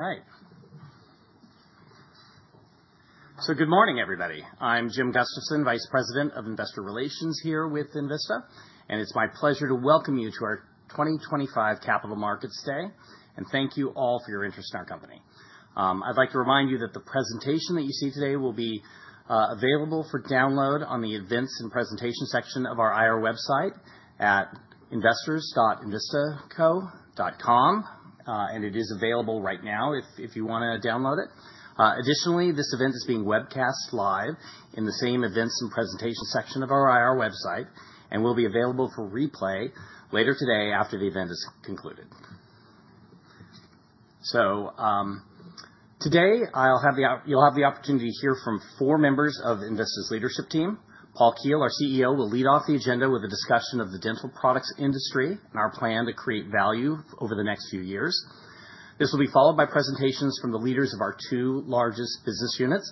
All right. Good morning, everybody. I'm Jim Gustafson, Vice President of Investor Relations here with Envista, and it's my pleasure to welcome you to our 2025 Capital Markets Day. Thank you all for your interest in our company. I'd like to remind you that the presentation that you see today will be available for download on the Events and Presentations section of our IR website at investors.envistaco.com, and it is available right now if you want to download it. Additionally, this event is being webcast live in the same Events and Presentations section of our IR website, and will be available for replay later today after the event is concluded. Today, you'll have the opportunity to hear from four members of Envista's leadership team. Paul Keel, our CEO, will lead off the agenda with a discussion of the dental products industry and our plan to create value over the next few years. This will be followed by presentations from the leaders of our two largest business units.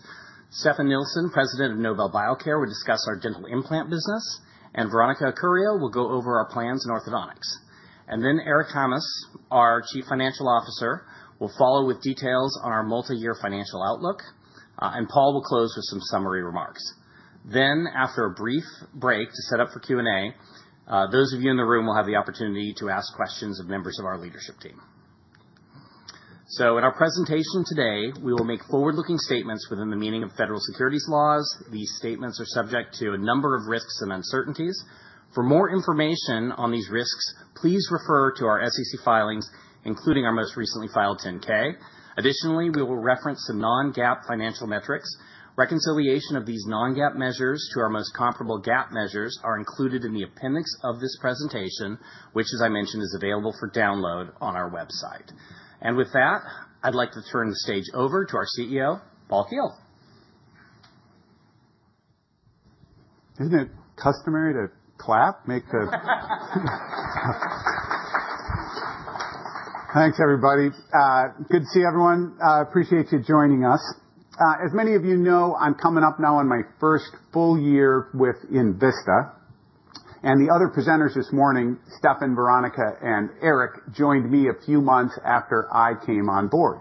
Stefan Nilsson, President of Nobel Biocare, will discuss our dental implant business, and Veronica Acurio will go over our plans in orthodontics. And then Eric Hammes, our Chief Financial Officer, will follow with details on our multi-year financial outlook, and Paul will close with some summary remarks. Then, after a brief break to set up for Q&A, those of you in the room will have the opportunity to ask questions of members of our leadership team. So in our presentation today, we will make forward-looking statements within the meaning of federal securities laws. These statements are subject to a number of risks and uncertainties. For more information on these risks, please refer to our SEC filings, including our most recently filed 10-K. Additionally, we will reference some non-GAAP financial metrics. Reconciliation of these non-GAAP measures to our most comparable GAAP measures are included in the appendix of this presentation, which, as I mentioned, is available for download on our website. And with that, I'd like to turn the stage over to our CEO, Paul Keel. Isn't it customary to clap? Thanks, everybody. Good to see everyone. Appreciate you joining us. As many of you know, I'm coming up now on my first full year with Envista, and the other presenters this morning, Stefan, Veronica, and Eric, joined me a few months after I came on board.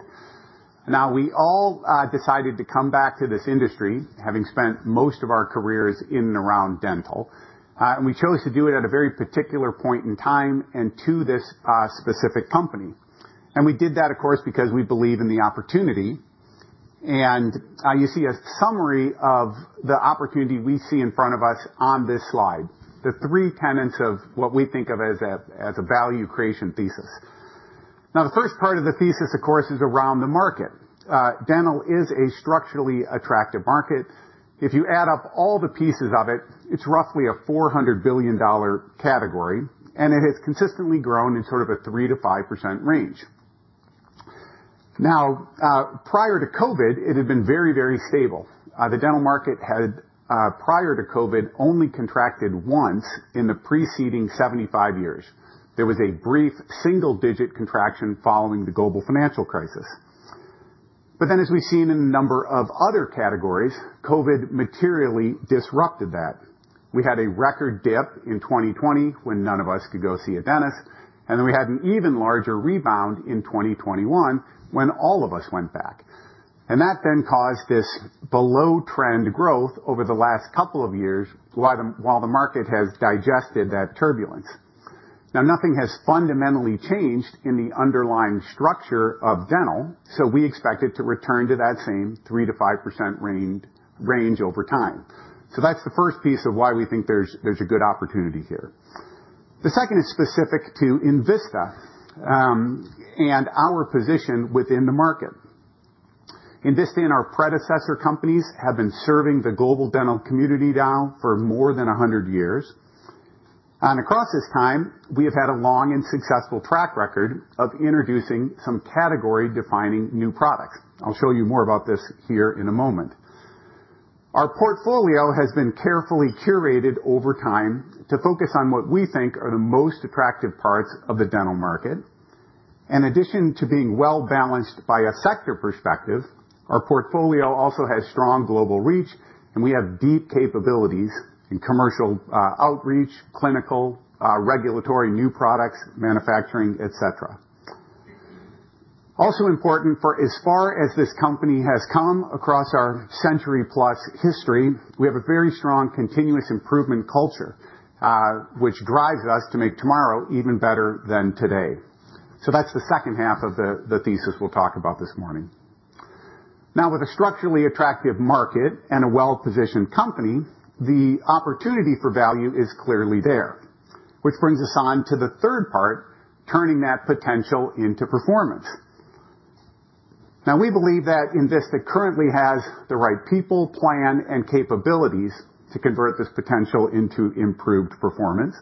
Now, we all decided to come back to this industry, having spent most of our careers in and around dental, and we chose to do it at a very particular point in time and to this specific company. And we did that, of course, because we believe in the opportunity. And you see a summary of the opportunity we see in front of us on this slide: the three tenets of what we think of as a value creation thesis. Now, the first part of the thesis, of course, is around the market. Dental is a structurally attractive market. If you add up all the pieces of it, it's roughly a $400 billion category, and it has consistently grown in sort of a 3%-5% range. Now, prior to COVID, it had been very, very stable. The dental market had, prior to COVID, only contracted once in the preceding 75 years. There was a brief single-digit contraction following the global financial crisis. But then, as we've seen in a number of other categories, COVID materially disrupted that. We had a record dip in 2020 when none of us could go see a dentist, and then we had an even larger rebound in 2021 when all of us went back, and that then caused this below-trend growth over the last couple of years while the market has digested that turbulence. Now, nothing has fundamentally changed in the underlying structure of dental, so we expect it to return to that same 3%-5% range over time, so that's the first piece of why we think there's a good opportunity here. The second is specific to Envista and our position within the market. Envista and our predecessor companies have been serving the global dental community now for more than 100 years, and across this time, we have had a long and successful track record of introducing some category-defining new products. I'll show you more about this here in a moment. Our portfolio has been carefully curated over time to focus on what we think are the most attractive parts of the dental market. In addition to being well-balanced by a sector perspective, our portfolio also has strong global reach, and we have deep capabilities in commercial outreach, clinical, regulatory new products, manufacturing, etc. Also important for as far as this company has come across our century-plus history, we have a very strong continuous improvement culture, which drives us to make tomorrow even better than today. So that's the second half of the thesis we'll talk about this morning. Now, with a structurally attractive market and a well-positioned company, the opportunity for value is clearly there, which brings us on to the third part: turning that potential into performance. Now, we believe that Envista currently has the right people, plan, and capabilities to convert this potential into improved performance,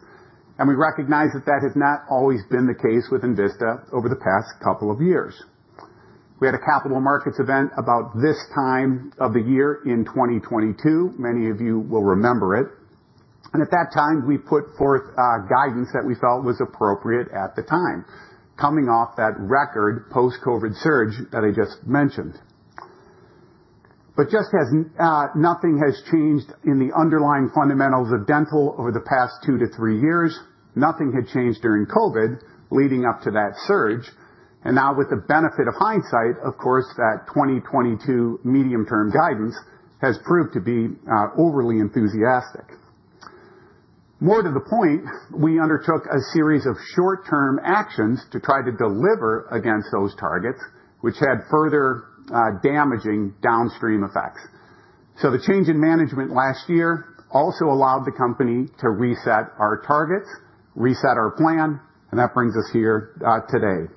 and we recognize that that has not always been the case with Envista over the past couple of years. We had a capital markets event about this time of the year in 2022. Many of you will remember it. And at that time, we put forth guidance that we felt was appropriate at the time, coming off that record post-COVID surge that I just mentioned. But just as nothing has changed in the underlying fundamentals of dental over the past two to three years, nothing had changed during COVID leading up to that surge. And now, with the benefit of hindsight, of course, that 2022 medium-term guidance has proved to be overly enthusiastic. More to the point, we undertook a series of short-term actions to try to deliver against those targets, which had further damaging downstream effects. So the change in management last year also allowed the company to reset our targets, reset our plan, and that brings us here today.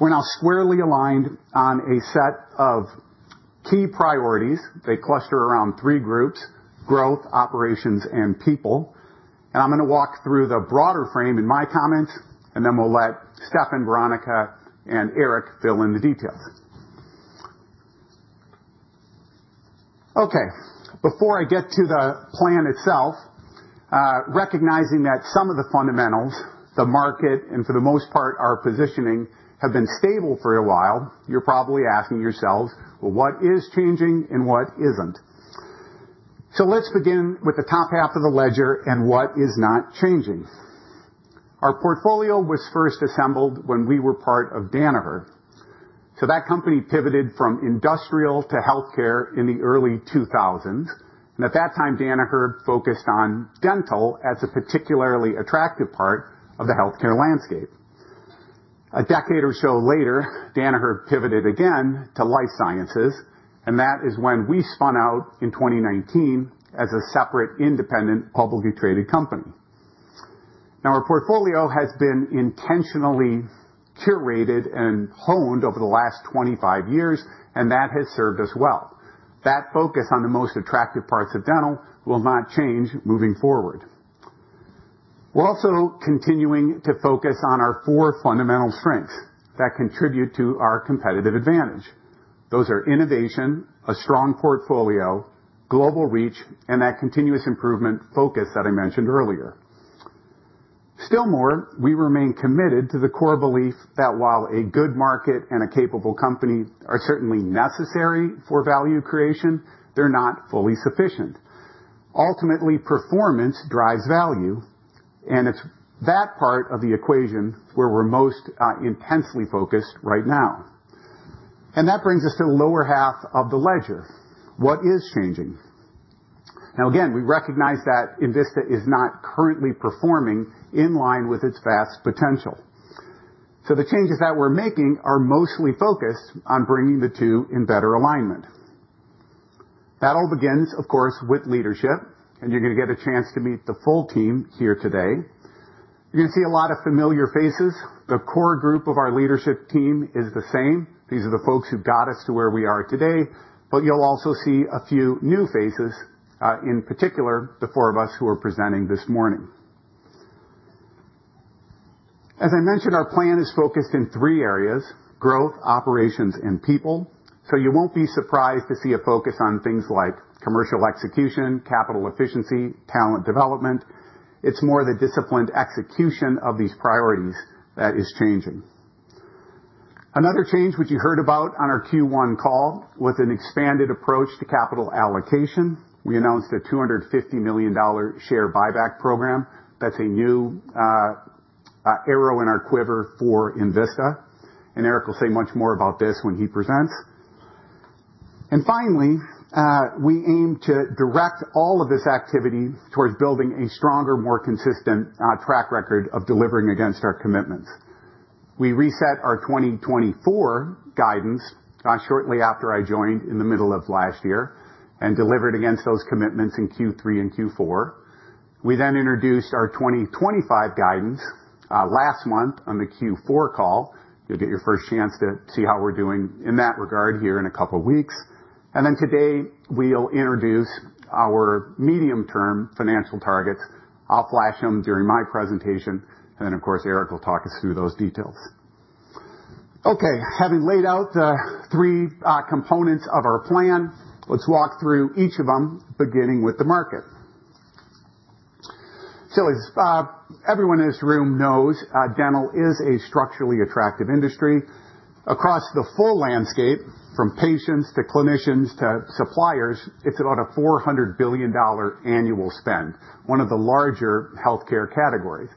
We're now squarely aligned on a set of key priorities. They cluster around three groups: growth, operations, and people. And I'm going to walk through the broader frame in my comments, and then we'll let Stefan, Veronica, and Eric fill in the details. Okay. Before I get to the plan itself, recognizing that some of the fundamentals, the market, and for the most part, our positioning have been stable for a while, you're probably asking yourselves, "Well, what is changing and what isn't?" So let's begin with the top half of the ledger and what is not changing. Our portfolio was first assembled when we were part of Danaher. So that company pivoted from industrial to healthcare in the early 2000s. And at that time, Danaher focused on dental as a particularly attractive part of the healthcare landscape. A decade or so later, Danaher pivoted again to life sciences, and that is when we spun out in 2019 as a separate independent publicly traded company. Now, our portfolio has been intentionally curated and honed over the last 25 years, and that has served us well. That focus on the most attractive parts of dental will not change moving forward. We're also continuing to focus on our four fundamental strengths that contribute to our competitive advantage. Those are innovation, a strong portfolio, global reach, and that continuous improvement focus that I mentioned earlier. Still more, we remain committed to the core belief that while a good market and a capable company are certainly necessary for value creation, they're not fully sufficient. Ultimately, performance drives value, and it's that part of the equation where we're most intensely focused right now. And that brings us to the lower half of the ledger. What is changing? Now, again, we recognize that Envista is not currently performing in line with its vast potential. So the changes that we're making are mostly focused on bringing the two in better alignment. That all begins, of course, with leadership, and you're going to get a chance to meet the full team here today. You're going to see a lot of familiar faces. The core group of our leadership team is the same. These are the folks who got us to where we are today, but you'll also see a few new faces, in particular, the four of us who are presenting this morning. As I mentioned, our plan is focused in three areas: growth, operations, and people. So you won't be surprised to see a focus on things like commercial execution, capital efficiency, and talent development. It's more the disciplined execution of these priorities that is changing. Another change which you heard about on our Q1 call was an expanded approach to capital allocation. We announced a $250 million share buyback program. That's a new arrow in our quiver for Envista, and Eric will say much more about this when he presents. And finally, we aim to direct all of this activity towards building a stronger, more consistent track record of delivering against our commitments. We reset our 2024 guidance shortly after I joined in the middle of last year and delivered against those commitments in Q3 and Q4. We then introduced our 2025 guidance last month on the Q4 call. You'll get your first chance to see how we're doing in that regard here in a couple of weeks. And then today, we'll introduce our medium-term financial targets. I'll flash them during my presentation, and then, of course, Eric will talk us through those details. Okay. Having laid out the three components of our plan, let's walk through each of them, beginning with the market. So as everyone in this room knows, dental is a structurally attractive industry. Across the full landscape, from patients to clinicians to suppliers, it's about a $400 billion annual spend, one of the larger healthcare categories,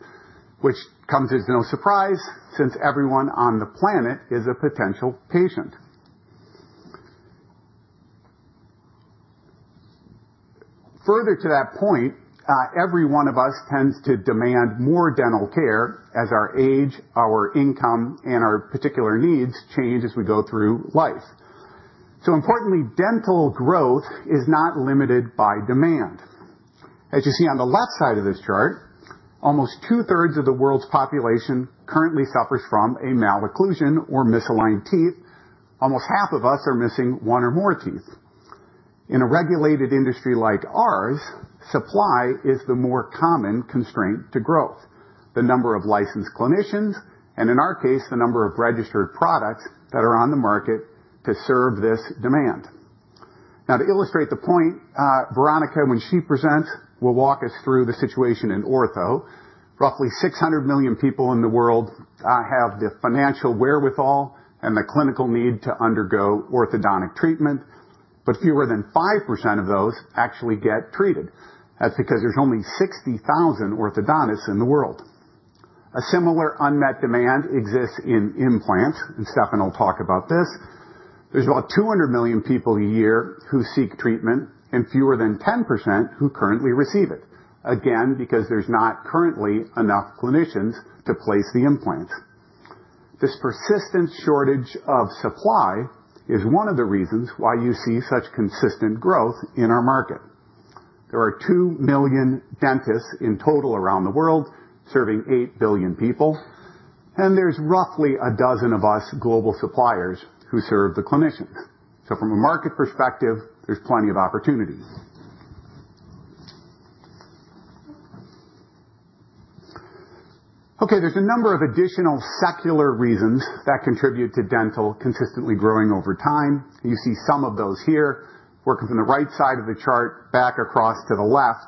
which comes as no surprise since everyone on the planet is a potential patient. Further to that point, every one of us tends to demand more dental care as our age, our income, and our particular needs change as we go through life. So importantly, dental growth is not limited by demand. As you see on the left side of this chart, almost two-thirds of the world's population currently suffers from a malocclusion or misaligned teeth. Almost half of us are missing one or more teeth. In a regulated industry like ours, supply is the more common constraint to growth: the number of licensed clinicians and, in our case, the number of registered products that are on the market to serve this demand. Now, to illustrate the point, Veronica, when she presents, will walk us through the situation in ortho. Roughly 600 million people in the world have the financial wherewithal and the clinical need to undergo orthodontic treatment, but fewer than 5% of those actually get treated. That's because there's only 60,000 orthodontists in the world. A similar unmet demand exists in implants, and Stefan will talk about this. There's about 200 million people a year who seek treatment and fewer than 10% who currently receive it, again, because there's not currently enough clinicians to place the implants. This persistent shortage of supply is one of the reasons why you see such consistent growth in our market. There are 2 million dentists in total around the world serving 8 billion people, and there's roughly a dozen of us global suppliers who serve the clinicians. So from a market perspective, there's plenty of opportunity. Okay. There's a number of additional secular reasons that contribute to dental consistently growing over time. You see some of those here, working from the right side of the chart back across to the left.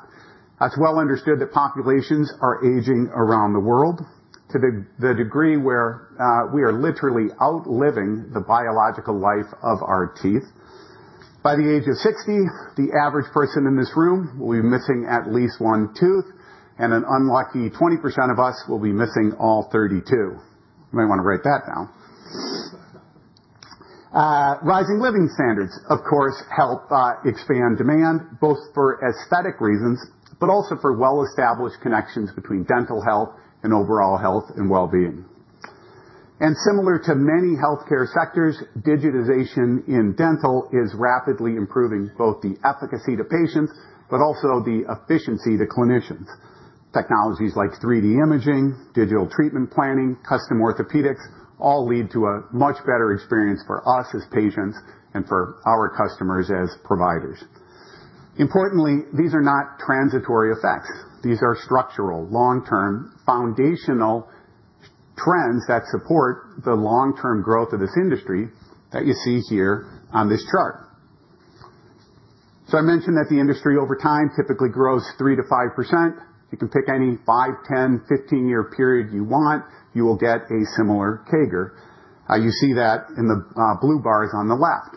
It's well understood that populations are aging around the world to the degree where we are literally outliving the biological life of our teeth. By the age of 60, the average person in this room will be missing at least one tooth, and an unlucky 20% of us will be missing all 32. You might want to write that down. Rising living standards, of course, help expand demand both for aesthetic reasons but also for well-established connections between dental health and overall health and well-being. And similar to many healthcare sectors, digitization in dental is rapidly improving both the efficacy to patients but also the efficiency to clinicians. Technologies like 3D imaging, digital treatment planning, custom orthodontics all lead to a much better experience for us as patients and for our customers as providers. Importantly, these are not transitory effects. These are structural, long-term, foundational trends that support the long-term growth of this industry that you see here on this chart. So I mentioned that the industry over time typically grows 3%-5%. You can pick any five, 10, 15-year period you want. You will get a similar CAGR. You see that in the blue bars on the left.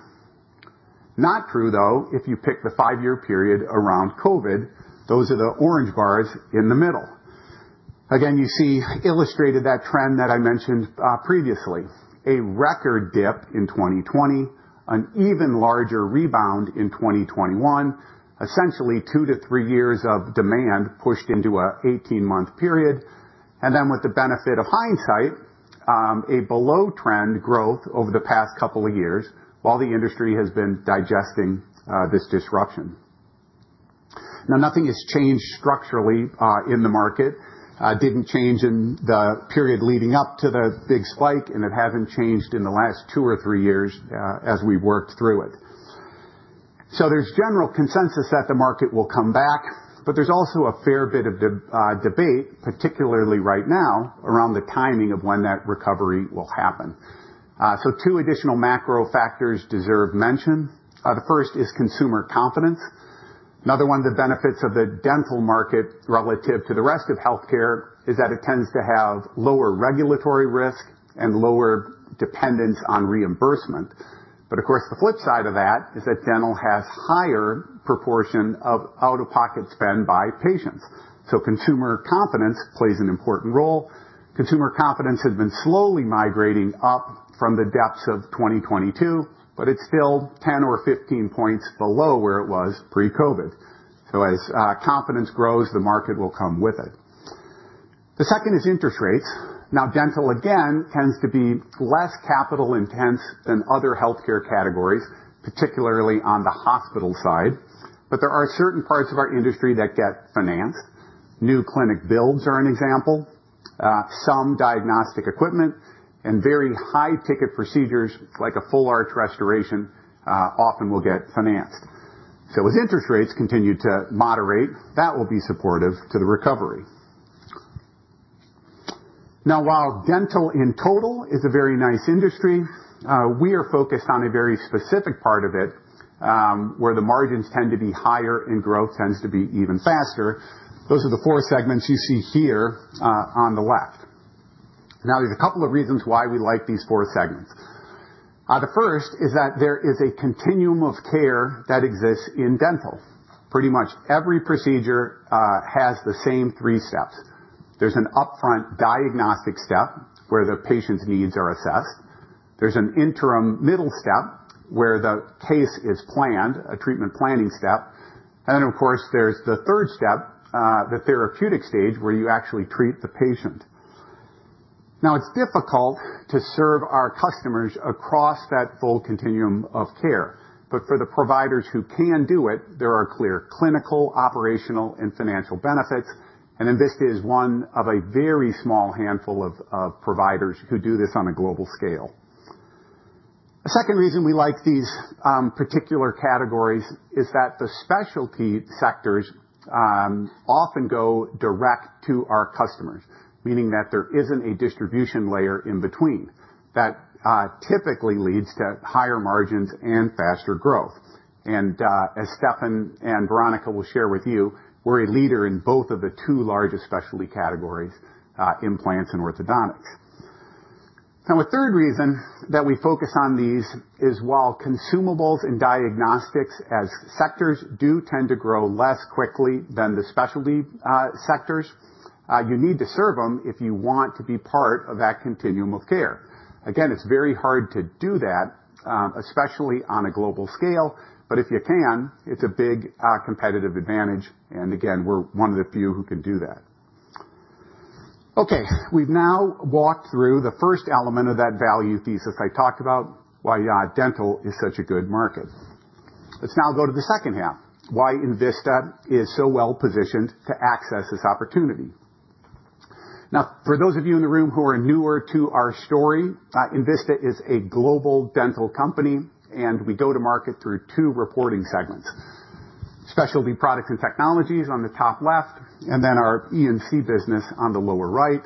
Not true, though, if you pick the five-year period around COVID. Those are the orange bars in the middle. Again, you see illustrated that trend that I mentioned previously: a record dip in 2020, an even larger rebound in 2021, essentially two to three years of demand pushed into an 18-month period, and then with the benefit of hindsight, a below-trend growth over the past couple of years while the industry has been digesting this disruption. Now, nothing has changed structurally in the market. It didn't change in the period leading up to the big spike, and it hasn't changed in the last two or three years as we worked through it. So there's general consensus that the market will come back, but there's also a fair bit of debate, particularly right now, around the timing of when that recovery will happen. So two additional macro factors deserve mention. The first is consumer confidence. Another one of the benefits of the dental market relative to the rest of healthcare is that it tends to have lower regulatory risk and lower dependence on reimbursement. But of course, the flip side of that is that dental has a higher proportion of out-of-pocket spend by patients. So consumer confidence plays an important role. Consumer confidence has been slowly migrating up from the depths of 2022, but it's still 10 or 15 points below where it was pre-COVID. So as confidence grows, the market will come with it. The second is interest rates. Now, dental again tends to be less capital-intense than other healthcare categories, particularly on the hospital side. But there are certain parts of our industry that get financed. New clinic builds are an example. Some diagnostic equipment and very high-ticket procedures like a full-arch restoration often will get financed. So as interest rates continue to moderate, that will be supportive to the recovery. Now, while dental in total is a very nice industry, we are focused on a very specific part of it where the margins tend to be higher and growth tends to be even faster. Those are the four segments you see here on the left. Now, there's a couple of reasons why we like these four segments. The first is that there is a continuum of care that exists in dental. Pretty much every procedure has the same three steps. There's an upfront diagnostic step where the patient's needs are assessed. There's an interim middle step where the case is planned, a treatment planning step. And then, of course, there's the third step, the therapeutic stage where you actually treat the patient. Now, it's difficult to serve our customers across that full continuum of care. But for the providers who can do it, there are clear clinical, operational, and financial benefits. And Envista is one of a very small handful of providers who do this on a global scale. A second reason we like these particular categories is that the specialty sectors often go direct to our customers, meaning that there isn't a distribution layer in between that typically leads to higher margins and faster growth. And as Stefan and Veronica will share with you, we're a leader in both of the two largest specialty categories, implants and orthodontics. Now, a third reason that we focus on these is while consumables and diagnostics as sectors do tend to grow less quickly than the specialty sectors, you need to serve them if you want to be part of that continuum of care. Again, it's very hard to do that, especially on a global scale, but if you can, it's a big competitive advantage. And again, we're one of the few who can do that. Okay. We've now walked through the first element of that value thesis I talked about, why dental is such a good market. Let's now go to the second half, why Envista is so well positioned to access this opportunity. Now, for those of you in the room who are newer to our story, Envista is a global dental company, and we go to market through two reporting segments: specialty products and technologies on the top left, and then our E&C business on the lower right.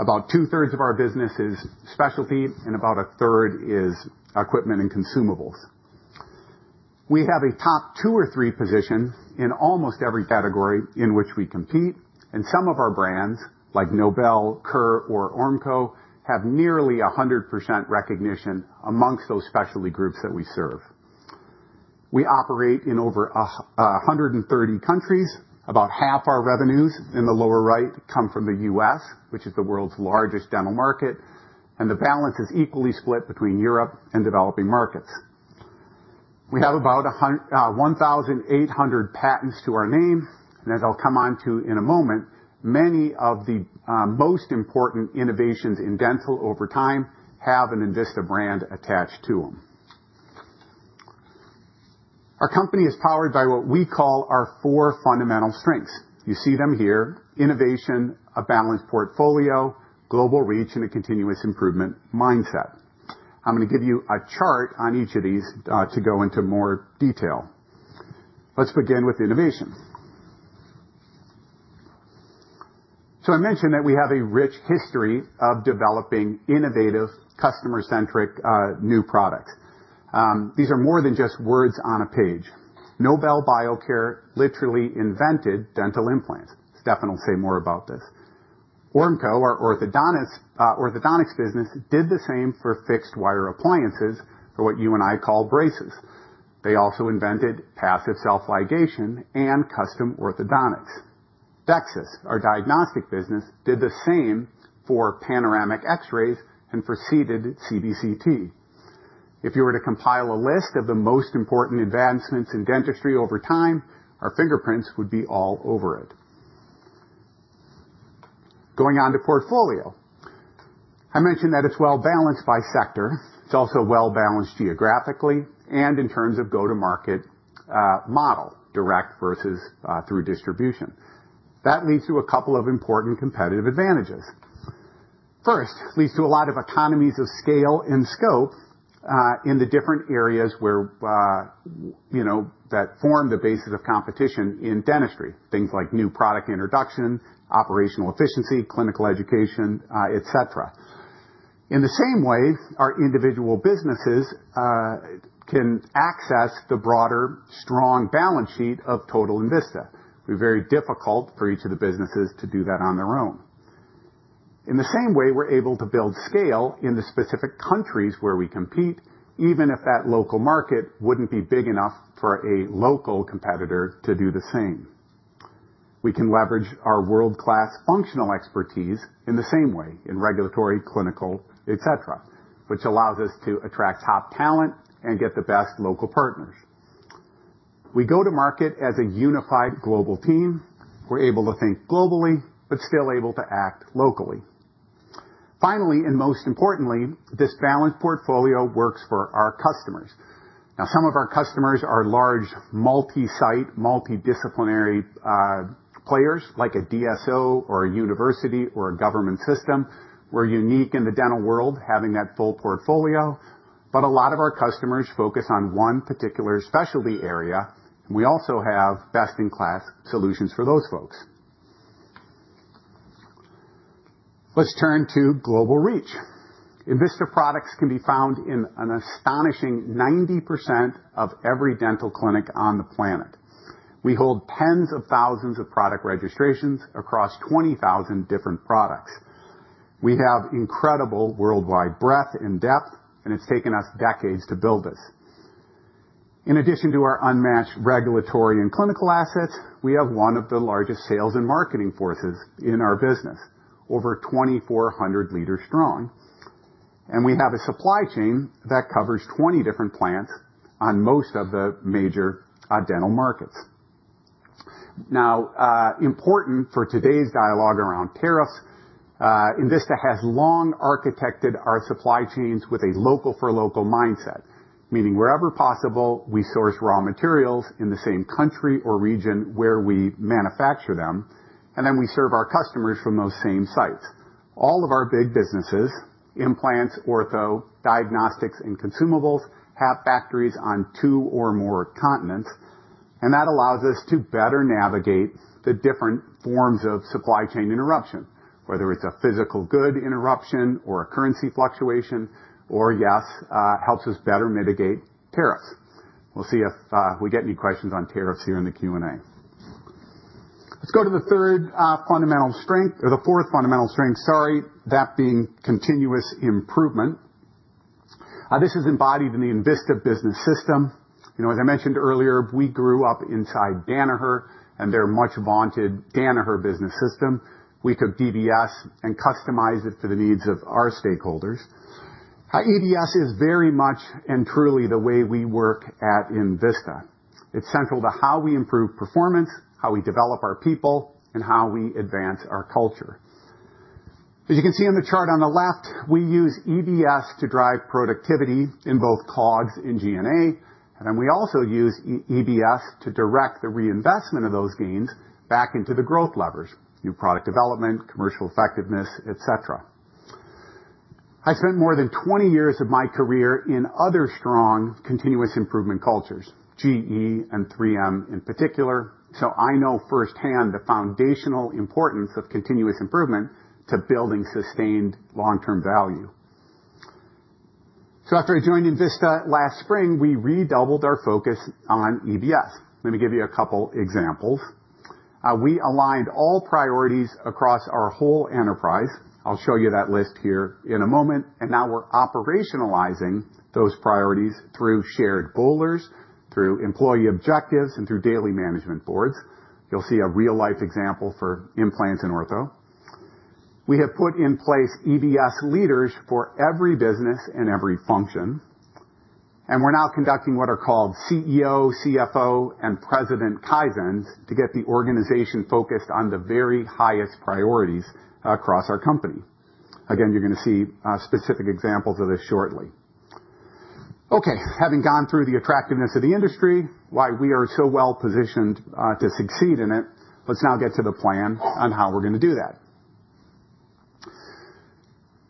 About two-thirds of our business is specialty, and about a third is equipment and consumables. We have a top two or three position in almost every category in which we compete, and some of our brands, like Nobel, Kerr, or Ormco, have nearly 100% recognition amongst those specialty groups that we serve. We operate in over 130 countries. About half our revenues in the lower right come from the U.S., which is the world's largest dental market, and the balance is equally split between Europe and developing markets. We have about 1,800 patents to our name, and as I'll come on to in a moment, many of the most important innovations in dental over time have an Envista brand attached to them. Our company is powered by what we call our four fundamental strengths. You see them here: innovation, a balanced portfolio, global reach, and a continuous improvement mindset. I'm going to give you a chart on each of these to go into more detail. Let's begin with innovation. So I mentioned that we have a rich history of developing innovative, customer-centric new products. These are more than just words on a page. Nobel Biocare literally invented dental implants. Stefan will say more about this. Ormco, our orthodontics business, did the same for fixed-wire appliances, for what you and I call braces. They also invented passive self-ligation and custom orthodontics. DEXIS, our diagnostic business, did the same for panoramic X-rays and for seated CBCT. If you were to compile a list of the most important advancements in dentistry over time, our fingerprints would be all over it. Going on to portfolio, I mentioned that it's well balanced by sector. It's also well balanced geographically and in terms of go-to-market model, direct versus through distribution. That leads to a couple of important competitive advantages. First, it leads to a lot of economies of scale and scope in the different areas that form the basis of competition in dentistry, things like new product introduction, operational efficiency, clinical education, etc. In the same way, our individual businesses can access the broader, strong balance sheet of total Envista. It would be very difficult for each of the businesses to do that on their own. In the same way, we're able to build scale in the specific countries where we compete, even if that local market wouldn't be big enough for a local competitor to do the same. We can leverage our world-class functional expertise in the same way in regulatory, clinical, etc., which allows us to attract top talent and get the best local partners. We go to market as a unified global team. We're able to think globally but still able to act locally. Finally, and most importantly, this balanced portfolio works for our customers. Now, some of our customers are large multi-site, multidisciplinary players like a DSO or a university or a government system. We're unique in the dental world, having that full portfolio, but a lot of our customers focus on one particular specialty area, and we also have best-in-class solutions for those folks. Let's turn to global reach. Envista products can be found in an astonishing 90% of every dental clinic on the planet. We hold tens of thousands of product registrations across 20,000 different products. We have incredible worldwide breadth and depth, and it's taken us decades to build this. In addition to our unmatched regulatory and clinical assets, we have one of the largest sales and marketing forces in our business, over 2,400 leaders strong, and we have a supply chain that covers 20 different plants on most of the major dental markets. Now, important for today's dialogue around tariffs, Envista has long architected our supply chains with a local-for-local mindset, meaning wherever possible, we source raw materials in the same country or region where we manufacture them, and then we serve our customers from those same sites. All of our big businesses, implants, ortho, diagnostics, and consumables, have factories on two or more continents, and that allows us to better navigate the different forms of supply chain interruption, whether it's a physical good interruption or a currency fluctuation, or yes, helps us better mitigate tariffs. We'll see if we get any questions on tariffs here in the Q&A. Let's go to the third fundamental strength or the fourth fundamental strength, sorry, that being continuous improvement. This is embodied in the Envista Business System. As I mentioned earlier, we grew up inside Danaher, and they're a much-vaunted Danaher Business System. We took DBS and customized it for the needs of our stakeholders. EBS is very much and truly the way we work at Envista. It's central to how we improve performance, how we develop our people, and how we advance our culture. As you can see on the chart on the left, we use EBS to drive productivity in both COGS and G&A, and then we also use EBS to direct the reinvestment of those gains back into the growth levers: new product development, commercial effectiveness, etc. I spent more than 20 years of my career in other strong continuous improvement cultures, GE and 3M in particular, so I know firsthand the foundational importance of continuous improvement to building sustained long-term value. So after I joined Envista last spring, we redoubled our focus on EBS. Let me give you a couple of examples. We aligned all priorities across our whole enterprise. I'll show you that list here in a moment. And now we're operationalizing those priorities through shared boulders, through employee objectives, and through daily management boards. You'll see a real-life example for implants and ortho. We have put in place EBS leaders for every business and every function, and we're now conducting what are called CEO, CFO, and president Kaizens to get the organization focused on the very highest priorities across our company. Again, you're going to see specific examples of this shortly. Okay. Having gone through the attractiveness of the industry, why we are so well positioned to succeed in it, let's now get to the plan on how we're going to do that.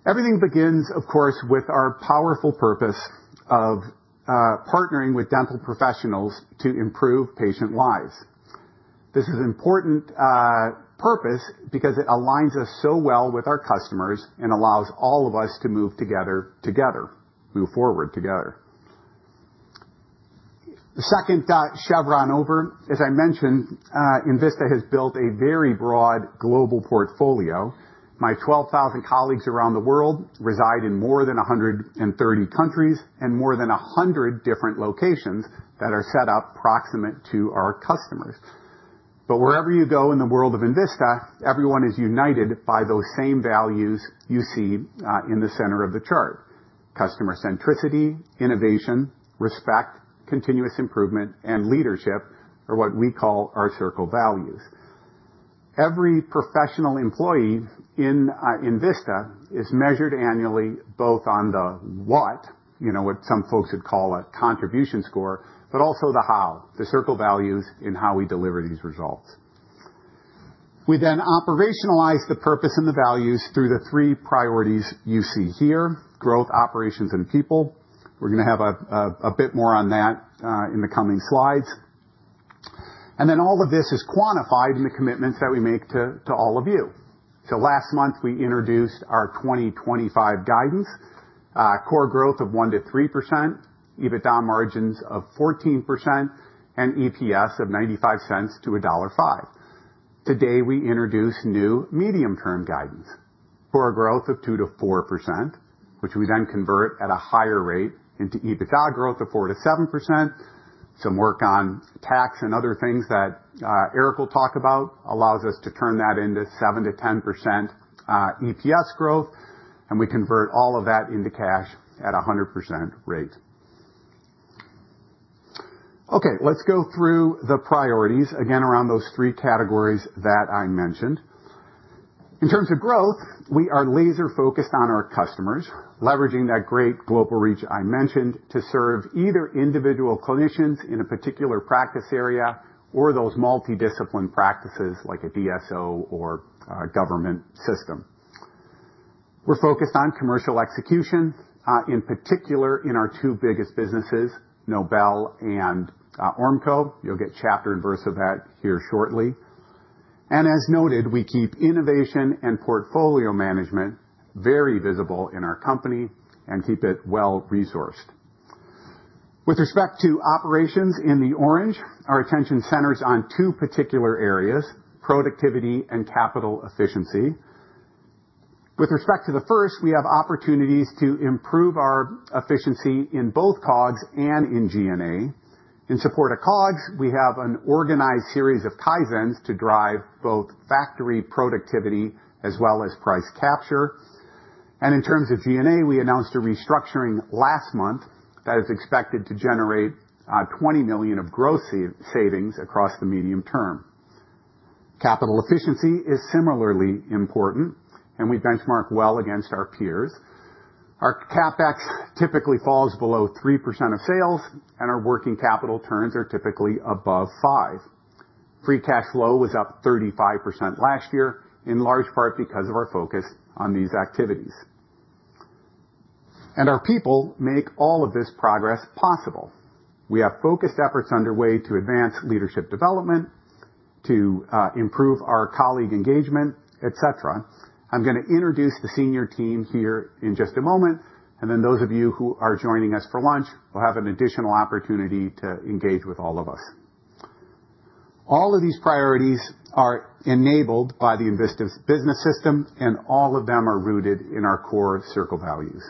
Everything begins, of course, with our powerful purpose of partnering with dental professionals to improve patient lives. This is an important purpose because it aligns us so well with our customers and allows all of us to move together, move forward together. The second chevron over, as I mentioned, Envista has built a very broad global portfolio. My 12,000 colleagues around the world reside in more than 130 countries and more than 100 different locations that are set up proximate to our customers. But wherever you go in the world of Envista, everyone is united by those same values you see in the center of the chart: customer centricity, innovation, respect, continuous improvement, and leadership are what we call our CIRCLe values. Every professional employee in Envista is measured annually both on the what, what some folks would call a contribution score, but also the how, the CIRCLe values in how we deliver these results. We then operationalize the purpose and the values through the three priorities you see here: growth, operations, and people. We're going to have a bit more on that in the coming slides. And then all of this is quantified in the commitments that we make to all of you. So last month, we introduced our 2025 guidance: core growth of 1-3%, EBITDA margins of 14%, and EPS of $0.95-$1.05. Today, we introduce new medium-term guidance: core growth of 2-4%, which we then convert at a higher rate into EBITDA growth of 4-7%. Some work on tax and other things that Eric will talk about allows us to turn that into 7-10% EPS growth, and we convert all of that into cash at a 100% rate. Okay. Let's go through the priorities again around those three categories that I mentioned. In terms of growth, we are laser-focused on our customers, leveraging that great global reach I mentioned to serve either individual clinicians in a particular practice area or those multidisciplinary practices like a DSO or government system. We're focused on commercial execution, in particular in our two biggest businesses, Nobel and Ormco. You'll get chapter and verse of that here shortly. As noted, we keep innovation and portfolio management very visible in our company and keep it well-resourced. With respect to operations in the orange, our attention centers on two particular areas: productivity and capital efficiency. With respect to the first, we have opportunities to improve our efficiency in both COGS and in G&A. In support of COGS, we have an organized series of Kaizens to drive both factory productivity as well as price capture. In terms of G&A, we announced a restructuring last month that is expected to generate $20 million of gross savings across the medium term. Capital efficiency is similarly important, and we benchmark well against our peers. Our CapEx typically falls below 3% of sales, and our working capital turns are typically above 5. Free cash flow was up 35% last year, in large part because of our focus on these activities. And our people make all of this progress possible. We have focused efforts underway to advance leadership development, to improve our colleague engagement, etc. I'm going to introduce the senior team here in just a moment, and then those of you who are joining us for lunch will have an additional opportunity to engage with all of us. All of these priorities are enabled by Envista's business system, and all of them are rooted in our core CIRCLe values.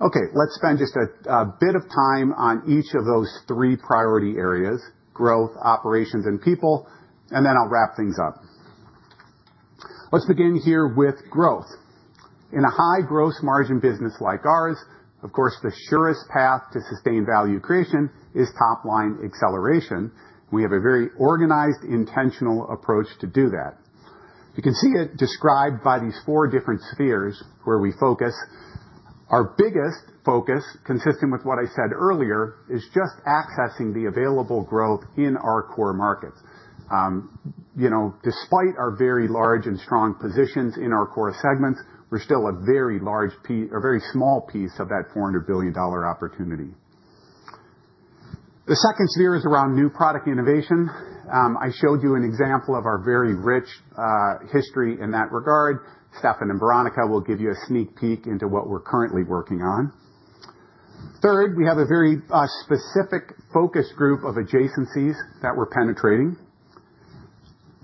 Okay. Let's spend just a bit of time on each of those three priority areas: growth, operations, and people, and then I'll wrap things up. Let's begin here with growth. In a high gross margin business like ours, of course, the surest path to sustained value creation is top-line acceleration. We have a very organized, intentional approach to do that. You can see it described by these four different spheres where we focus. Our biggest focus, consistent with what I said earlier, is just accessing the available growth in our core markets. Despite our very large and strong positions in our core segments, we're still a very small piece of that $400 billion opportunity. The second sphere is around new product innovation. I showed you an example of our very rich history in that regard. Stefan and Veronica will give you a sneak peek into what we're currently working on. Third, we have a very specific focus group of adjacencies that we're penetrating.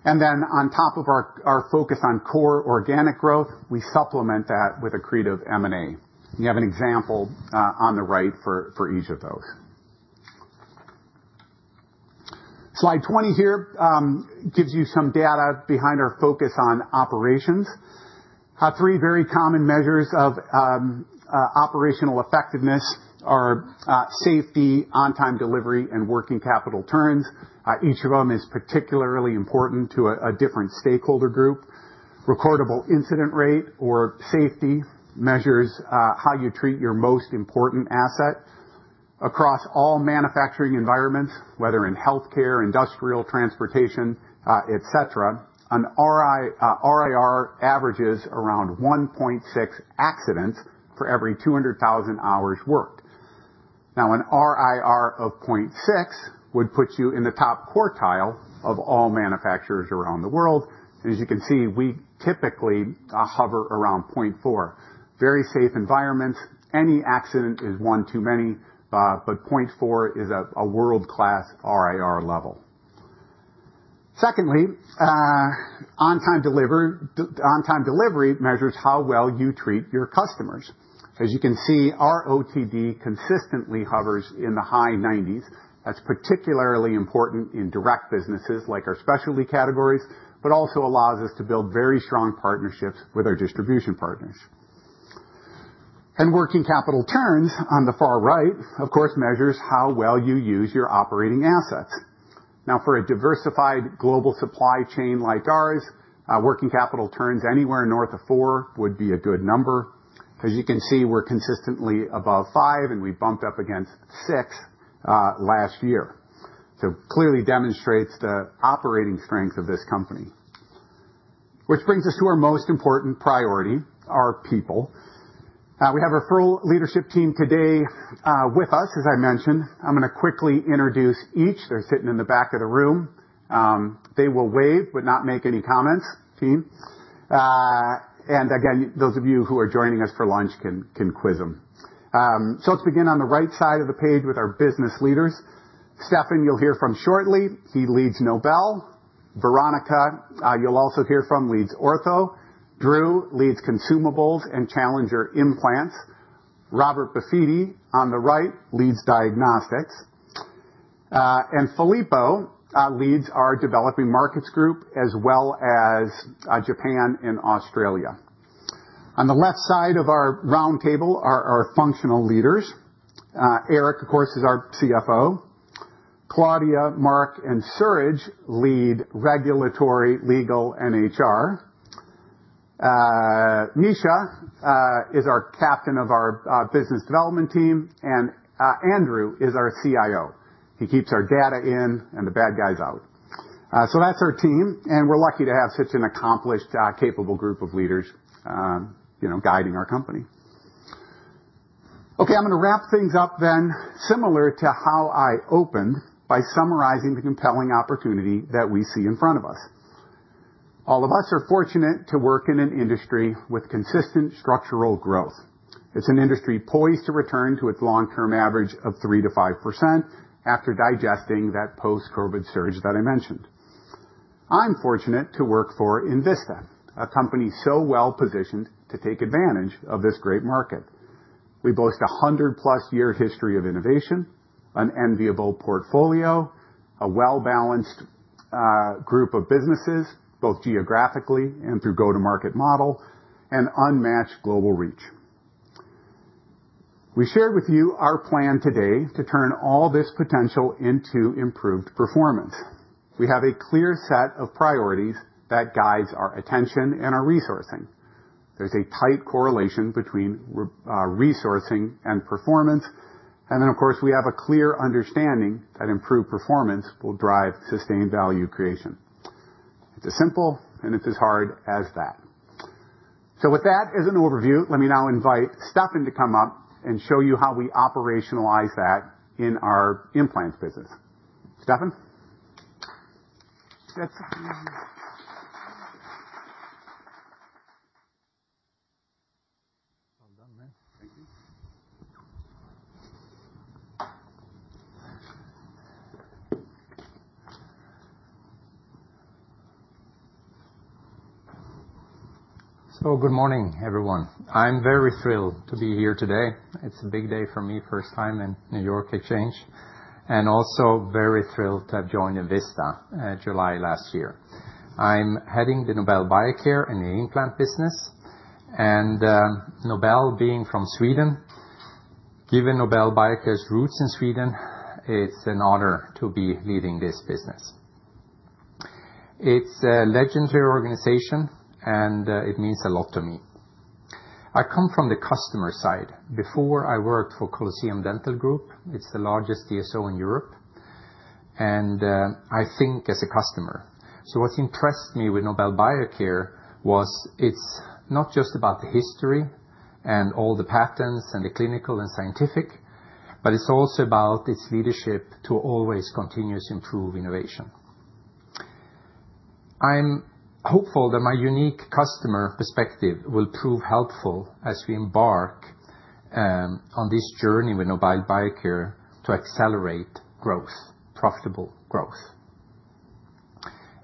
And then on top of our focus on core organic growth, we supplement that with a creative M&A. You have an example on the right for each of those. Slide 20 here gives you some data behind our focus on operations. Three very common measures of operational effectiveness are safety, on-time delivery, and working capital turns. Each of them is particularly important to a different stakeholder group. Recordable incident rate or safety measures how you treat your most important asset. Across all manufacturing environments, whether in healthcare, industrial, transportation, etc., an RIR averages around 1.6 accidents for every 200,000 hours worked. Now, an RIR of 0.6 would put you in the top quartile of all manufacturers around the world. As you can see, we typically hover around 0.4. Very safe environments. Any accident is one too many, but 0.4 is a world-class RIR level. Secondly, on-time delivery measures how well you treat your customers. As you can see, our OTD consistently hovers in the high 90s. That's particularly important in direct businesses like our specialty categories, but also allows us to build very strong partnerships with our distribution partners. And working capital turns on the far right, of course, measures how well you use your operating assets. Now, for a diversified global supply chain like ours, working capital turns anywhere north of four would be a good number. As you can see, we're consistently above five, and we bumped up against six last year. So it clearly demonstrates the operating strength of this company. Which brings us to our most important priority: our people. We have a full leadership team today with us, as I mentioned. I'm going to quickly introduce each. They're sitting in the back of the room. They will wave but not make any comments. Team. And again, those of you who are joining us for lunch can quiz them. So let's begin on the right side of the page with our business leaders. Stefan, you'll hear from shortly. He leads Nobel. Veronica, you'll also hear from, leads ortho. Drew leads consumables and Challenger implants. Robert Befidi, on the right, leads diagnostics, and Filippo leads our Developing Markets group as well as Japan and Australia. On the left side of our round table are our functional leaders. Eric, of course, is our CFO. Claudia, Mark, and Suraj lead regulatory, legal, and HR. Mischa is our captain of our business development team, and Andrew is our CIO. He keeps our data in and the bad guys out, so that's our team, and we're lucky to have such an accomplished, capable group of leaders guiding our company. Okay. I'm going to wrap things up then, similar to how I opened, by summarizing the compelling opportunity that we see in front of us. All of us are fortunate to work in an industry with consistent structural growth. It's an industry poised to return to its long-term average of 3%-5% after digesting that post-COVID surge that I mentioned. I'm fortunate to work for Envista, a company so well positioned to take advantage of this great market. We boast a 100-plus year history of innovation, an enviable portfolio, a well-balanced group of businesses, both geographically and through go-to-market model, and unmatched global reach. We shared with you our plan today to turn all this potential into improved performance. We have a clear set of priorities that guides our attention and our resourcing. There's a tight correlation between resourcing and performance. And then, of course, we have a clear understanding that improved performance will drive sustained value creation. It's as simple and it's as hard as that. So with that as an overview, let me now invite Stefan to come up and show you how we operationalize that in our implants business. Stefan? Well done, man. Thank you. So good morning, everyone. I'm very thrilled to be here today. It's a big day for me, first time in New York exchange, and also very thrilled to have joined Envista in July last year. I'm heading the Nobel Biocare and the implant business. And Nobel, being from Sweden, given Nobel Biocare's roots in Sweden, it's an honor to be leading this business. It's a legendary organization, and it means a lot to me. I come from the customer side. Before, I worked for Colosseum Dental Group. It's the largest DSO in Europe. And I think as a customer. So what interests me with Nobel Biocare was it's not just about the history and all the patents and the clinical and scientific, but it's also about its leadership to always continuously improve innovation. I'm hopeful that my unique customer perspective will prove helpful as we embark on this journey with Nobel Biocare to accelerate growth, profitable growth.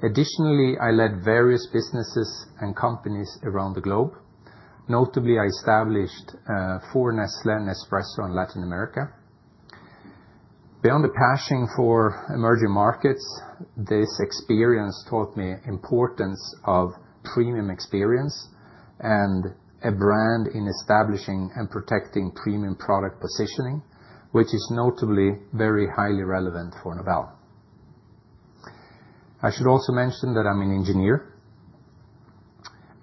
Additionally, I led various businesses and companies around the globe. Notably, I established Nespresso in Latin America. Beyond the passion for emerging markets, this experience taught me the importance of premium experience and a brand in establishing and protecting premium product positioning, which is notably very highly relevant for Nobel Biocare. I should also mention that I'm an engineer.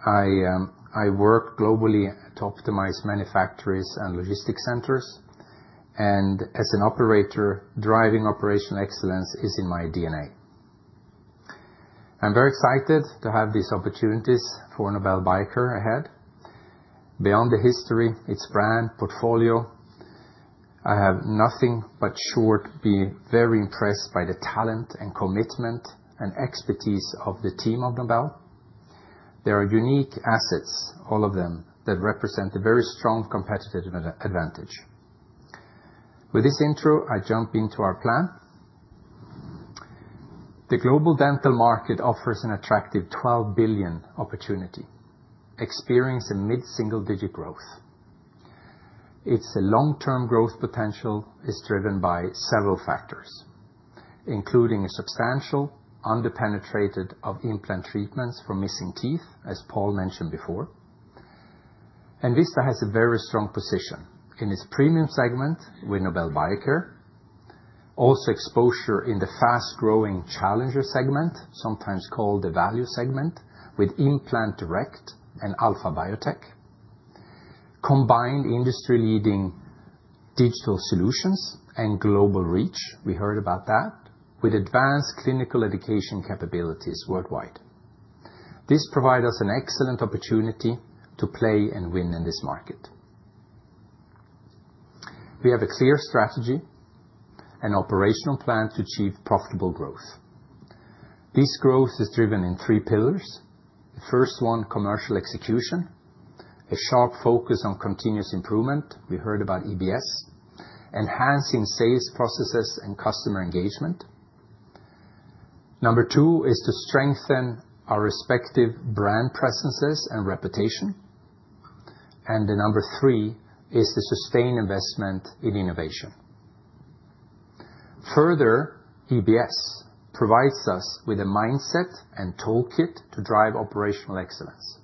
I work globally to optimize manufactories and logistics centers. And as an operator, driving operational excellence is in my DNA. I'm very excited to have these opportunities for Nobel Biocare ahead. Beyond the history, its brand, portfolio, I have nothing short of being very impressed by the talent and commitment and expertise of the team of Nobel Biocare. There are unique assets, all of them, that represent a very strong competitive advantage. With this intro, I jump into our plan. The global dental market offers an attractive $12 billion opportunity, experiencing mid-single-digit growth. Its long-term growth potential is driven by several factors, including a substantial underpenetration of implant treatments for missing teeth, as Paul mentioned before. Envista has a very strong position in its premium segment with Nobel Biocare, also exposure in the fast-growing Challenger segment, sometimes called the value segment, with Implant Direct and Alpha-Bio Tec, combined industry-leading digital solutions and global reach. We heard about that, with advanced clinical education capabilities worldwide. This provides us an excellent opportunity to play and win in this market. We have a clear strategy and operational plan to achieve profitable growth. This growth is driven in three pillars. The first one, commercial execution, a sharp focus on continuous improvement. We heard about EBS, enhancing sales processes and customer engagement. Number two is to strengthen our respective brand presences and reputation, and number three is to sustain investment in innovation. Further, EBS provides us with a mindset and toolkit to drive operational excellence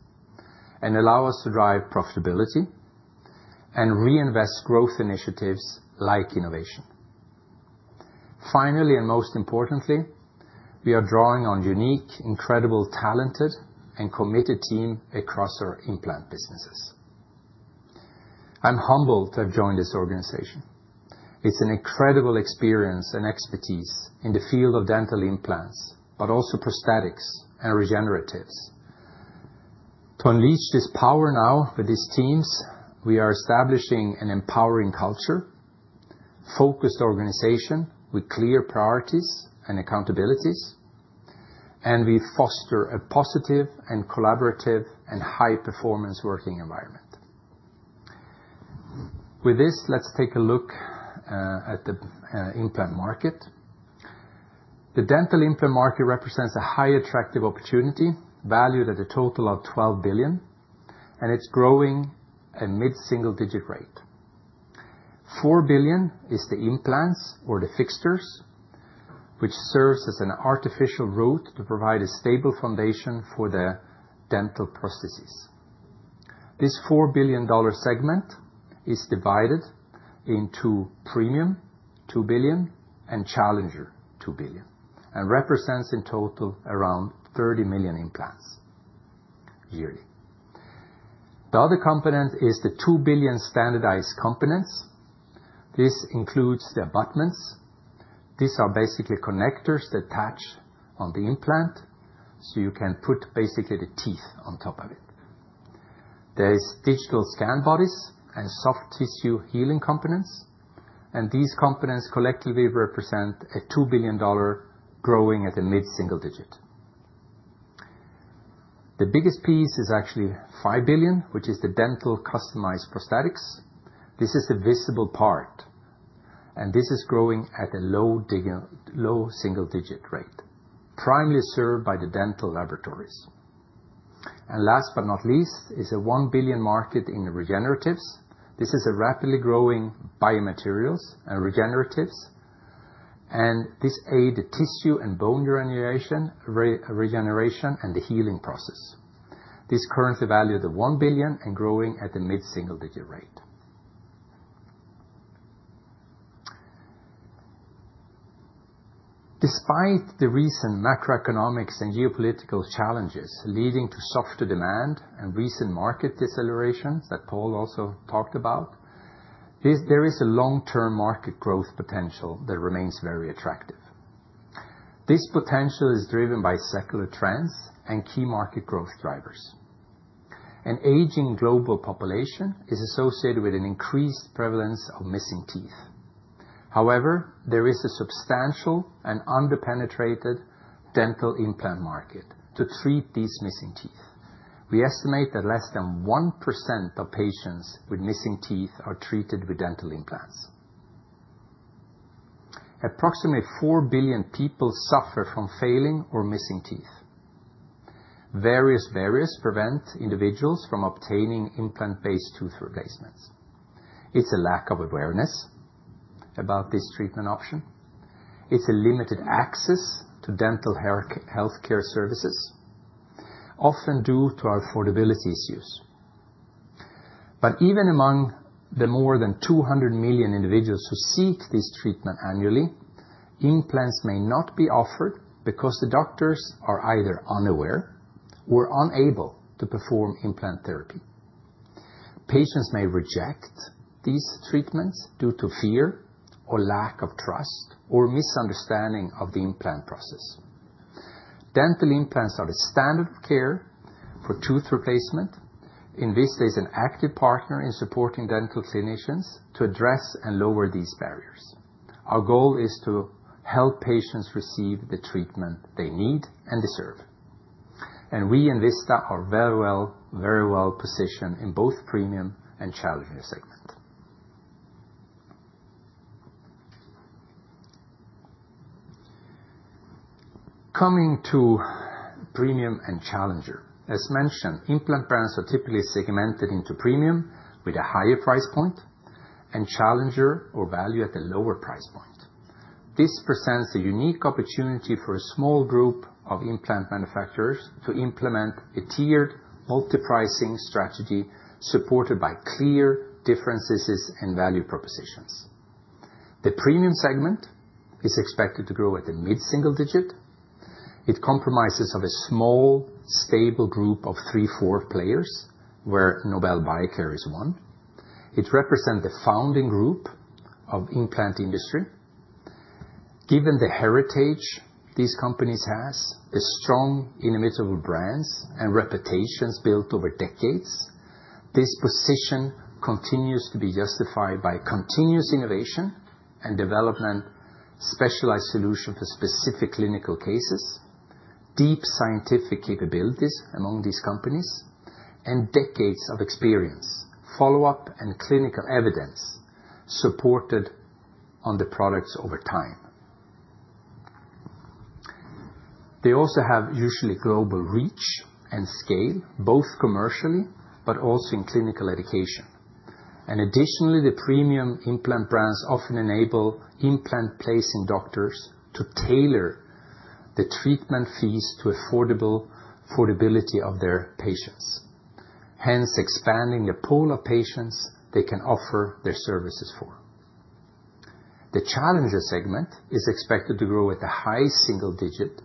and allow us to drive profitability and reinvest growth initiatives like innovation. Finally, and most importantly, we are drawing on a unique, incredible, talented, and committed team across our implant businesses. I'm humbled to have joined this organization. It's an incredible experience and expertise in the field of dental implants, but also prosthetics and regeneratives. To unleash this power now with these teams, we are establishing an empowering culture, a focused organization with clear priorities and accountabilities, and we foster a positive and collaborative and high-performance working environment. With this, let's take a look at the implant market. The dental implant market represents a highly attractive opportunity, valued at a total of $12 billion, and it's growing at a mid-single-digit rate. $4 billion is the implants or the fixtures, which serves as an artificial root to provide a stable foundation for the dental prostheses. This $4 billion dollar segment is divided into Premium, $2 billion, and Challenger, $2 billion, and represents in total around 30 million implants yearly. The other component is the $2 billion standardized components. This includes the abutments. These are basically connectors that attach on the implant so you can put basically the teeth on top of it. There are digital scan bodies and soft tissue healing components, and these components collectively represent a $2 billion dollar growing at a mid-single-digit. The biggest piece is actually $5 billion, which is the dental customized prosthetics. This is the visible part, and this is growing at a low single-digit rate, primarily served by the dental laboratories. And last but not least is a $1 billion market in regeneratives. This is a rapidly growing biomaterials and regeneratives, and this aids tissue and bone regeneration and the healing process. This is currently valued at $1 billion and growing at a mid-single-digit rate. Despite the recent macroeconomics and geopolitical challenges leading to softer demand and recent market decelerations that Paul also talked about, there is a long-term market growth potential that remains very attractive. This potential is driven by secular trends and key market growth drivers. An aging global population is associated with an increased prevalence of missing teeth. However, there is a substantial and underpenetrated dental implant market to treat these missing teeth. We estimate that less than 1% of patients with missing teeth are treated with dental implants. Approximately 4 billion people suffer from failing or missing teeth. Various barriers prevent individuals from obtaining implant-based tooth replacements. It's a lack of awareness about this treatment option. It's a limited access to dental healthcare services, often due to affordability issues. But even among the more than 200 million individuals who seek this treatment annually, implants may not be offered because the doctors are either unaware or unable to perform implant therapy. Patients may reject these treatments due to fear or lack of trust or misunderstanding of the implant process. Dental implants are the standard of care for tooth replacement. Envista is an active partner in supporting dental clinicians to address and lower these barriers. Our goal is to help patients receive the treatment they need and deserve. We in Envista are very well positioned in both premium and Challenger segment. Coming to premium and Challenger, as mentioned, implant brands are typically segmented into premium with a higher price point and Challenger or value at a lower price point. This presents a unique opportunity for a small group of implant manufacturers to implement a tiered multi-pricing strategy supported by clear differences in value propositions. The premium segment is expected to grow at a mid-single-digit. It comprises a small, stable group of three core players, where Nobel Biocare is one. It represents the founding group of the implant industry. Given the heritage these companies have, the strong inimitable brands, and reputations built over decades, this position continues to be justified by continuous innovation and development, specialized solutions for specific clinical cases, deep scientific capabilities among these companies, and decades of experience, follow-up, and clinical evidence supported on the products over time. They also have usually global reach and scale, both commercially but also in clinical education. And additionally, the premium implant brands often enable implant-placing doctors to tailor the treatment fees to the affordability of their patients, hence expanding the pool of patients they can offer their services for. The Challenger segment is expected to grow at a high single-digit,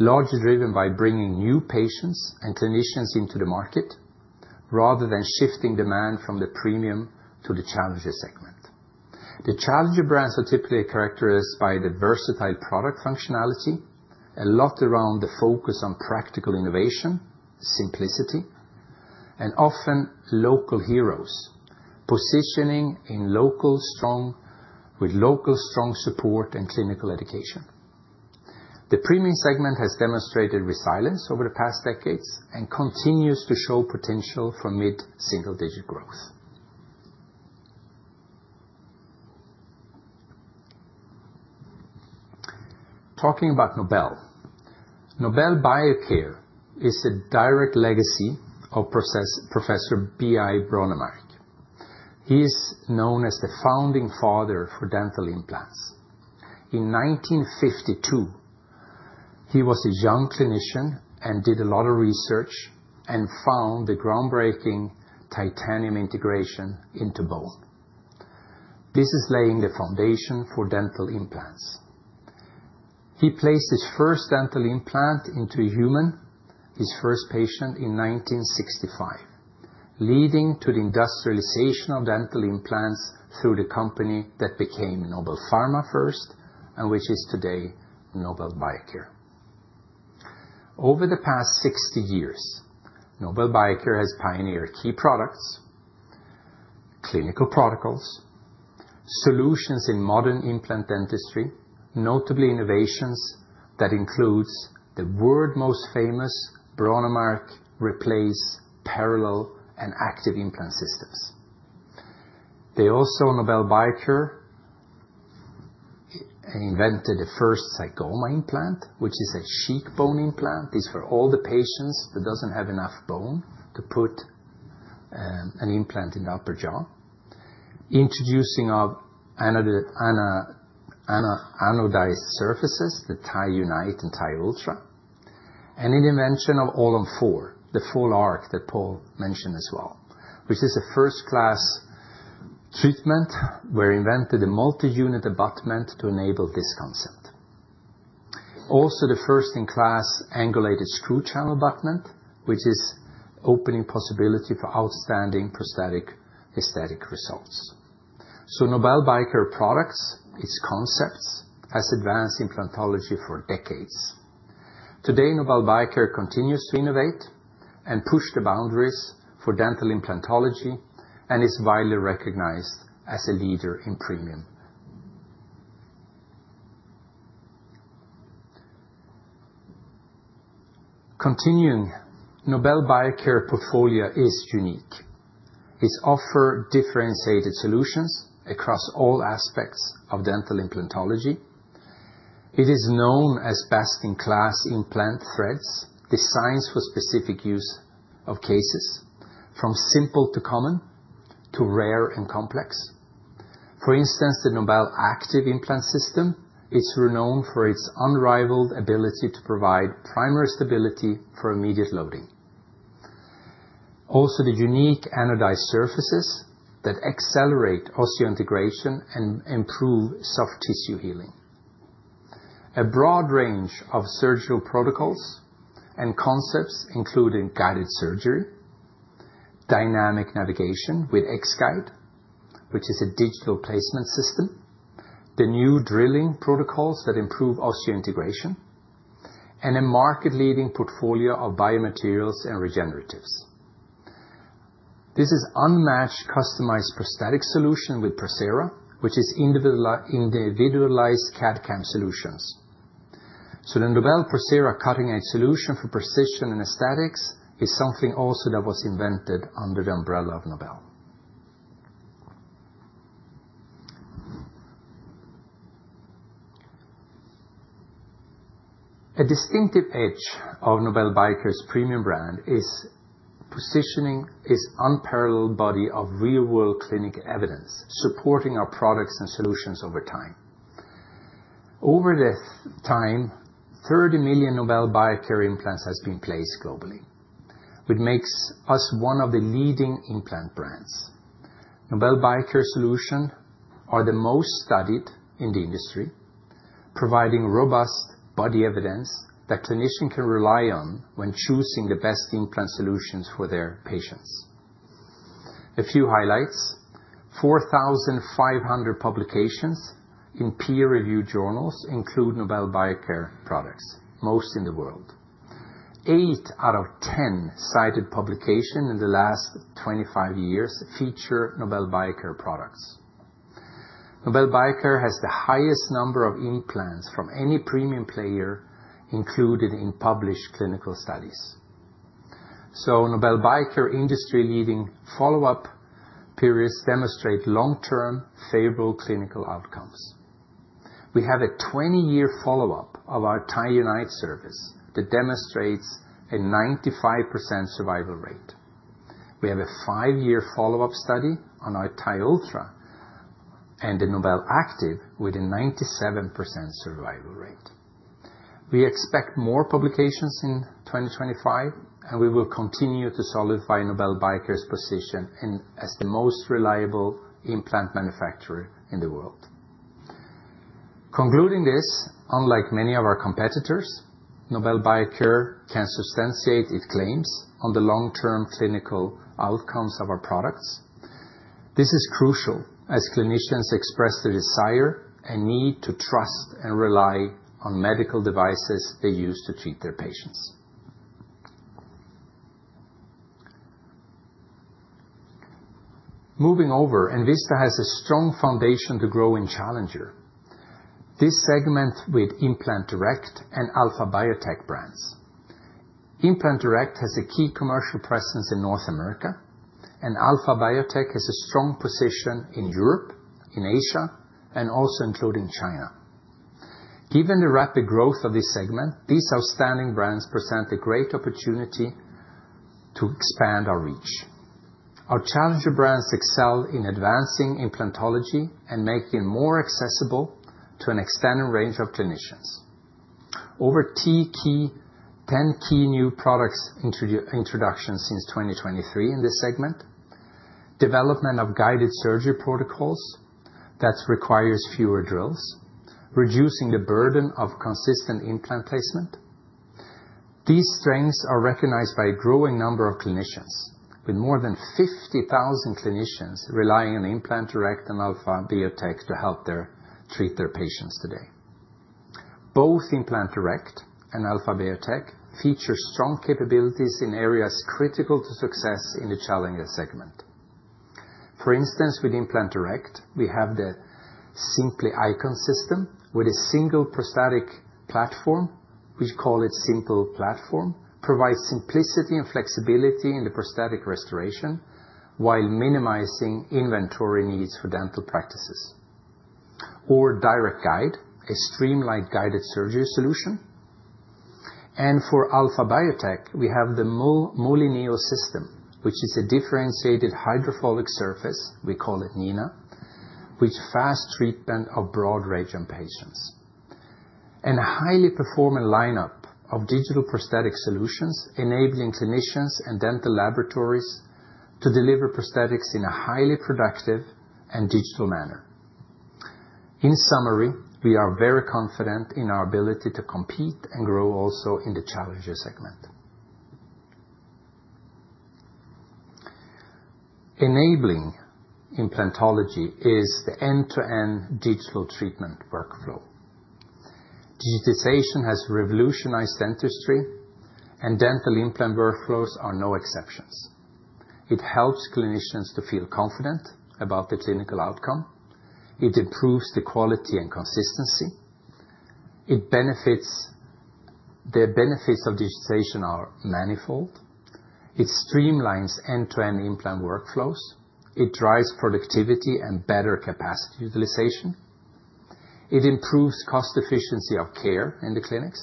largely driven by bringing new patients and clinicians into the market rather than shifting demand from the premium to the Challenger segment. The Challenger brands are typically characterized by the versatile product functionality, a lot around the focus on practical innovation, simplicity, and often local heroes, positioning with local strong support and clinical education. The premium segment has demonstrated resilience over the past decades and continues to show potential for mid-single-digit growth. Talking about Nobel, Nobel Biocare is a direct legacy of Professor P.-I. Brånemark. He is known as the founding father for dental implants. In 1952, he was a young clinician and did a lot of research and found the groundbreaking titanium integration into bone. This is laying the foundation for dental implants. He placed his first dental implant into a human, his first patient, in 1965, leading to the industrialization of dental implants through the company that became Nobelpharma first and which is today Nobel Biocare. Over the past 60 years, Nobel Biocare has pioneered key products, clinical protocols, solutions in modern implant dentistry, notably innovations that include the world's most famous Brånemark, Replace, Parallel, and Active implant systems. They also, Nobel Biocare, invented the first zygoma implant, which is a cheekbone implant. These were all the patients that don't have enough bone to put an implant in the upper jaw, introducing anodized surfaces, the TiUnite and TiUltra, and the invention of All-on-4, the full-arch that Paul mentioned as well, which is a first-class treatment where they invented a multi-unit abutment to enable this concept. Also, the first-in-class angulated screw channel abutment, which is an opening possibility for outstanding prosthetic aesthetic results. So Nobel Biocare products, its concepts, have advanced implantology for decades. Today, Nobel Biocare continues to innovate and push the boundaries for dental implantology and is widely recognized as a leader in premium. Continuing, Nobel Biocare portfolio is unique. It offers differentiated solutions across all aspects of dental implantology. It is known as best-in-class implant threads, designed for specific use cases, from simple to common to rare and complex. For instance, the NobelActive implant system is renowned for its unrivaled ability to provide primary stability for immediate loading. Also, the unique anodized surfaces that accelerate osseointegration and improve soft tissue healing. A broad range of surgical protocols and concepts include guided surgery, dynamic navigation with X-Guide, which is a digital placement system, the new drilling protocols that improve osseointegration, and a market-leading portfolio of biomaterials and regeneratives. This is unmatched customized prosthetic solution with NobelProcera, which is individualized CAD/CAM solutions. So the NobelProcera cutting-edge solution for precision and aesthetics is something also that was invented under the umbrella of Nobel. A distinctive edge of Nobel Biocare's premium brand is positioning its unparalleled body of real-world clinical evidence supporting our products and solutions over time. Over this time, 30 million Nobel Biocare implants have been placed globally, which makes us one of the leading implant brands. Nobel Biocare solutions are the most studied in the industry, providing robust body evidence that clinicians can rely on when choosing the best implant solutions for their patients. A few highlights: 4,500 publications in peer-reviewed journals include Nobel Biocare products, most in the world. Eight out of 10 cited publications in the last 25 years feature Nobel Biocare products. Nobel Biocare has the highest number of implants from any premium player included in published clinical studies. So Nobel Biocare industry-leading follow-up periods demonstrate long-term favorable clinical outcomes. We have a 20-year follow-up of our TiUnite surface that demonstrates a 95% survival rate. We have a 5-year follow-up study on our TiUltra and the NobelActive with a 97% survival rate. We expect more publications in 2025, and we will continue to solidify Nobel Biocare's position as the most reliable implant manufacturer in the world. Concluding this, unlike many of our competitors, Nobel Biocare can substantiate its claims on the long-term clinical outcomes of our products. This is crucial as clinicians express the desire and need to trust and rely on medical devices they use to treat their patients. Moving over, Envista has a strong foundation to grow in the Challenger segment with Implant Direct and Alpha-Bio Tec brands. Implant Direct has a key commercial presence in North America, and Alpha-Bio Tec has a strong position in Europe, in Asia, and also including China. Given the rapid growth of this segment, these outstanding brands present a great opportunity to expand our reach. Our Challenger brands excel in advancing implantology and make it more accessible to an extended range of clinicians. Over 10 key new product introductions since 2023 in this segment. Development of guided surgery protocols that require fewer drills, reducing the burden of consistent implant placement. These strengths are recognized by a growing number of clinicians, with more than 50,000 clinicians relying on Implant Direct and Alpha-Bio Tec to help treat their patients today. Both Implant Direct and Alpha-Bio Tec feature strong capabilities in areas critical to success in the Challenger segment. For instance, with Implant Direct, we have the Simply Iconic system, with a single prosthetic platform. We call it Simple Platform. It provides simplicity and flexibility in the prosthetic restoration while minimizing inventory needs for dental practices, or DirectGuide, a streamlined guided surgery solution. For Alpha-Bio Tec, we have the MultiNeO system, which is a differentiated hydrophilic surface, we call it NiNA, which fastens treatment of broad range of patients. A highly performant lineup of digital prosthetic solutions enabling clinicians and dental laboratories to deliver prosthetics in a highly productive and digital manner. In summary, we are very confident in our ability to compete and grow also in the Challenger segment. Enabling implantology is the end-to-end digital treatment workflow. Digitization has revolutionized dentistry, and dental implant workflows are no exceptions. It helps clinicians to feel confident about the clinical outcome. It improves the quality and consistency. The benefits of digitization are manifold. It streamlines end-to-end implant workflows. It drives productivity and better capacity utilization. It improves cost efficiency of care in the clinics,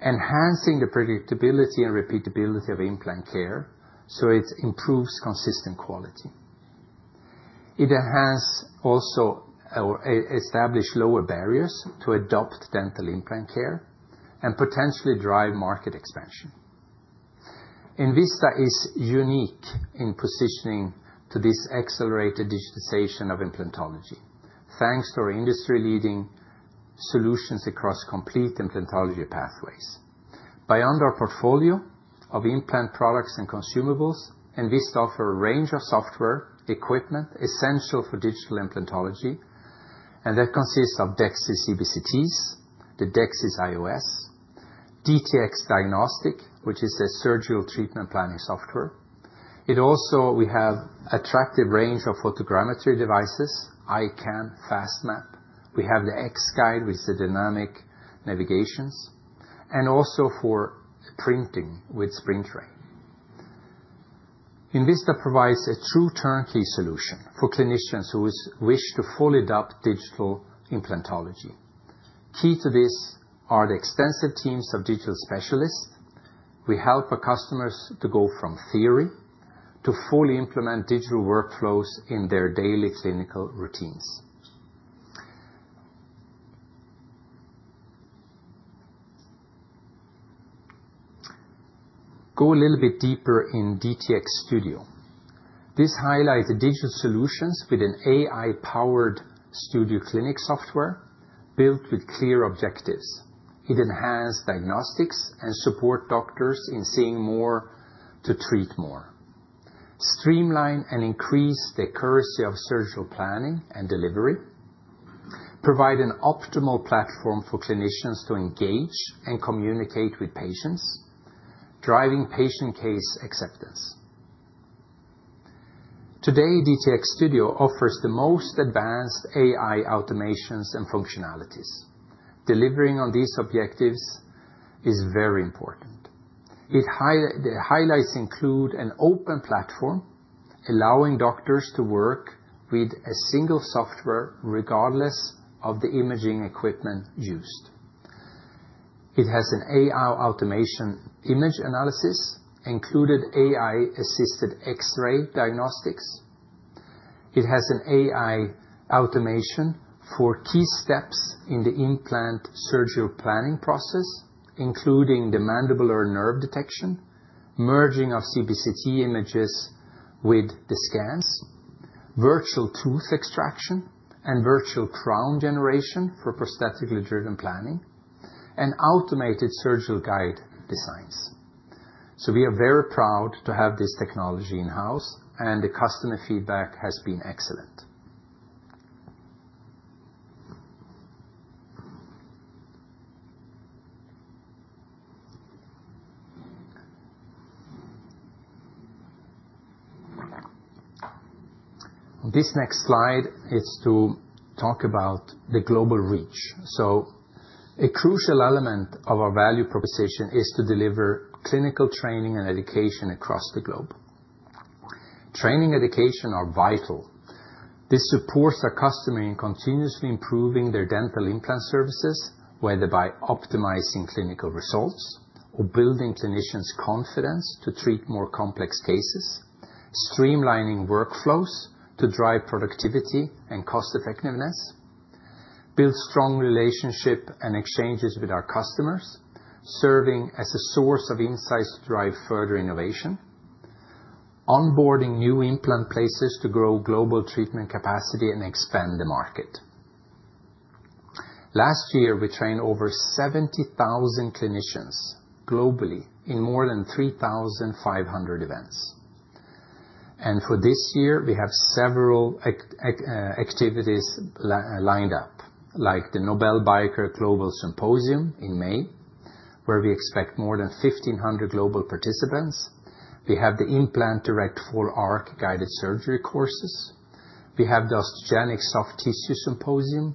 enhancing the predictability and repeatability of implant care, so it improves consistent quality. It enhances also established lower barriers to adopt dental implant care and potentially drives market expansion. Envista is unique in positioning to this accelerated digitization of implantology, thanks to our industry-leading solutions across complete implantology pathways. Beyond our portfolio of implant products and consumables, Envista offers a range of software equipment essential for digital implantology, and that consists of DEXIS CBCT, the DEXIS IOS, DTX Studio, which is a surgical treatment planning software. We also have an attractive range of photogrammetry devices, ICam, FastMap. We have the X-Guide, which is a dynamic navigation, and also for printing with SprintRay. Envista provides a true turnkey solution for clinicians who wish to fully adopt digital implantology. Key to this are the extensive teams of digital specialists. We help our customers to go from theory to fully implement digital workflows in their daily clinical routines. Go a little bit deeper in DTX Studio. This highlights digital solutions with an AI-powered studio clinic software built with clear objectives. It enhances diagnostics and supports doctors in seeing more to treat more, streamlines and increases the accuracy of surgical planning and delivery, and provides an optimal platform for clinicians to engage and communicate with patients, driving patient case acceptance. Today, DTX Studio offers the most advanced AI automations and functionalities. Delivering on these objectives is very important. The highlights include an open platform allowing doctors to work with a single software regardless of the imaging equipment used. It has an AI automation image analysis, including AI-assisted X-ray diagnostics. It has an AI automation for key steps in the implant surgical planning process, including the mandibular nerve detection, merging of CBCT images with the scans, virtual tooth extraction, and virtual crown generation for prosthetically driven planning, and automated surgical guide designs. We are very proud to have this technology in-house, and the customer feedback has been excellent. This next slide is to talk about the global reach. A crucial element of our value proposition is to deliver clinical training and education across the globe. Training and education are vital. This supports our customers in continuously improving their dental implant services, whether by optimizing clinical results or building clinicians' confidence to treat more complex cases, streamlining workflows to drive productivity and cost effectiveness, building strong relationships and exchanges with our customers, serving as a source of insights to drive further innovation, and onboarding new implant places to grow global treatment capacity and expand the market. Last year, we trained over 70,000 clinicians globally in more than 3,500 events. For this year, we have several activities lined up, like the Nobel Biocare Global Symposium in May, where we expect more than 1,500 global participants. We have the Implant Direct Full-Arch Guided Surgery courses. We have the Osteogenics Soft Tissue Symposium.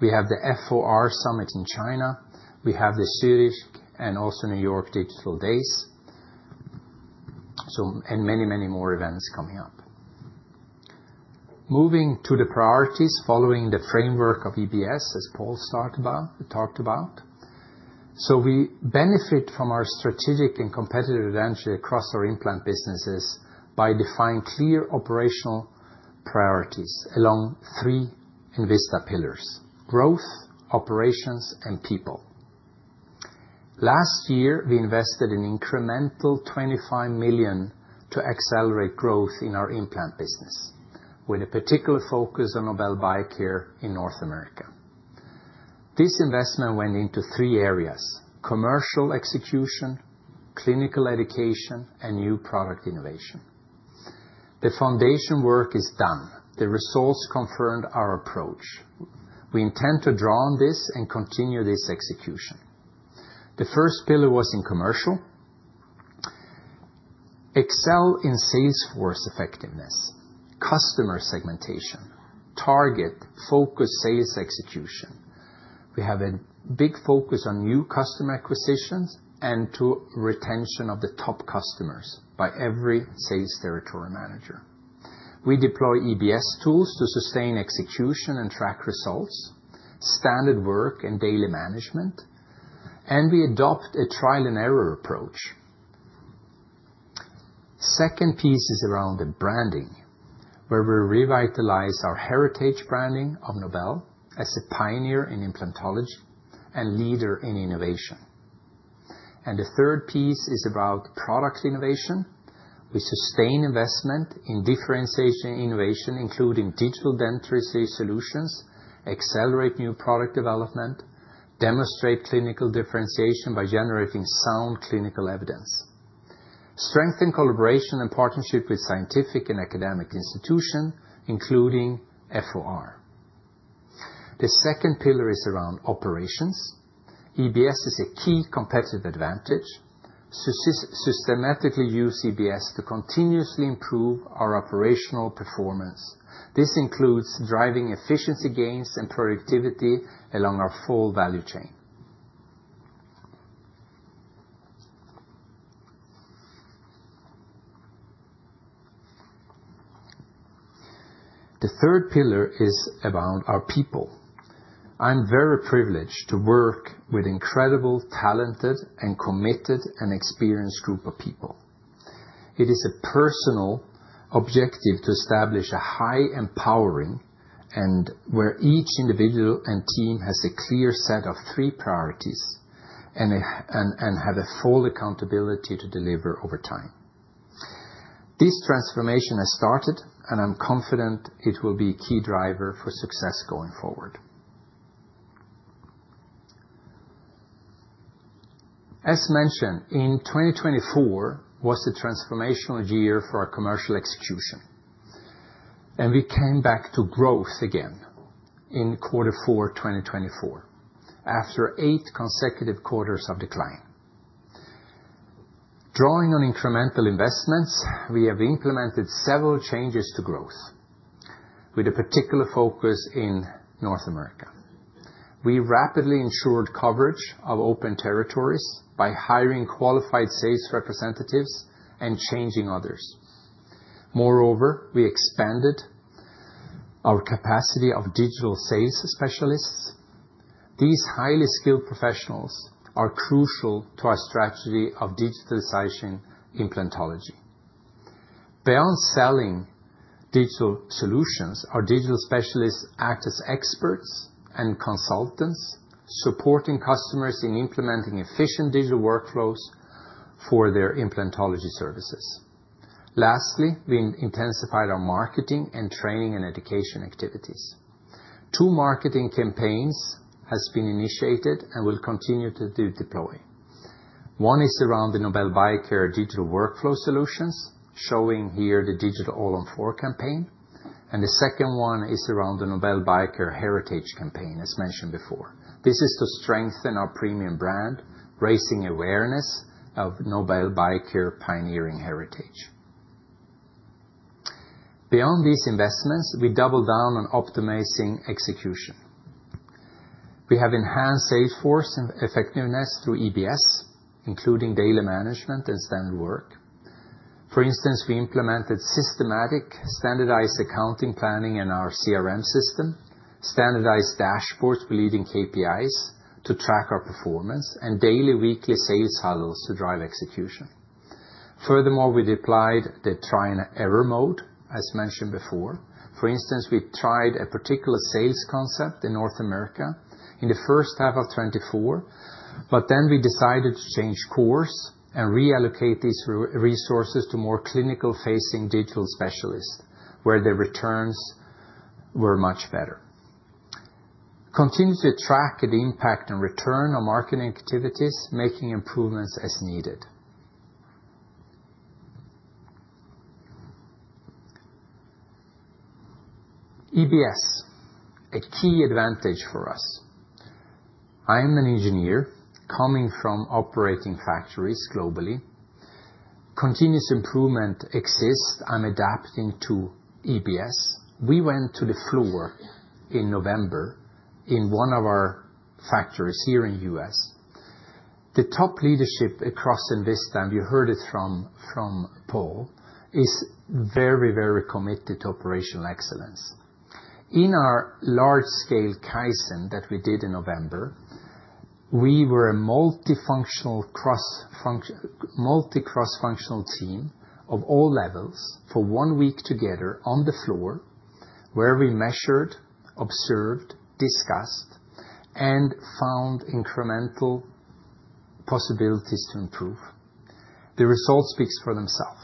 We have the FOR Summit in China. We have the Zurich and also New York Digital Days, and many, many more events coming up. Moving to the priorities following the framework of EBS, as Paul talked about. So we benefit from our strategic and competitive advantage across our implant businesses by defining clear operational priorities along three Envista pillars: growth, operations, and people. Last year, we invested an incremental $25 million to accelerate growth in our implant business, with a particular focus on Nobel Biocare in North America. This investment went into three areas: commercial execution, clinical education, and new product innovation. The foundation work is done. The results confirmed our approach. We intend to draw on this and continue this execution. The first pillar was in commercial, excelling in sales force effectiveness, customer segmentation, target-focused sales execution. We have a big focus on new customer acquisitions and retention of the top customers by every sales territory manager. We deploy EBS tools to sustain execution and track results, standard work, and daily management, and we adopt a trial-and-error approach. The second piece is around branding, where we revitalize our heritage branding of Nobel as a pioneer in implantology and leader in innovation. And the third piece is about product innovation. We sustain investment in differentiation innovation, including digital dental solutions, accelerate new product development, and demonstrate clinical differentiation by generating sound clinical evidence, strengthen collaboration and partnership with scientific and academic institutions, including FOR. The second pillar is around operations. EBS is a key competitive advantage. We systematically use EBS to continuously improve our operational performance. This includes driving efficiency gains and productivity along our full value chain. The third pillar is about our people. I'm very privileged to work with an incredible, talented, committed, and experienced group of people. It is a personal objective to establish a high empowering environment where each individual and team has a clear set of three priorities and have full accountability to deliver over time. This transformation has started, and I'm confident it will be a key driver for success going forward. As mentioned, 2024 was a transformational year for our commercial execution, and we came back to growth again in Q4 2024 after eight consecutive quarters of decline. Drawing on incremental investments, we have implemented several changes to growth, with a particular focus in North America. We rapidly ensured coverage of open territories by hiring qualified sales representatives and changing others. Moreover, we expanded our capacity of digital sales specialists. These highly skilled professionals are crucial to our strategy of digitalization implantology. Beyond selling digital solutions, our digital specialists act as experts and consultants, supporting customers in implementing efficient digital workflows for their implantology services. Lastly, we intensified our marketing and training and education activities. Two marketing campaigns have been initiated and will continue to deploy. One is around the Nobel Biocare digital workflow solutions, showing here the Digital All-on-4 campaign, and the second one is around the Nobel Biocare heritage campaign, as mentioned before. This is to strengthen our premium brand, raising awareness of Nobel Biocare pioneering heritage. Beyond these investments, we doubled down on optimizing execution. We have enhanced sales force effectiveness through EBS, including daily management and standard work. For instance, we implemented systematic standardized accounting planning in our CRM system, standardized dashboards with leading KPIs to track our performance, and daily weekly sales huddles to drive execution. Furthermore, we deployed the trial-and-error mode, as mentioned before. For instance, we tried a particular sales concept in North America in the first half of 2024, but then we decided to change course and reallocate these resources to more clinical-facing digital specialists, where the returns were much better. We continue to track the impact and return on marketing activities, making improvements as needed. EBS is a key advantage for us. I am an engineer coming from operating factories globally. Continuous improvement exists. I'm adapting to EBS. We went to the floor in November in one of our factories here in the U.S. The top leadership across Envista, and you heard it from Paul, is very, very committed to operational excellence. In our large-scale Kaizen that we did in November, we were a multi-cross-functional team of all levels for one week together on the floor, where we measured, observed, discussed, and found incremental possibilities to improve. The result speaks for itself.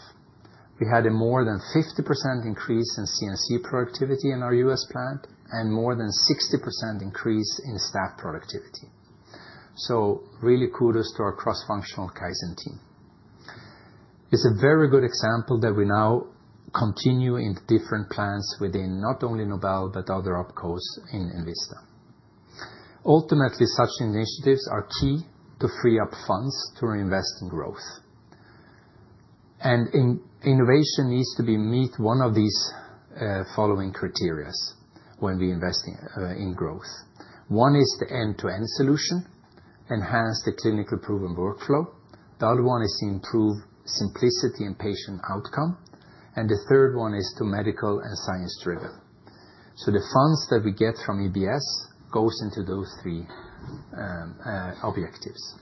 We had a more than 50% increase in CNC productivity in our U.S. plant and a more than 60% increase in staff productivity. So really, kudos to our cross-functional Kaizen team. It's a very good example that we now continue in different plants within not only Nobel but other OpCos in Envista. Ultimately, such initiatives are key to free up funds to reinvest in growth, and innovation needs to meet one of these following criteria when we invest in growth. One is the end-to-end solution, enhanced clinically proven workflow. The other one is to improve simplicity and patient outcome. And the third one is to be medical and science-driven. The funds that we get from EBS go into those three objectives.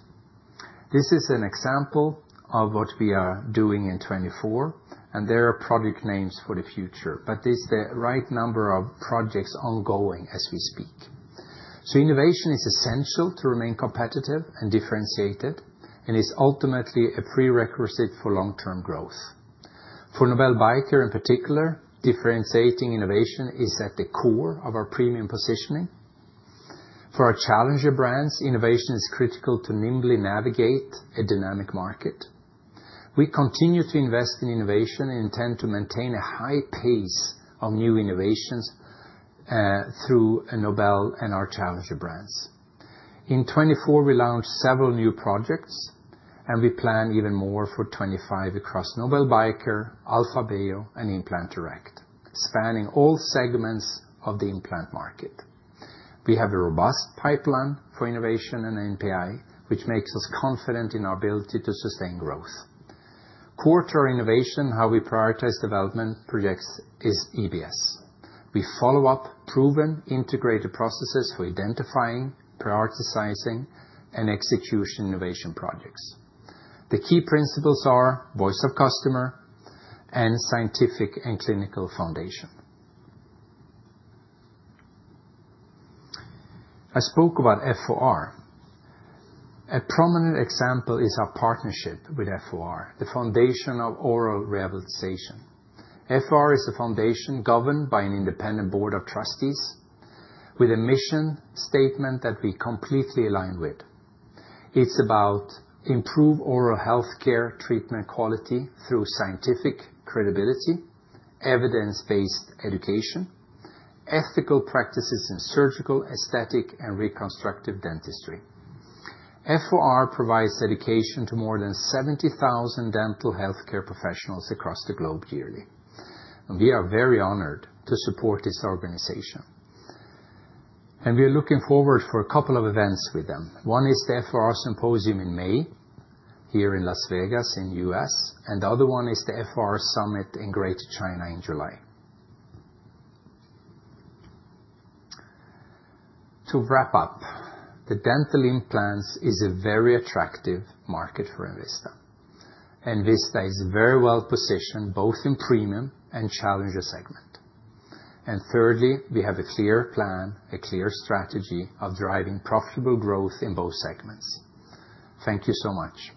This is an example of what we are doing in 2024, and there are project names for the future, but there's the right number of projects ongoing as we speak. Innovation is essential to remain competitive and differentiated, and it's ultimately a prerequisite for long-term growth. For Nobel Biocare, in particular, differentiating innovation is at the core of our premium positioning. For our challenger brands, innovation is critical to nimbly navigate a dynamic market. We continue to invest in innovation and intend to maintain a high pace of new innovations through Nobel and our challenger brands. In 2024, we launched several new projects, and we plan even more for 2025 across Nobel Biocare, Alpha-Bio, and Implant Direct, spanning all segments of the implant market. We have a robust pipeline for innovation and NPI, which makes us confident in our ability to sustain growth. Core to our innovation, how we prioritize development projects, is EBS. We follow up proven, integrated processes for identifying, prioritizing, and execution innovation projects. The key principles are voice of customer and scientific and clinical foundation. I spoke about FOR. A prominent example is our partnership with FOR, the Foundation for Oral Rehabilitation. FOR is a foundation governed by an independent board of trustees with a mission statement that we completely align with. It's about improving oral healthcare treatment quality through scientific credibility, evidence-based education, ethical practices in surgical, aesthetic, and reconstructive dentistry. FOR provides education to more than 70,000 dental healthcare professionals across the globe yearly. We are very honored to support this organization, and we are looking forward to a couple of events with them. One is the FOR Symposium in May here in Las Vegas, in the U.S., and the other one is the FOR Summit in Greater China in July. To wrap up, dental implants are a very attractive market for Envista. Envista is very well positioned both in premium and challenger segment. And thirdly, we have a clear plan, a clear strategy of driving profitable growth in both segments. Thank you so much.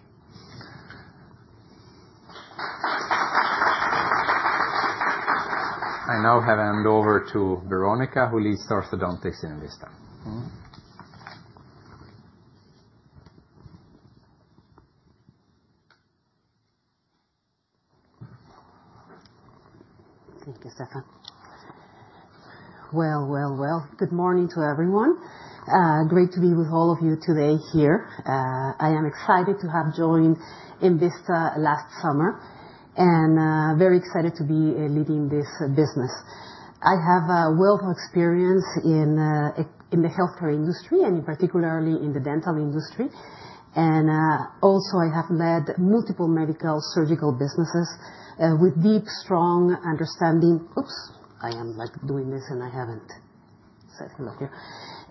I now hand over to Veronica, who leads orthodontics in Envista. Thank you, Stefan. Well, well, well. Good morning to everyone. Great to be with all of you today here. I am excited to have joined Envista last summer and very excited to be leading this business. I have a wealth of experience in the healthcare industry and particularly in the dental industry. And also, I have led multiple medical surgical businesses with deep, strong understanding. Oops, I am doing this and I haven't said hello here,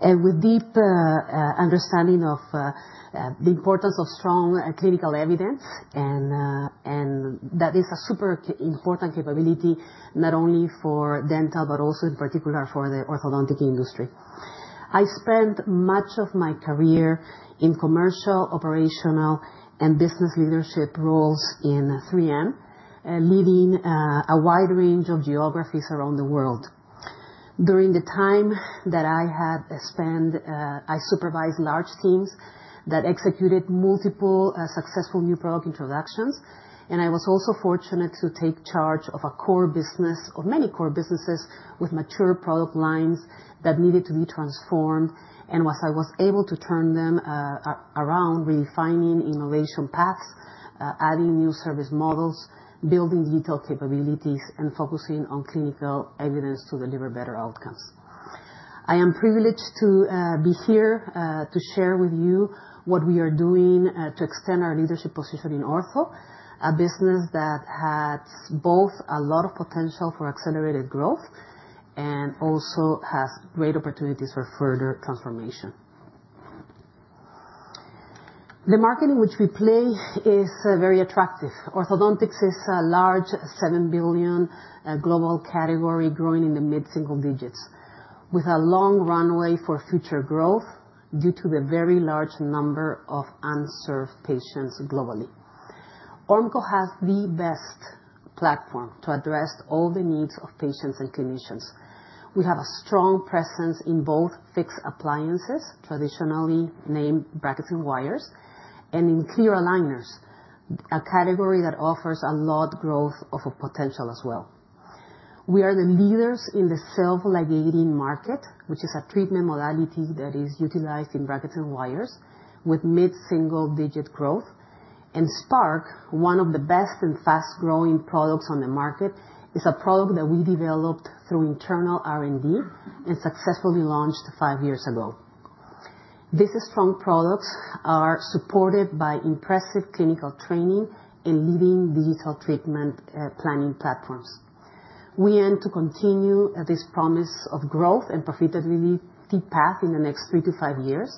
and with deep understanding of the importance of strong clinical evidence, and that is a super important capability not only for dental but also in particular for the orthodontic industry. I spent much of my career in commercial, operational, and business leadership roles in 3M, leading a wide range of geographies around the world. During the time that I had spent, I supervised large teams that executed multiple successful new product introductions, and I was also fortunate to take charge of a core business, of many core businesses with mature product lines that needed to be transformed, and I was able to turn them around, redefining innovation paths, adding new service models, building detailed capabilities, and focusing on clinical evidence to deliver better outcomes. I am privileged to be here to share with you what we are doing to extend our leadership position in OrthoCare, a business that has both a lot of potential for accelerated growth and also has great opportunities for further transformation. The market in which we play is very attractive. Orthodontics is a large $7 billion global category, growing in the mid-single digits, with a long runway for future growth due to the very large number of unserved patients globally. Ormco has the best platform to address all the needs of patients and clinicians. We have a strong presence in both fixed appliances, traditionally named brackets and wires, and in clear aligners, a category that offers a lot of growth potential as well. We are the leaders in the self-ligating market, which is a treatment modality that is utilized in brackets and wires, with mid-single digit growth. Spark, one of the best and fast-growing products on the market, is a product that we developed through internal R&D and successfully launched five years ago. These strong products are supported by impressive clinical training and leading digital treatment planning platforms. We aim to continue this promise of growth and profitability path in the next three to five years,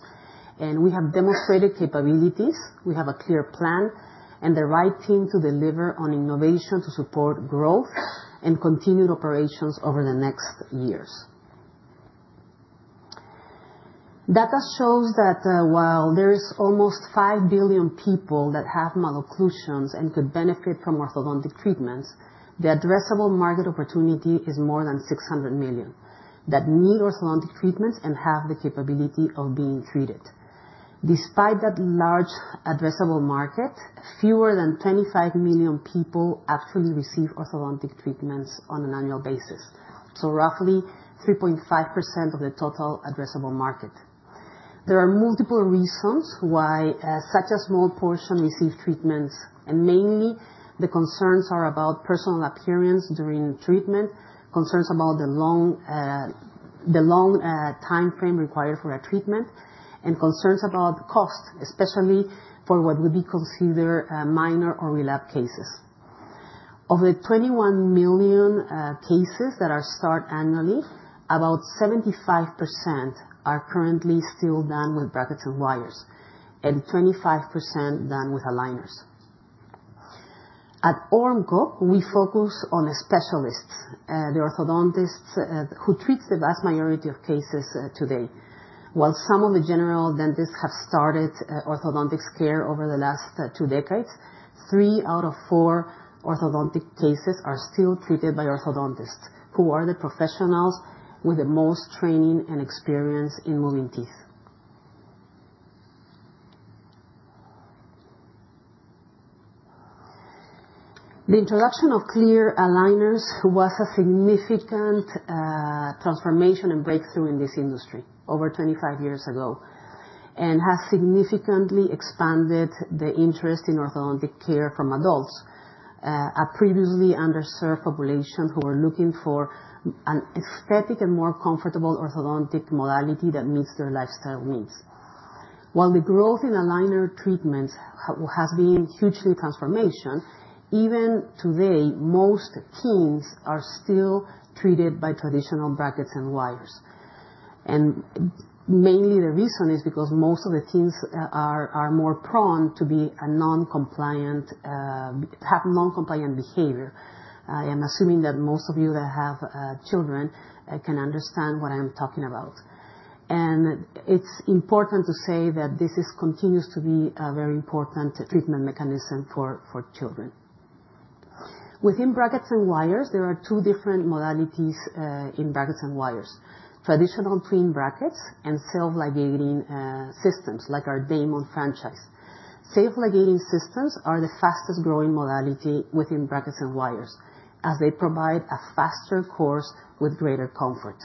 and we have demonstrated capabilities. We have a clear plan and the right team to deliver on innovation to support growth and continued operations over the next years. Data shows that while there are almost five billion people that have malocclusions and could benefit from orthodontic treatments, the addressable market opportunity is more than 600 million that need orthodontic treatments and have the capability of being treated. Despite that large addressable market, fewer than 25 million people actually receive orthodontic treatments on an annual basis, so roughly 3.5% of the total addressable market. There are multiple reasons why such a small portion receives treatments, and mainly the concerns are about personal appearance during treatment, concerns about the long timeframe required for a treatment, and concerns about cost, especially for what would be considered minor or relapse cases. Of the 21 million cases that are started annually, about 75% are currently still done with brackets and wires and 25% done with aligners. At Ormco, we focus on specialists, the orthodontists who treat the vast majority of cases today. While some of the general dentists have started orthodontic care over the last two decades, three out of four orthodontic cases are still treated by orthodontists, who are the professionals with the most training and experience in moving teeth. The introduction of clear aligners was a significant transformation and breakthrough in this industry over 25 years ago and has significantly expanded the interest in orthodontic care from adults, a previously underserved population who are looking for an aesthetic and more comfortable orthodontic modality that meets their lifestyle needs. While the growth in aligner treatments has been hugely transformational, even today, most teens are still treated by traditional brackets and wires. Mainly the reason is because most of the teens are more prone to have non-compliant behavior. I am assuming that most of you that have children can understand what I'm talking about. It's important to say that this continues to be a very important treatment mechanism for children. Within brackets and wires, there are two different modalities in brackets and wires: traditional twin brackets and self-ligating systems like our Damon franchise. Self-ligating systems are the fastest-growing modality within brackets and wires as they provide a faster course with greater comfort.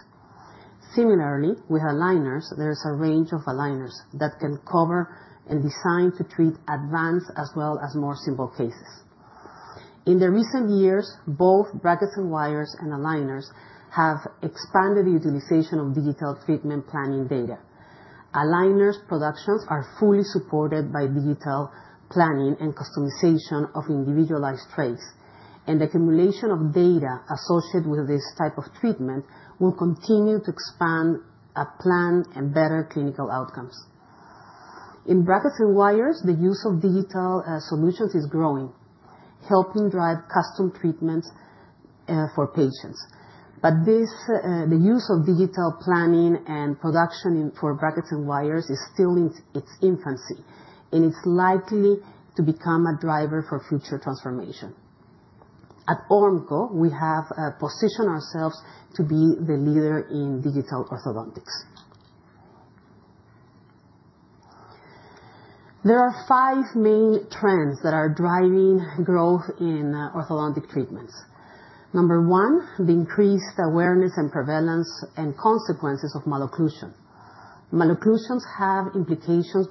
Similarly, with aligners, there is a range of aligners that can cover and design to treat advanced as well as more simple cases. In recent years, both brackets and wires and aligners have expanded the utilization of digital treatment planning data. Aligner productions are fully supported by digital planning and customization of individualized trays, and the accumulation of data associated with this type of treatment will continue to expand and plan better clinical outcomes. In brackets and wires, the use of digital solutions is growing, helping drive custom treatments for patients, but the use of digital planning and production for brackets and wires is still in its infancy, and it's likely to become a driver for future transformation. At Ormco, we have positioned ourselves to be the leader in digital orthodontics. There are five main trends that are driving growth in orthodontic treatments. Number one, the increased awareness and prevalence and consequences of malocclusion. Malocclusions have implications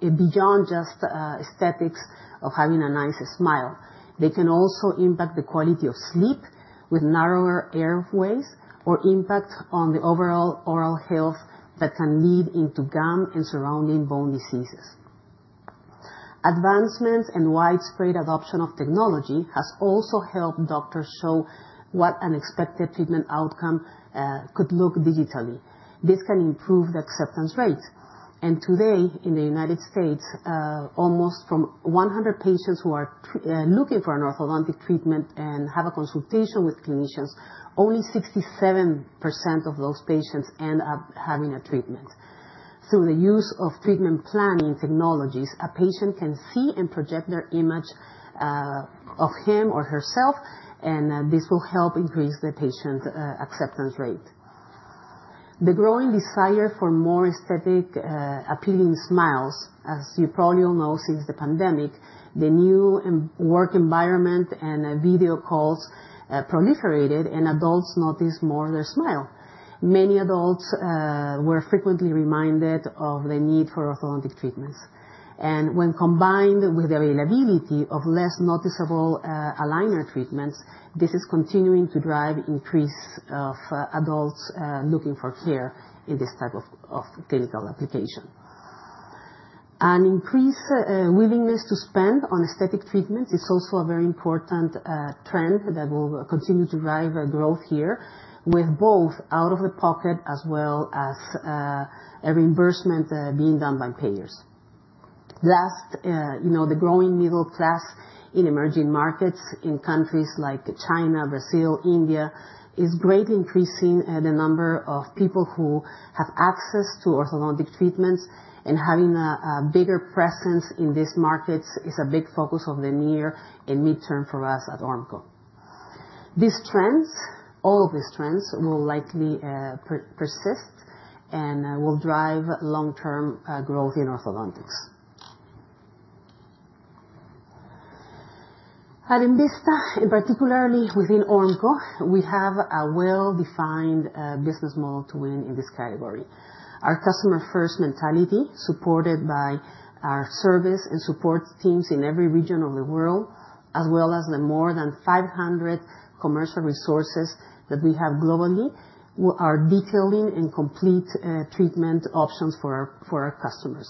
beyond just aesthetics of having a nice smile. They can also impact the quality of sleep with narrower airways or impact on the overall oral health that can lead into gum and surrounding bone diseases. Advancements and widespread adoption of technology have also helped doctors show what an expected treatment outcome could look digitally. This can improve the acceptance rate. Today, in the United States, out of 100 patients who are looking for an orthodontic treatment and have a consultation with clinicians, only 67% of those patients end up having a treatment. Through the use of treatment planning technologies, a patient can see and project their image of him or herself, and this will help increase the patient's acceptance rate. The growing desire for more aesthetically appealing smiles, as you probably all know, since the pandemic, the new work environment and video calls proliferated, and adults noticed more of their smile. Many adults were frequently reminded of the need for orthodontic treatments, and when combined with the availability of less noticeable aligner treatments, this is continuing to drive an increase of adults looking for care in this type of clinical application. An increased willingness to spend on aesthetic treatments is also a very important trend that will continue to drive growth here, with both out-of-pocket as well as a reimbursement being done by payers. Last, the growing middle class in emerging markets in countries like China, Brazil, and India is greatly increasing the number of people who have access to orthodontic treatments, and having a bigger presence in these markets is a big focus of the near and midterm for us at Ormco. All of these trends will likely persist and will drive long-term growth in orthodontics. At Envista, and particularly within Ormco, we have a well-defined business model to win in this category. Our customer-first mentality, supported by our service and support teams in every region of the world, as well as the more than 500 commercial resources that we have globally, are detailing and complete treatment options for our customers.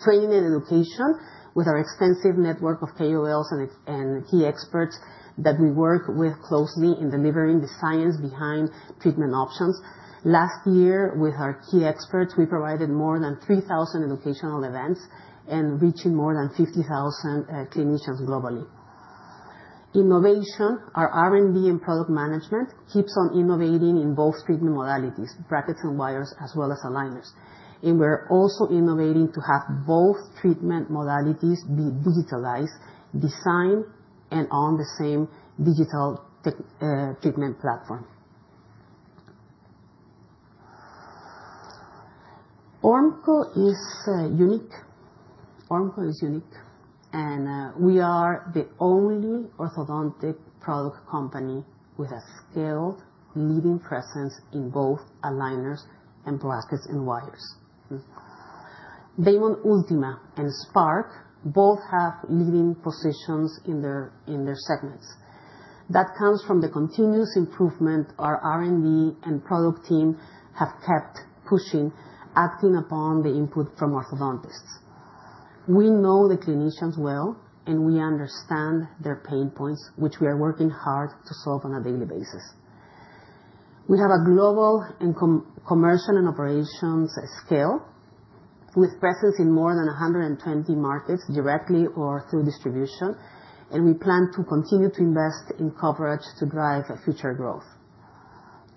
Training and education with our extensive network of KOLs and key experts that we work with closely in delivering the science behind treatment options. Last year, with our key experts, we provided more than 3,000 educational events and reached more than 50,000 clinicians globally. Innovation, our R&D and product management, keeps on innovating in both treatment modalities, brackets and wires, as well as aligners, and we're also innovating to have both treatment modalities be digitalized, designed, and on the same digital treatment platform. Ormco is unique. Ormco is unique, and we are the only orthodontic product company with a scaled leading presence in both aligners and brackets and wires. Damon Ultima and Spark both have leading positions in their segments. That comes from the continuous improvement our R&D and product team have kept pushing, acting upon the input from orthodontists. We know the clinicians well, and we understand their pain points, which we are working hard to solve on a daily basis. We have a global commercial and operations scale with presence in more than 120 markets directly or through distribution, and we plan to continue to invest in coverage to drive future growth.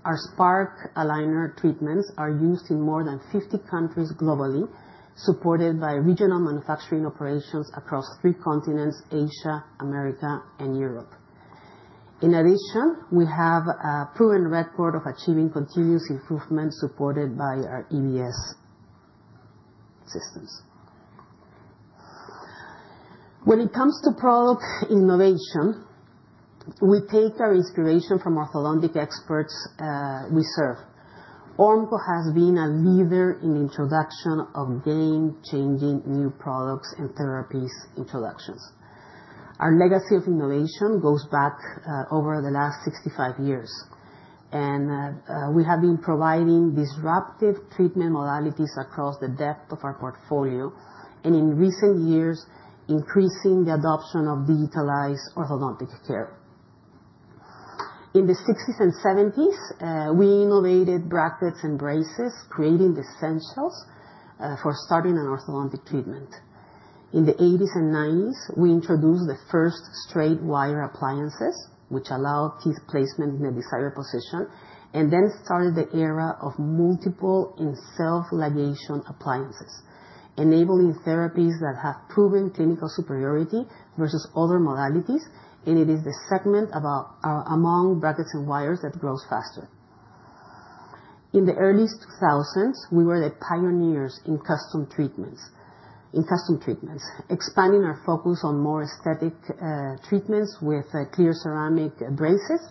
Our Spark aligner treatments are used in more than 50 countries globally, supported by regional manufacturing operations across three continents: Asia, America, and Europe. In addition, we have a proven record of achieving continuous improvement supported by our EBS systems. When it comes to product innovation, we take our inspiration from orthodontic experts we serve. Ormco has been a leader in the introduction of game-changing new products and therapies introductions. Our legacy of innovation goes back over the last 65 years, and we have been providing disruptive treatment modalities across the depth of our portfolio and, in recent years, increasing the adoption of digitalized orthodontic care. In the '60s and '70s, we innovated brackets and braces, creating the essentials for starting an orthodontic treatment. In the '80s and '90s, we introduced the first straight wire appliances, which allowed teeth placement in the desired position, and then started the era of multiple and self-ligation appliances, enabling therapies that have proven clinical superiority versus other modalities, and it is the segment among brackets and wires that grows faster. In the early 2000s, we were the pioneers in custom treatments, expanding our focus on more aesthetic treatments with clear ceramic braces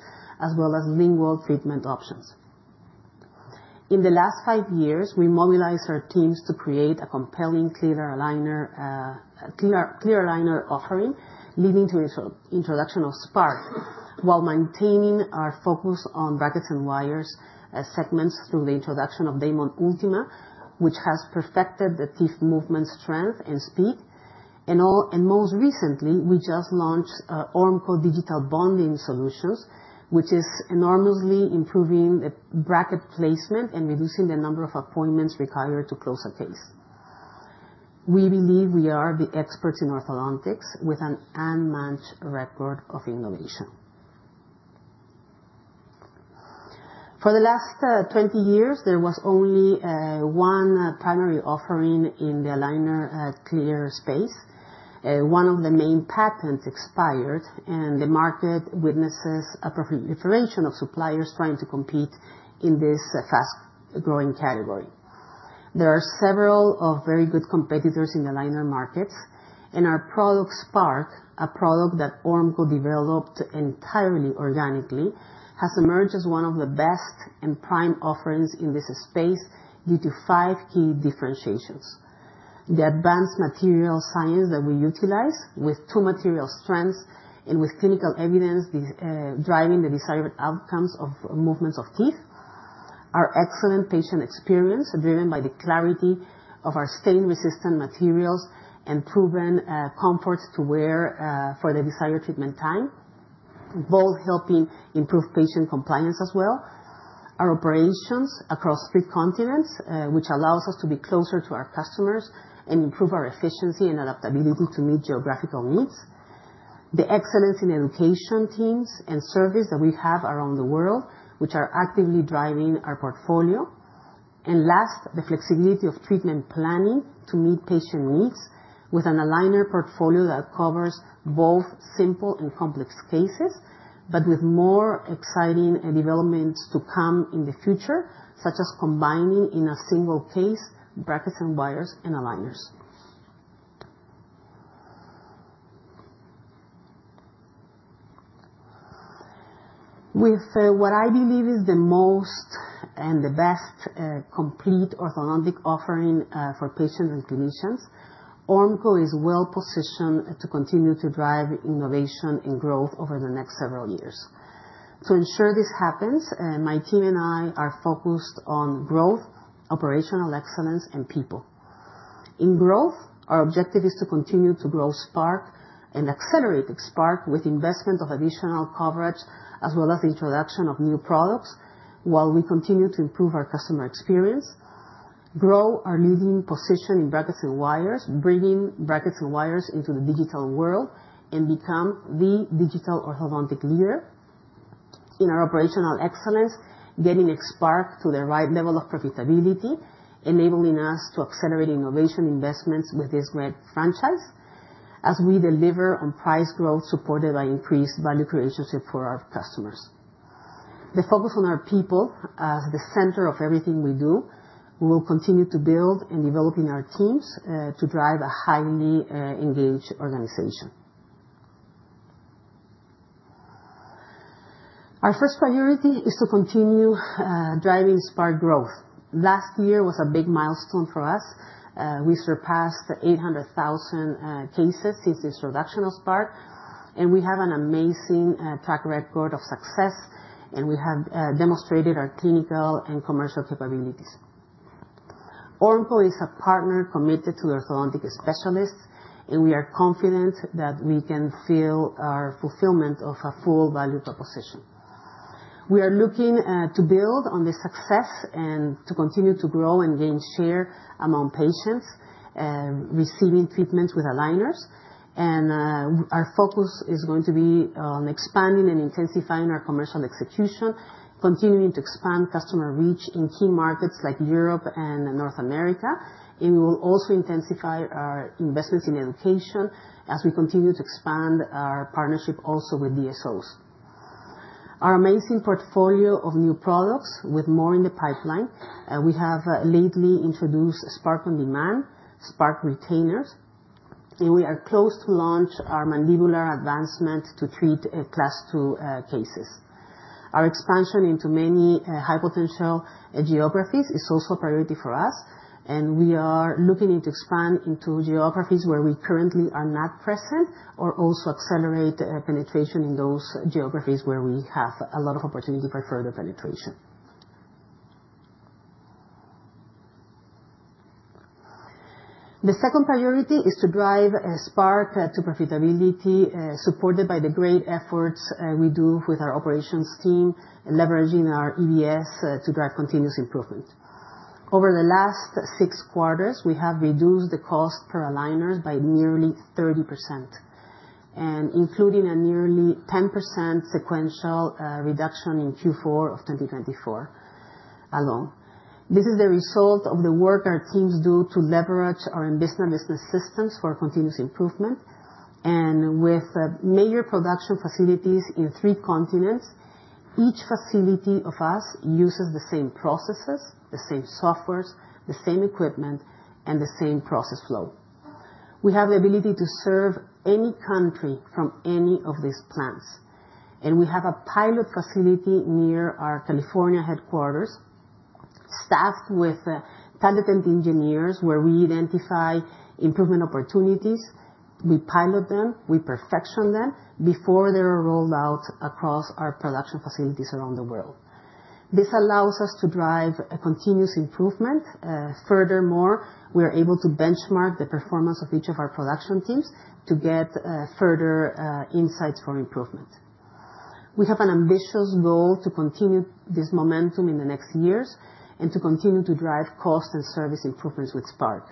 as well as lingual treatment options. In the last five years, we mobilized our teams to create a compelling clear aligner offering, leading to the introduction of Spark while maintaining our focus on brackets and wires segments through the introduction of Damon Ultima, which has perfected the teeth movement strength and speed. Most recently, we just launched Ormco Digital Bonding, which is enormously improving the bracket placement and reducing the number of appointments required to close a case. We believe we are the experts in orthodontics with an unmatched record of innovation. For the last 20 years, there was only one primary offering in the clear aligner space. One of the main patents expired, and the market witnesses a proliferation of suppliers trying to compete in this fast-growing category. There are several very good competitors in the clear aligner markets, and our product Spark, a product that Ormco developed entirely organically, has emerged as one of the best and prime offerings in this space due to five key differentiations. The advanced material science that we utilize with two material strengths and with clinical evidence driving the desired outcomes of movements of teeth, our excellent patient experience driven by the clarity of our stain-resistant materials and proven comfort to wear for the desired treatment time, both helping improve patient compliance as well. Our operations across three continents, which allows us to be closer to our customers and improve our efficiency and adaptability to meet geographical needs. The excellence in education teams and service that we have around the world, which are actively driving our portfolio, and last, the flexibility of treatment planning to meet patient needs with an aligner portfolio that covers both simple and complex cases, but with more exciting developments to come in the future, such as combining in a single case brackets and wires and aligners. With what I believe is the most and the best complete orthodontic offering for patients and clinicians, Ormco is well-positioned to continue to drive innovation and growth over the next several years. To ensure this happens, my team and I are focused on growth, operational excellence, and people. In growth, our objective is to continue to grow Spark and accelerate Spark with investment of additional coverage as well as the introduction of new products while we continue to improve our customer experience, grow our leading position in brackets and wires, bringing brackets and wires into the digital world, and become the digital orthodontic leader. In our operational excellence, getting Spark to the right level of profitability, enabling us to accelerate innovation investments with this great franchise as we deliver on price growth supported by increased value creation for our customers. The focus on our people as the center of everything we do. We will continue to build and develop our teams to drive a highly engaged organization. Our first priority is to continue driving Spark growth. Last year was a big milestone for us. We surpassed 800,000 cases since the introduction of Spark, and we have an amazing track record of success, and we have demonstrated our clinical and commercial capabilities. Ormco is a partner committed to orthodontic specialists, and we are confident that we can fulfill our fulfillment of a full value proposition. We are looking to build on the success and to continue to grow and gain share among patients receiving treatments with aligners. And our focus is going to be on expanding and intensifying our commercial execution, continuing to expand customer reach in key markets like Europe and North America. And we will also intensify our investments in education as we continue to expand our partnership also with DSOs. Our amazing portfolio of new products with more in the pipeline. We have lately introduced Spark On-Demand, Spark Retainers, and we are close to launch our mandibular advancement to treat Class II cases. Our expansion into many high-potential geographies is also a priority for us, and we are looking to expand into geographies where we currently are not present or also accelerate penetration in those geographies where we have a lot of opportunity for further penetration. The second priority is to drive Spark to profitability supported by the great efforts we do with our operations team and leveraging our EBS to drive continuous improvement. Over the last six quarters, we have reduced the cost per aligners by nearly 30% and included a nearly 10% sequential reduction in Q4 of 2024 alone. This is the result of the work our teams do to leverage our Envista Business Systems for continuous improvement, and with major production facilities in three continents, each of our facilities uses the same processes, the same software, the same equipment, and the same process flow. We have the ability to serve any country from any of these plants, and we have a pilot facility near our California headquarters staffed with talented engineers where we identify improvement opportunities. We pilot them. We perfect them before they are rolled out across our production facilities around the world. This allows us to drive continuous improvement. Furthermore, we are able to benchmark the performance of each of our production teams to get further insights for improvement. We have an ambitious goal to continue this momentum in the next years and to continue to drive cost and service improvements with Spark.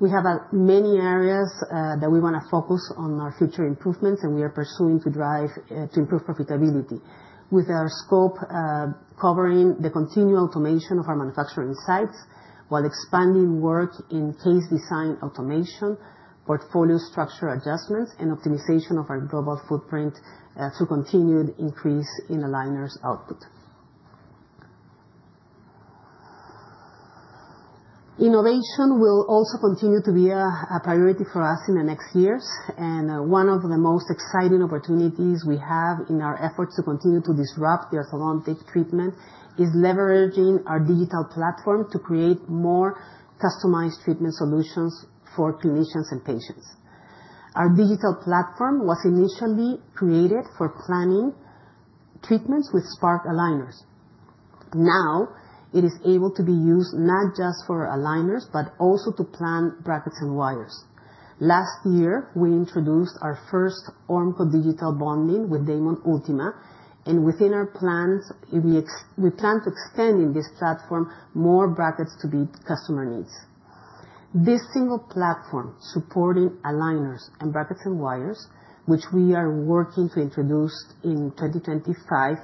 We have many areas that we want to focus on our future improvements, and we are pursuing to improve profitability with our scope covering the continual automation of our manufacturing sites while expanding work in case design automation, portfolio structure adjustments, and optimization of our global footprint to continue the increase in aligners output. Innovation will also continue to be a priority for us in the next years, and one of the most exciting opportunities we have in our efforts to continue to disrupt the orthodontic treatment is leveraging our digital platform to create more customized treatment solutions for clinicians and patients. Our digital platform was initially created for planning treatments with Spark aligners. Now it is able to be used not just for aligners, but also to plan brackets and wires. Last year, we introduced our first Ormco Digital Bonding with Damon Ultima, and within our plans, we plan to extend this platform to more brackets to meet customer needs. This single platform supporting aligners and brackets and wires, which we are working to introduce in 2025,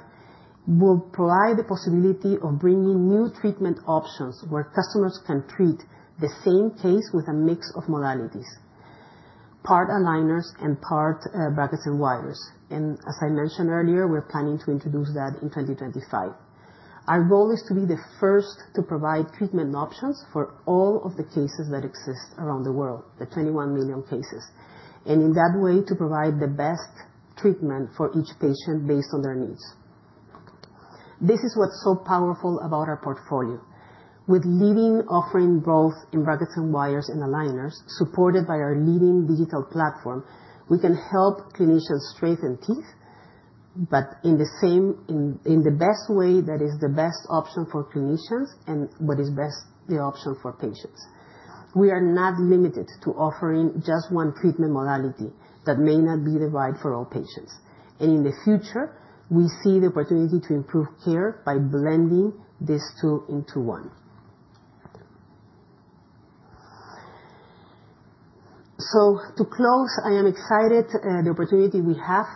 will provide the possibility of bringing new treatment options where customers can treat the same case with a mix of modalities, part aligners and part brackets and wires. And as I mentioned earlier, we're planning to introduce that in 2025. Our goal is to be the first to provide treatment options for all of the cases that exist around the world, the 21 million cases, and in that way, to provide the best treatment for each patient based on their needs. This is what's so powerful about our portfolio. With leading offerings both in brackets and wires and aligners supported by our leading digital platform, we can help clinicians straighten teeth, but in the best way that is the best option for clinicians and what is the best option for patients. We are not limited to offering just one treatment modality that may not be right for all patients, and in the future, we see the opportunity to improve care by blending these two into one, so to close, I am excited about the opportunity we have.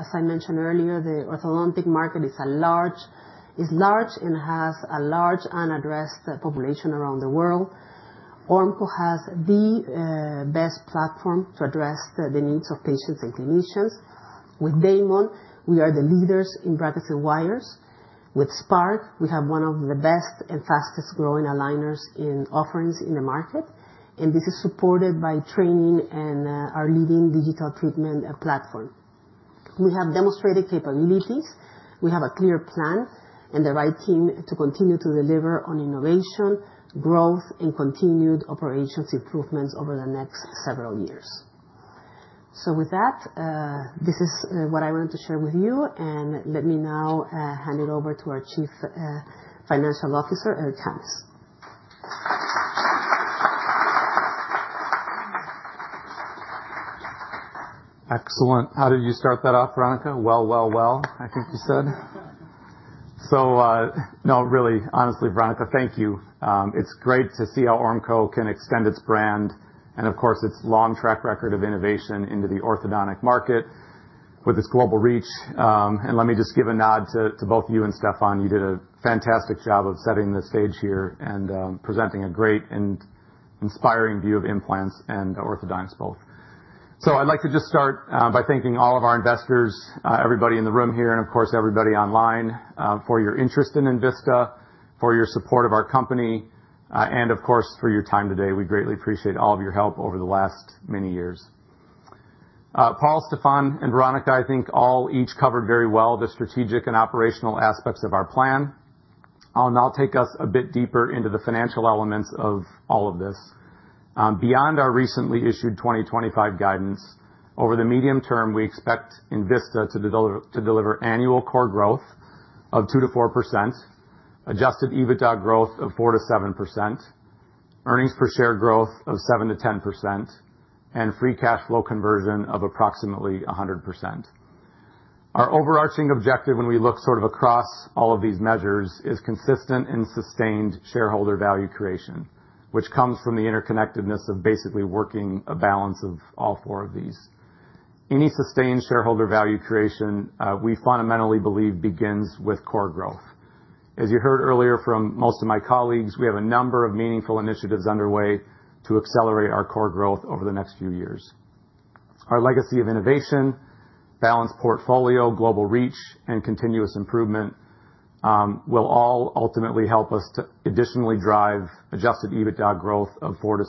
As I mentioned earlier, the orthodontic market is large and has a large unaddressed population around the world. Ormco has the best platform to address the needs of patients and clinicians. With Damon, we are the leaders in brackets and wires. With Spark, we have one of the best and fastest-growing aligner offerings in the market, and this is supported by training and our leading digital treatment platform. We have demonstrated capabilities. We have a clear plan and the right team to continue to deliver on innovation, growth, and continued operations improvements over the next several years. With that, this is what I wanted to share with you, and let me now hand it over to our Chief Financial Officer, Eric Hammes. Excellent. How did you start that off, Veronica? Really, honestly, Veronica, thank you. It's great to see how Ormco can extend its brand and, of course, its long track record of innovation into the orthodontic market with its global reach. And let me just give a nod to both you and Stefan. You did a fantastic job of setting the stage here and presenting a great and inspiring view of implants and orthodontics both. So I'd like to just start by thanking all of our investors, everybody in the room here, and of course, everybody online for your interest in Envista, for your support of our company, and of course, for your time today. We greatly appreciate all of your help over the last many years. Paul, Stefan, and Veronica, I think all each covered very well the strategic and operational aspects of our plan. I'll now take us a bit deeper into the financial elements of all of this. Beyond our recently issued 2025 guidance, over the medium term, we expect Envista to deliver annual core growth of 2%-4%, Adjusted EBITDA growth of 4%-7%, earnings per share growth of 7%-10%, and free cash flow conversion of approximately 100%. Our overarching objective when we look sort of across all of these measures is consistent and sustained shareholder value creation, which comes from the interconnectedness of basically working a balance of all four of these. Any sustained shareholder value creation we fundamentally believe begins with core growth. As you heard earlier from most of my colleagues, we have a number of meaningful initiatives underway to accelerate our core growth over the next few years. Our legacy of innovation, balanced portfolio, global reach, and continuous improvement will all ultimately help us to additionally drive Adjusted EBITDA growth of 4%-7%.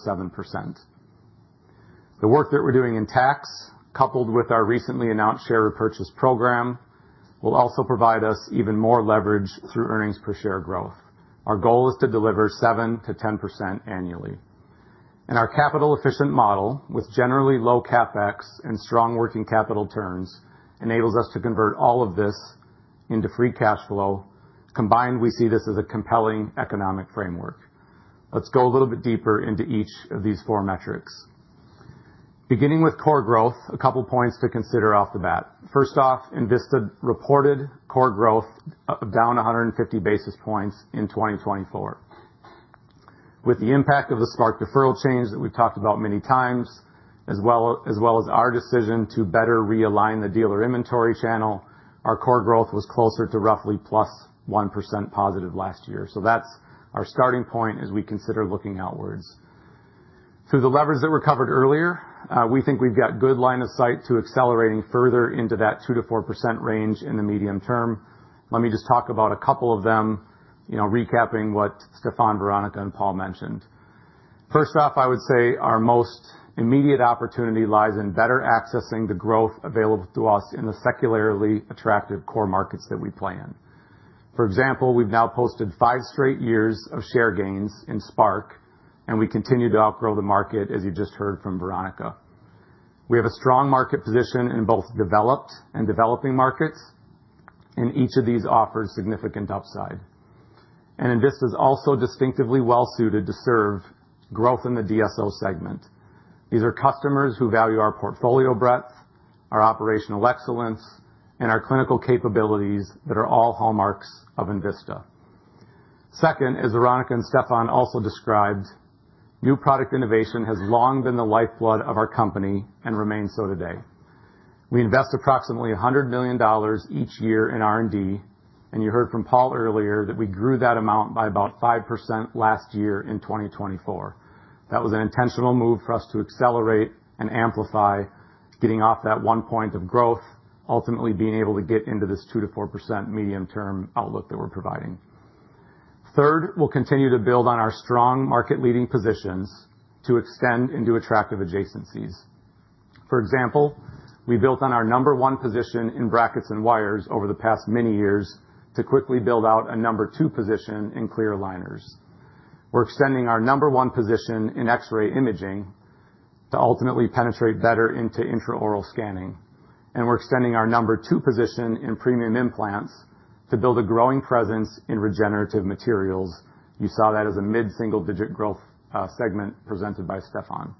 The work that we're doing in tax, coupled with our recently announced share repurchase program, will also provide us even more leverage through earnings per share growth. Our goal is to deliver 7%-10% annually, and our capital-efficient model with generally low CapEx and strong working capital turns enables us to convert all of this into free cash flow. Combined, we see this as a compelling economic framework. Let's go a little bit deeper into each of these four metrics. Beginning with core growth, a couple of points to consider off the bat. First off, Envista reported core growth of down 150 basis points in 2024. With the impact of the Spark deferral change that we've talked about many times, as well as our decision to better realign the dealer inventory channel, our core growth was closer to roughly plus 1% positive last year. So that's our starting point as we consider looking outwards. Through the levers that were covered earlier, we think we've got good line of sight to accelerating further into that 2%-4% range in the medium term. Let me just talk about a couple of them, recapping what Stefan, Veronica, and Paul mentioned. First off, I would say our most immediate opportunity lies in better accessing the growth available to us in the secularly attractive core markets that we play in. For example, we've now posted five straight years of share gains in Spark, and we continue to outgrow the market as you just heard from Veronica. We have a strong market position in both developed and developing markets, and each of these offers significant upside, and Envista is also distinctively well-suited to serve growth in the DSO segment. These are customers who value our portfolio breadth, our operational excellence, and our clinical capabilities that are all hallmarks of Envista. Second, as Veronica and Stefan also described, new product innovation has long been the lifeblood of our company and remains so today. We invest approximately $100 million each year in R&D, and you heard from Paul earlier that we grew that amount by about 5% last year in 2024. That was an intentional move for us to accelerate and amplify getting off that one point of growth, ultimately being able to get into this 2%-4% medium-term outlook that we're providing. Third, we'll continue to build on our strong market-leading positions to extend into attractive adjacencies. For example, we built on our number one position in brackets and wires over the past many years to quickly build out a number two position in clear aligners. We're extending our number one position in X-ray imaging to ultimately penetrate better into intraoral scanning. And we're extending our number two position in premium implants to build a growing presence in regenerative materials. You saw that as a mid-single-digit growth segment presented by Stefan.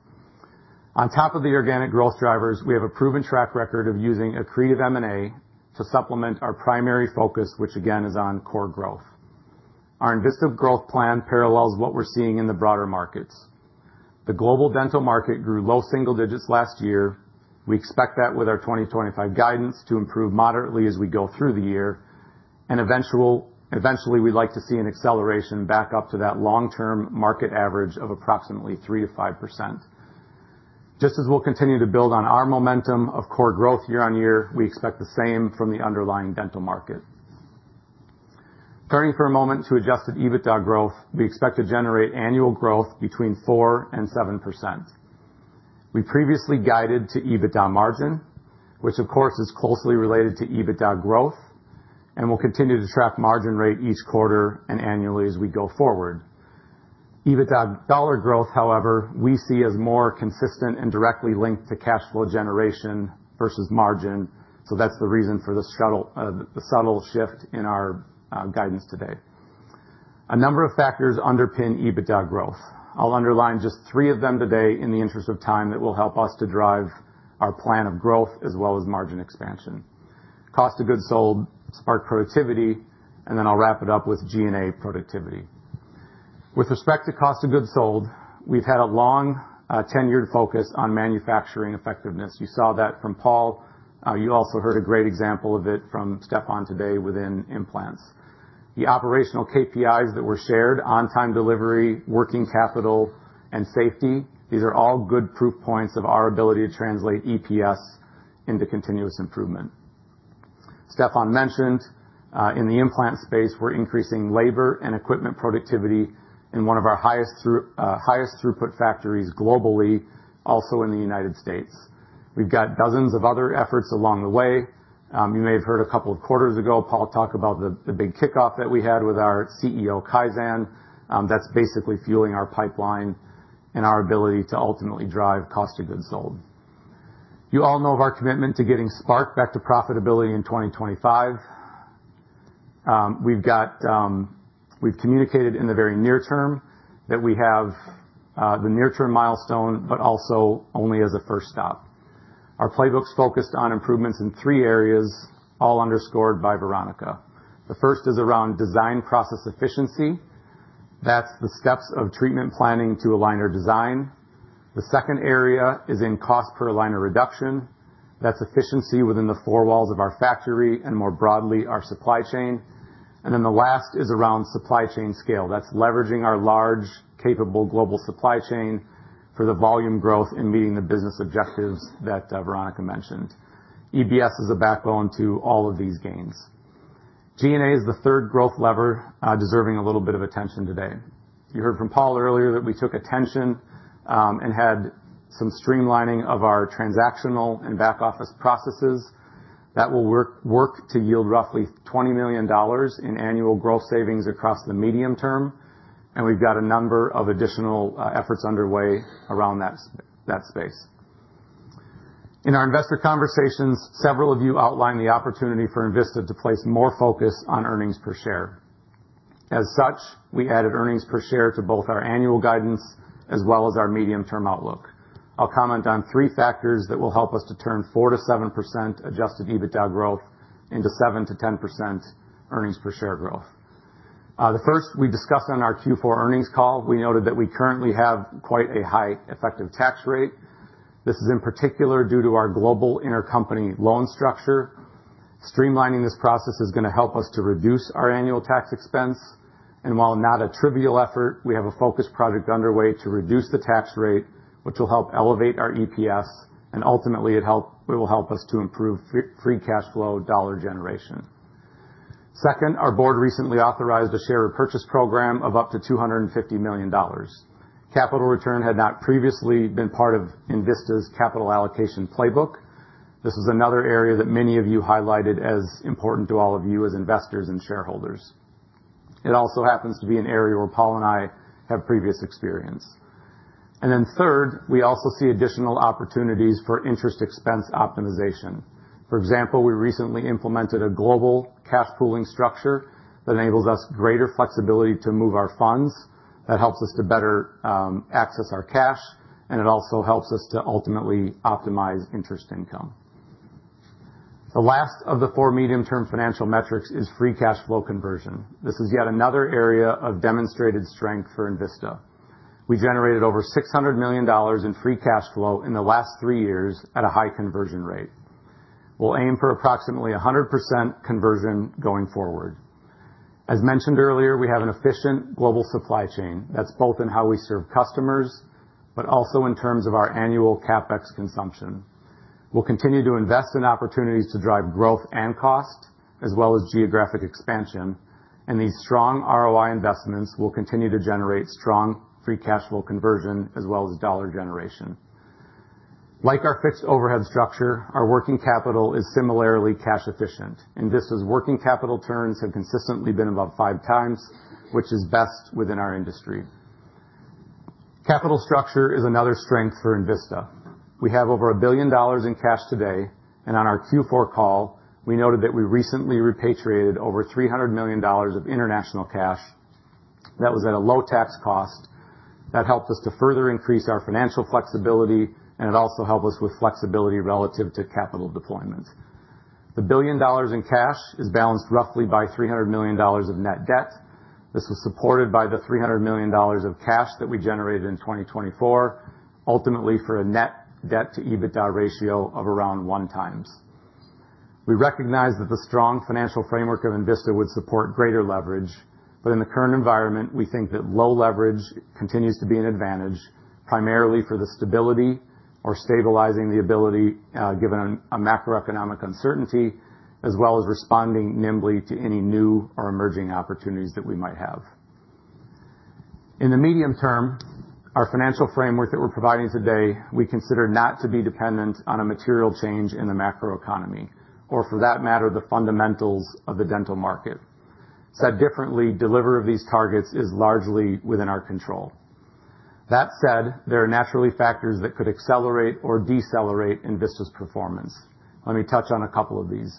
On top of the organic growth drivers, we have a proven track record of using a creative M&A to supplement our primary focus, which again is on core growth. Our Envista growth plan parallels what we're seeing in the broader markets. The global dental market grew low single digits last year. We expect that with our 2025 guidance to improve moderately as we go through the year, and eventually, we'd like to see an acceleration back up to that long-term market average of approximately 3%-5%. Just as we'll continue to build on our momentum of core growth year on year, we expect the same from the underlying dental market. Turning for a moment to Adjusted EBITDA growth, we expect to generate annual growth between 4%-7%. We previously guided to EBITDA margin, which of course is closely related to EBITDA growth, and we'll continue to track margin rate each quarter and annually as we go forward. EBITDA dollar growth, however, we see as more consistent and directly linked to cash flow generation versus margin, so that's the reason for the subtle shift in our guidance today. A number of factors underpin EBITDA growth. I'll underline just three of them today in the interest of time that will help us to drive our plan of growth as well as margin expansion. Cost of goods sold, Spark productivity, and then I'll wrap it up with G&A productivity. With respect to cost of goods sold, we've had a long tenured focus on manufacturing effectiveness. You saw that from Paul. You also heard a great example of it from Stefan today within implants. The operational KPIs that were shared, on-time delivery, working capital, and safety, these are all good proof points of our ability to translate EPS into continuous improvement. Stefan mentioned in the implant space, we're increasing labor and equipment productivity in one of our highest throughput factories globally, also in the United States. We've got dozens of other efforts along the way. You may have heard a couple of quarters ago, Paul talk about the big kickoff that we had with our CEO Kaizen. That's basically fueling our pipeline and our ability to ultimately drive cost of goods sold. You all know of our commitment to getting Spark back to profitability in 2025. We've communicated in the very near term that we have the near-term milestone, but also only as a first stop. Our playbooks focused on improvements in three areas, all underscored by Veronica. The first is around design process efficiency. That's the steps of treatment planning to align our design. The second area is in cost per aligner reduction. That's efficiency within the four walls of our factory and more broadly our supply chain. And then the last is around supply chain scale. That's leveraging our large, capable global supply chain for the volume growth and meeting the business objectives that Veronica mentioned. EBS is a backbone to all of these gains. G&A is the third growth lever deserving a little bit of attention today. You heard from Paul earlier that we took action and had some streamlining of our transactional and back-office processes that will work to yield roughly $20 million in annual growth savings across the medium term. And we've got a number of additional efforts underway around that space. In our investor conversations, several of you outlined the opportunity for Envista to place more focus on earnings per share. As such, we added earnings per share to both our annual guidance as well as our medium-term outlook. I'll comment on three factors that will help us to turn 4%-7% Adjusted EBITDA growth into 7%-10% earnings per share growth. The first we discussed on our Q4 earnings call, we noted that we currently have quite a high effective tax rate. This is in particular due to our global intercompany loan structure. Streamlining this process is going to help us to reduce our annual tax expense. And while not a trivial effort, we have a focused project underway to reduce the tax rate, which will help elevate our EPS, and ultimately it will help us to improve free cash flow dollar generation. Second, our board recently authorized a share repurchase program of up to $250 million. Capital return had not previously been part of Envista's capital allocation playbook. This was another area that many of you highlighted as important to all of you as investors and shareholders. It also happens to be an area where Paul and I have previous experience, and then third, we also see additional opportunities for interest expense optimization. For example, we recently implemented a global cash pooling structure that enables us greater flexibility to move our funds that helps us to better access our cash, and it also helps us to ultimately optimize interest income. The last of the four medium-term financial metrics is free cash flow conversion. This is yet another area of demonstrated strength for Envista. We generated over $600 million in free cash flow in the last three years at a high conversion rate. We'll aim for approximately 100% conversion going forward. As mentioned earlier, we have an efficient global supply chain that's both in how we serve customers, but also in terms of our annual CapEx consumption. We'll continue to invest in opportunities to drive growth and cost, as well as geographic expansion, and these strong ROI investments will continue to generate strong free cash flow conversion, as well as dollar generation. Like our fixed overhead structure, our working capital is similarly cash efficient. Envista's working capital turns have consistently been above five times, which is best within our industry. Capital structure is another strength for Envista. We have over $1 billion in cash today, and on our Q4 call, we noted that we recently repatriated over $300 million of international cash. That was at a low tax cost. That helped us to further increase our financial flexibility, and it also helped us with flexibility relative to capital deployment. The $1 billion in cash is balanced roughly by $300 million of net debt. This was supported by the $300 million of cash that we generated in 2024, ultimately for a net debt to EBITDA ratio of around one times. We recognize that the strong financial framework of Envista would support greater leverage, but in the current environment, we think that low leverage continues to be an advantage, primarily for the stability or stabilizing the ability given a macroeconomic uncertainty, as well as responding nimbly to any new or emerging opportunities that we might have. In the medium term, our financial framework that we're providing today, we consider not to be dependent on a material change in the macroeconomy, or for that matter, the fundamentals of the dental market. Said differently, delivery of these targets is largely within our control. That said, there are naturally factors that could accelerate or decelerate Envista's performance. Let me touch on a couple of these.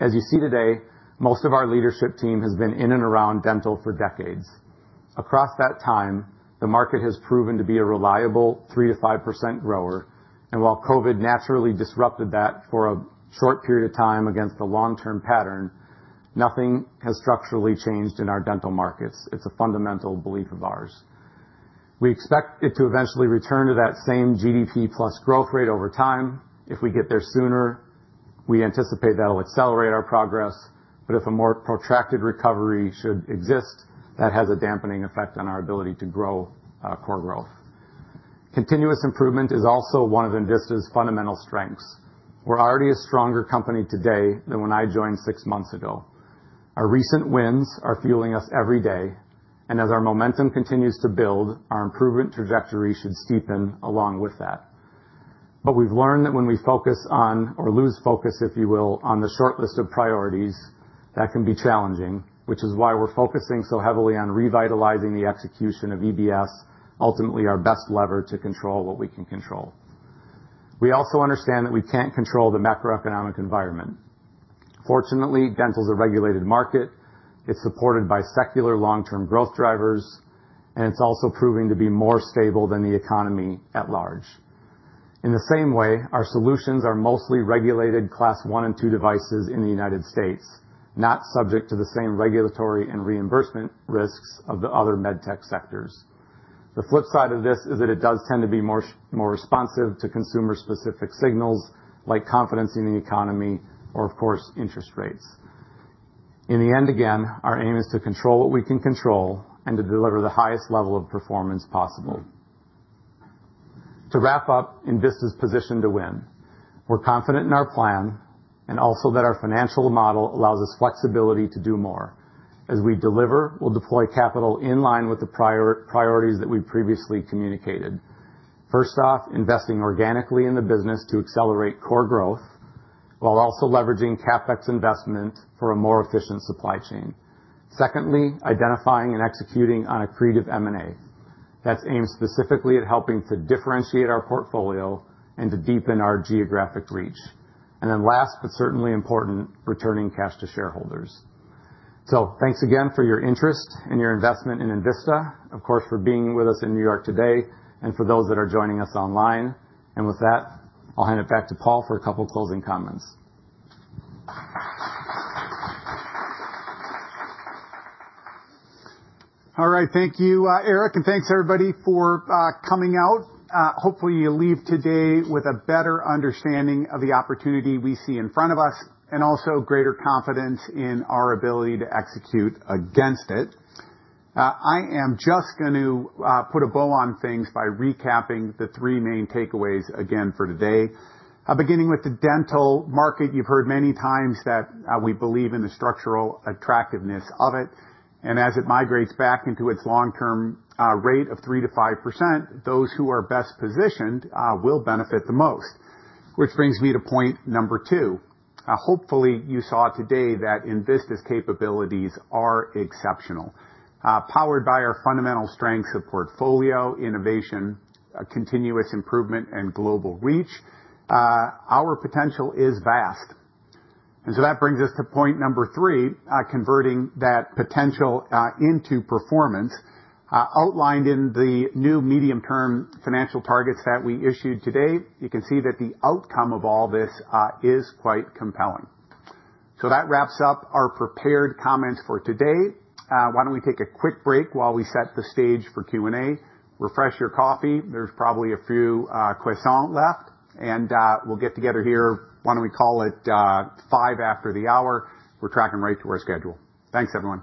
As you see today, most of our leadership team has been in and around dental for decades. Across that time, the market has proven to be a reliable 3%-5% grower, and while COVID naturally disrupted that for a short period of time against a long-term pattern, nothing has structurally changed in our dental markets. It's a fundamental belief of ours. We expect it to eventually return to that same GDP plus growth rate over time. If we get there sooner, we anticipate that will accelerate our progress, but if a more protracted recovery should exist, that has a dampening effect on our ability to grow core growth. Continuous improvement is also one of Envista's fundamental strengths. We're already a stronger company today than when I joined six months ago. Our recent wins are fueling us every day, and as our momentum continues to build, our improvement trajectory should steepen along with that, but we've learned that when we focus on, or lose focus, if you will, on the shortlist of priorities, that can be challenging, which is why we're focusing so heavily on revitalizing the execution of EBS, ultimately our best lever to control what we can control. We also understand that we can't control the macroeconomic environment. Fortunately, dental is a regulated market. It's supported by secular long-term growth drivers, and it's also proving to be more stable than the economy at large. In the same way, our solutions are mostly regulated Class I and II devices in the United States, not subject to the same regulatory and reimbursement risks of the other MedTech sectors. The flip side of this is that it does tend to be more responsive to consumer-specific signals like confidence in the economy or, of course, interest rates. In the end, again, our aim is to control what we can control and to deliver the highest level of performance possible. To wrap up, Envista's position to win. We're confident in our plan and also that our financial model allows us flexibility to do more. As we deliver, we'll deploy capital in line with the priorities that we've previously communicated. First off, investing organically in the business to accelerate core growth while also leveraging CapEx investment for a more efficient supply chain. Secondly, identifying and executing on a creative M&A. That's aimed specifically at helping to differentiate our portfolio and to deepen our geographic reach. Then last, but certainly important, returning cash to shareholders. Thanks again for your interest and your investment in Envista, of course, for being with us in New York today, and for those that are joining us online. With that, I'll hand it back to Paul for a couple of closing comments. All right, thank you, Eric, and thanks everybody for coming out. Hopefully, you leave today with a better understanding of the opportunity we see in front of us and also greater confidence in our ability to execute against it. I am just going to put a bow on things by recapping the three main takeaways again for today. Beginning with the dental market, you've heard many times that we believe in the structural attractiveness of it. And as it migrates back into its long-term rate of 3%-5%, those who are best positioned will benefit the most, which brings me to point number two. Hopefully, you saw today that Envista's capabilities are exceptional. Powered by our fundamental strengths of portfolio, innovation, continuous improvement, and global reach, our potential is vast. And so that brings us to point number three, converting that potential into performance. Outlined in the new medium-term financial targets that we issued today, you can see that the outcome of all this is quite compelling. So that wraps up our prepared comments for today. Why don't we take a quick break while we set the stage for Q&A? Refresh your coffee. There's probably a few croissants left, and we'll get together here. Why don't we call it five after the hour? We're tracking right to our schedule. Thanks, everyone,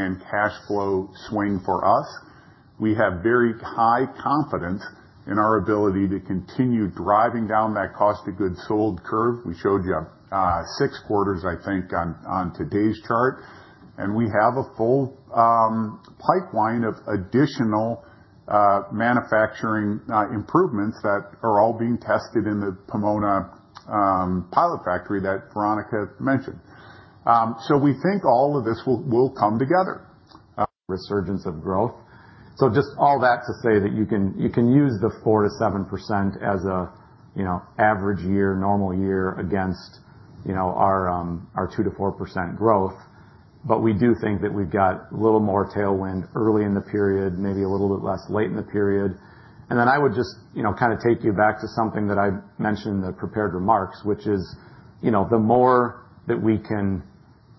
and cash flow swing for us. We have very high confidence in our ability to continue driving down that cost of goods sold curve. We showed you six quarters, I think, on today's chart, and we have a full pipeline of additional manufacturing improvements that are all being tested in the Pomona pilot factory that Veronica mentioned. So we think all of this will come together. Resurgence of growth. So just all that to say that you can use the 4%-7% as an average year, normal year against our 2%-4% growth. But we do think that we've got a little more tailwind early in the period, maybe a little bit less late in the period. And then I would just kind of take you back to something that I mentioned in the prepared remarks, which is the more that we can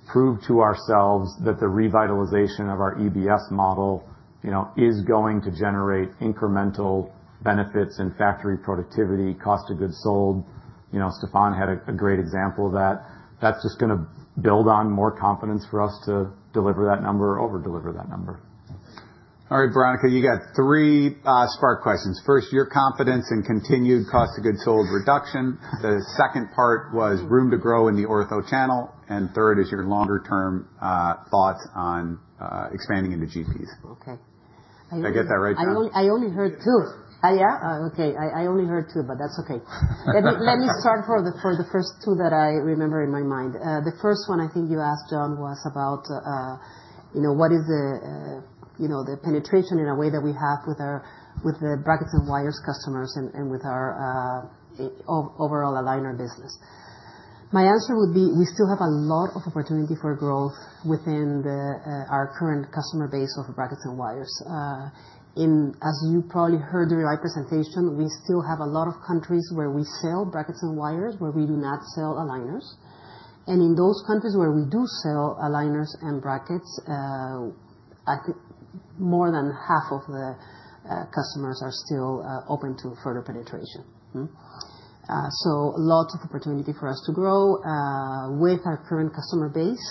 prove to ourselves that the revitalization of our EBS model is going to generate incremental benefits in factory productivity, cost of goods sold. Stefan had a great example of that. That's just going to build on more confidence for us to deliver that number or over-deliver that number. All right, Veronica, you got three Spark questions. First, your confidence in continued cost of goods sold reduction. The second part was room to grow in the ortho channel, and third is your longer-term thoughts on expanding into GPs. Okay. Did I get that right? I only heard two. Yeah, yeah. Okay. I only heard two, but that's okay. Let me start for the first two that I remember in my mind. The first one I think you asked, John, was about what is the penetration in a way that we have with the brackets and wires customers and with our overall aligner business. My answer would be we still have a lot of opportunity for growth within our current customer base of brackets and wires. As you probably heard during my presentation, we still have a lot of countries where we sell brackets and wires, where we do not sell aligners. In those countries where we do sell aligners and brackets, I think more than half of the customers are still open to further penetration. Lots of opportunity for us to grow with our current customer base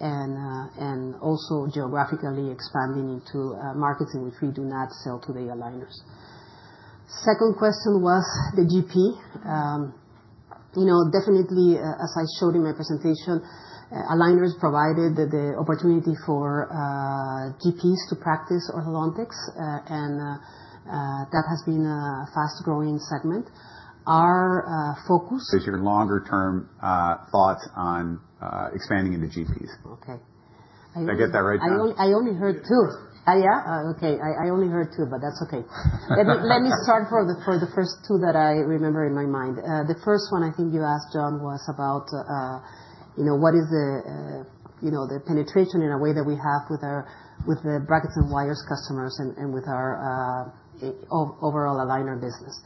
and also geographically expanding into markets in which we do not sell today aligners. Second question was the GP. Definitely, as I showed in my presentation, aligners provided the opportunity for GPs to practice orthodontics, and that has been a fast-growing segment. Our focus. Is your longer-term thoughts on expanding into GPs? Okay. Did I get that right? I only heard two. Yeah, yeah. Okay. I only heard two, but that's okay. Let me start for the first two that I remember in my mind. The first one I think you asked, John, was about what is the penetration in a way that we have with the brackets and wires customers and with our overall aligner business.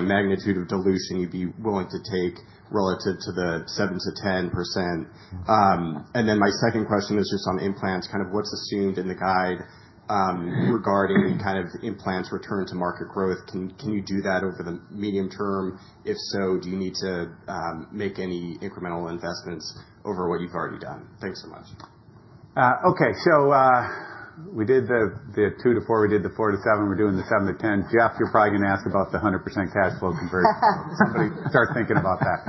Magnitude of dilution you'd be willing to take relative to the 7%-10%. And then my second question is just on implants, kind of what's assumed in the guide regarding kind of implants' return to market growth. Can you do that over the medium term? If so, do you need to make any incremental investments over what you've already done? Thanks so much. Okay. So we did the 2%-4%. We did the 4%-7%. We're doing the 7%-10%. Jeff, you're probably going to ask about the 100% cash flow conversion if somebody starts thinking about that.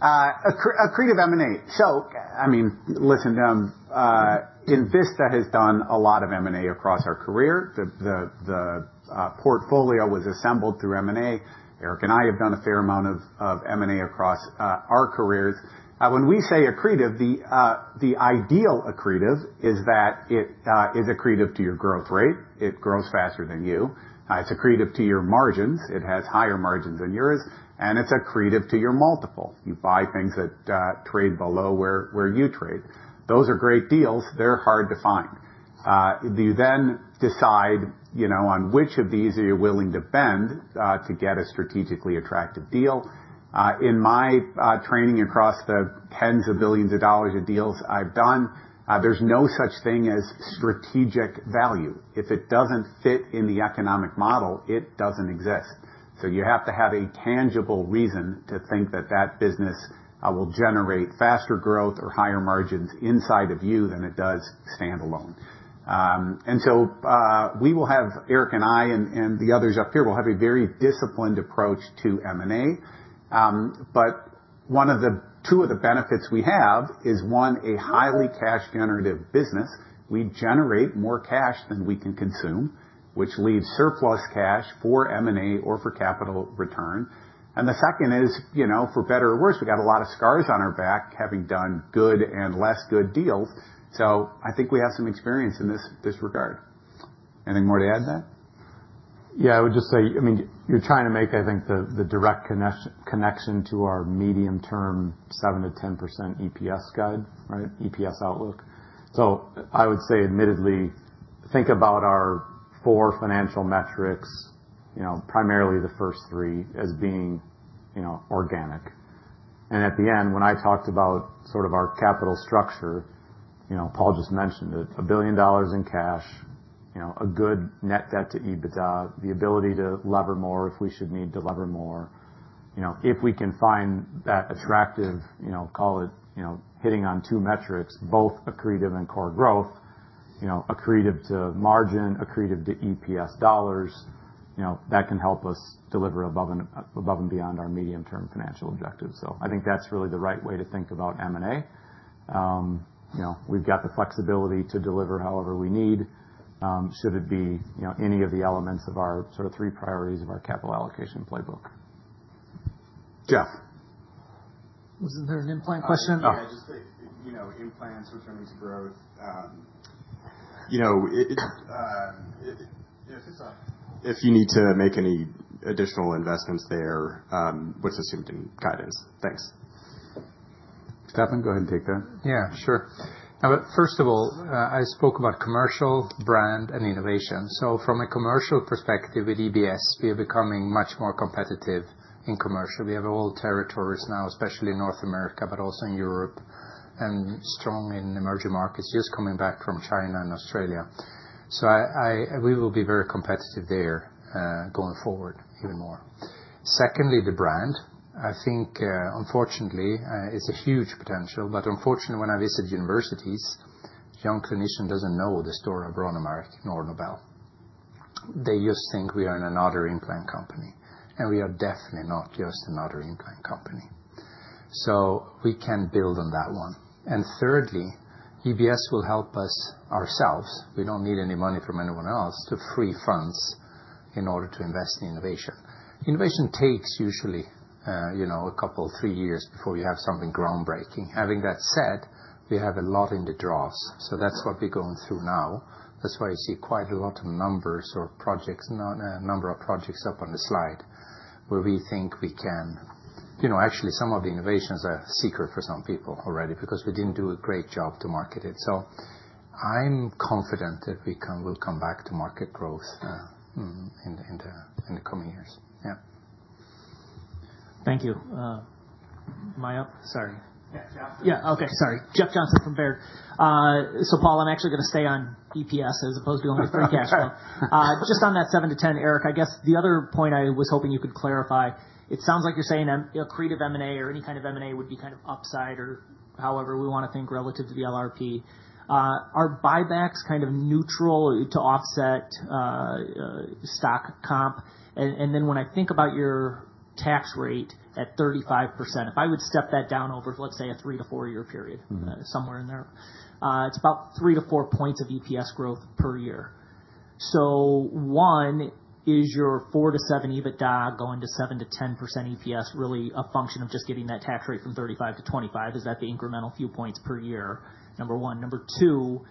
Accretive M&A. So, I mean, listen, Envista has done a lot of M&A across our career. The portfolio was assembled through M&A. Eric and I have done a fair amount of M&A across our careers. When we say accretive, the ideal accretive is that it is accretive to your growth rate. It grows faster than you. It's accretive to your margins. It has higher margins than yours. And it's accretive to your multiple. You buy things that trade below where you trade. Those are great deals. They're hard to find. You then decide on which of these you're willing to bend to get a strategically attractive deal. In my training across the tens of billions of dollars of deals I've done, there's no such thing as strategic value. If it doesn't fit in the economic model, it doesn't exist. You have to have a tangible reason to think that that business will generate faster growth or higher margins inside of us than it does stand alone. And so we will have Eric and I and the others up here will have a very disciplined approach to M&A. But two of the benefits we have is, one, a highly cash-generative business. We generate more cash than we can consume, which leaves surplus cash for M&A or for capital return. And the second is, for better or worse, we got a lot of scars on our back having done good and less good deals. So I think we have some experience in this regard. Anything more to add to that? Yeah. I would just say, I mean, you're trying to make, I think, the direct connection to our medium-term 7%-10% EPS guide, right? EPS outlook. So I would say, admittedly, think about our four financial metrics, primarily the first three, as being organic. And at the end, when I talked about sort of our capital structure, Paul just mentioned it, $1 billion in cash, a good net debt to EBITDA, the ability to lever more if we should need to lever more. If we can find that attractive, call it hitting on two metrics, both accretive and core growth, accretive to margin, accretive to EPS dollars, that can help us deliver above and beyond our medium-term financial objectives. So I think that's really the right way to think about M&A. We've got the flexibility to deliver however we need, should it be any of the elements of our sort of three priorities of our capital allocation playbook. Jeff. Wasn't there an implant question? Yeah. Just implants returning to growth. If you need to make any additional investments there, what's assumed in guidance? Thanks. Stefan, go ahead and take that. Yeah. Sure. First of all, I spoke about commercial, brand, and innovation. So from a commercial perspective with EBS, we are becoming much more competitive in commercial. We have all territories now, especially in North America, but also in Europe and strong in emerging markets, just coming back from China and Australia. So we will be very competitive there going forward, even more. Secondly, the brand. I think, unfortunately, it's a huge potential. But unfortunately, when I visit universities, a young clinician doesn't know the story of Brånemark nor Nobel. They just think we are in another implant company. And we are definitely not just another implant company. So we can build on that one. And thirdly, EBS will help us ourselves. We don't need any money from anyone else to free funds in order to invest in innovation. Innovation takes usually a couple, three years before you have something groundbreaking. Having that said, we have a lot in the drawers. So that's what we're going through now. That's why you see quite a lot of numbers or a number of projects up on the slide where we think we can actually, some of the innovations are secret for some people already because we didn't do a great job to market it. So I'm confident that we will come back to market growth in the coming years. Yeah. Thank you. Sorry. Yeah. Jeff. Yeah. Okay. Sorry. Jeff Johnson from Baird. So Paul, I'm actually going to stay on EPS as opposed to only free cash flow. Just on that 7-10, Eric, I guess the other point I was hoping you could clarify. It sounds like you're saying accretive M&A or any kind of M&A would be kind of upside or however we want to think relative to the LRP. Are buybacks kind of neutral to offset stock comp? And then when I think about your tax rate at 35%, if I would step that down over, let's say, a three- to four-year period, somewhere in there, it's about three- to four points of EPS growth per year. So one, is your 4-7 EBITDA going to 7-10% EPS really a function of just getting that tax rate from 35% to 25%? Is that the incremental few points per year? Number one. Number two,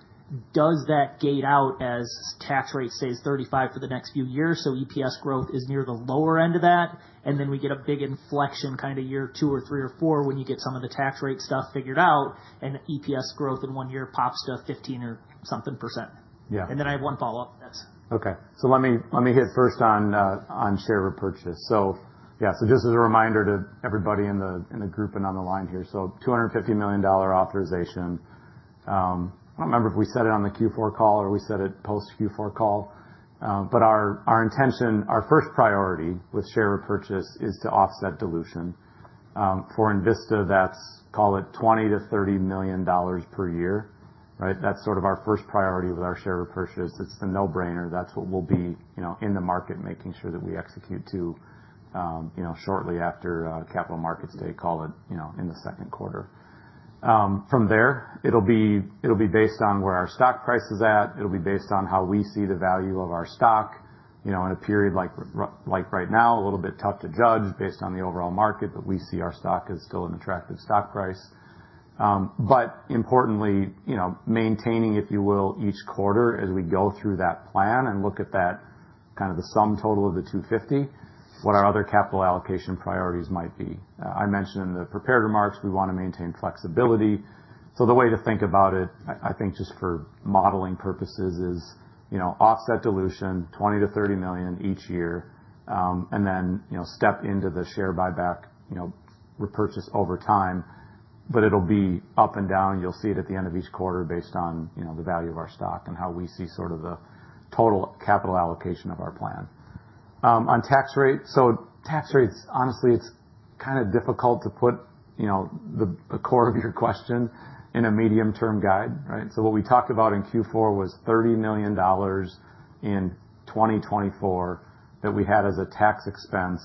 does that play out as tax rate stays 35% for the next few years? EPS growth is near the lower end of that. And then we get a big inflection kind of year two or three or four when you get some of the tax rate stuff figured out, and EPS growth in one year pops to 15% or something. And then I have one follow-up. That's Okay, so let me hit first on share repurchase. So yeah. So just as a reminder to everybody in the group and on the line here, so $250 million authorization. I don't remember if we said it on the Q4 call or we said it post-Q4 call. But our intention, our first priority with share repurchase is to offset dilution. For Envista, that's call it $20 million-$30 million per year, right? That's sort of our first priority with our share repurchase. It's the no-brainer. That's what we'll be in the market making sure that we execute to shortly after capital markets day, call it in the second quarter. From there, it'll be based on where our stock price is at. It'll be based on how we see the value of our stock. In a period like right now, a little bit tough to judge based on the overall market, but we see our stock as still an attractive stock price. But importantly, maintaining, if you will, each quarter as we go through that plan and look at kind of the sum total of the 250, what our other capital allocation priorities might be. I mentioned in the prepared remarks, we want to maintain flexibility. So the way to think about it, I think just for modeling purposes, is offset dilution, $20-$30 million each year, and then step into the share buyback repurchase over time. But it'll be up and down. You'll see it at the end of each quarter based on the value of our stock and how we see sort of the total capital allocation of our plan. On tax rate, so tax rates, honestly, it's kind of difficult to put the core of your question in a medium-term guide, right? So what we talked about in Q4 was $30 million in 2024 that we had as a tax expense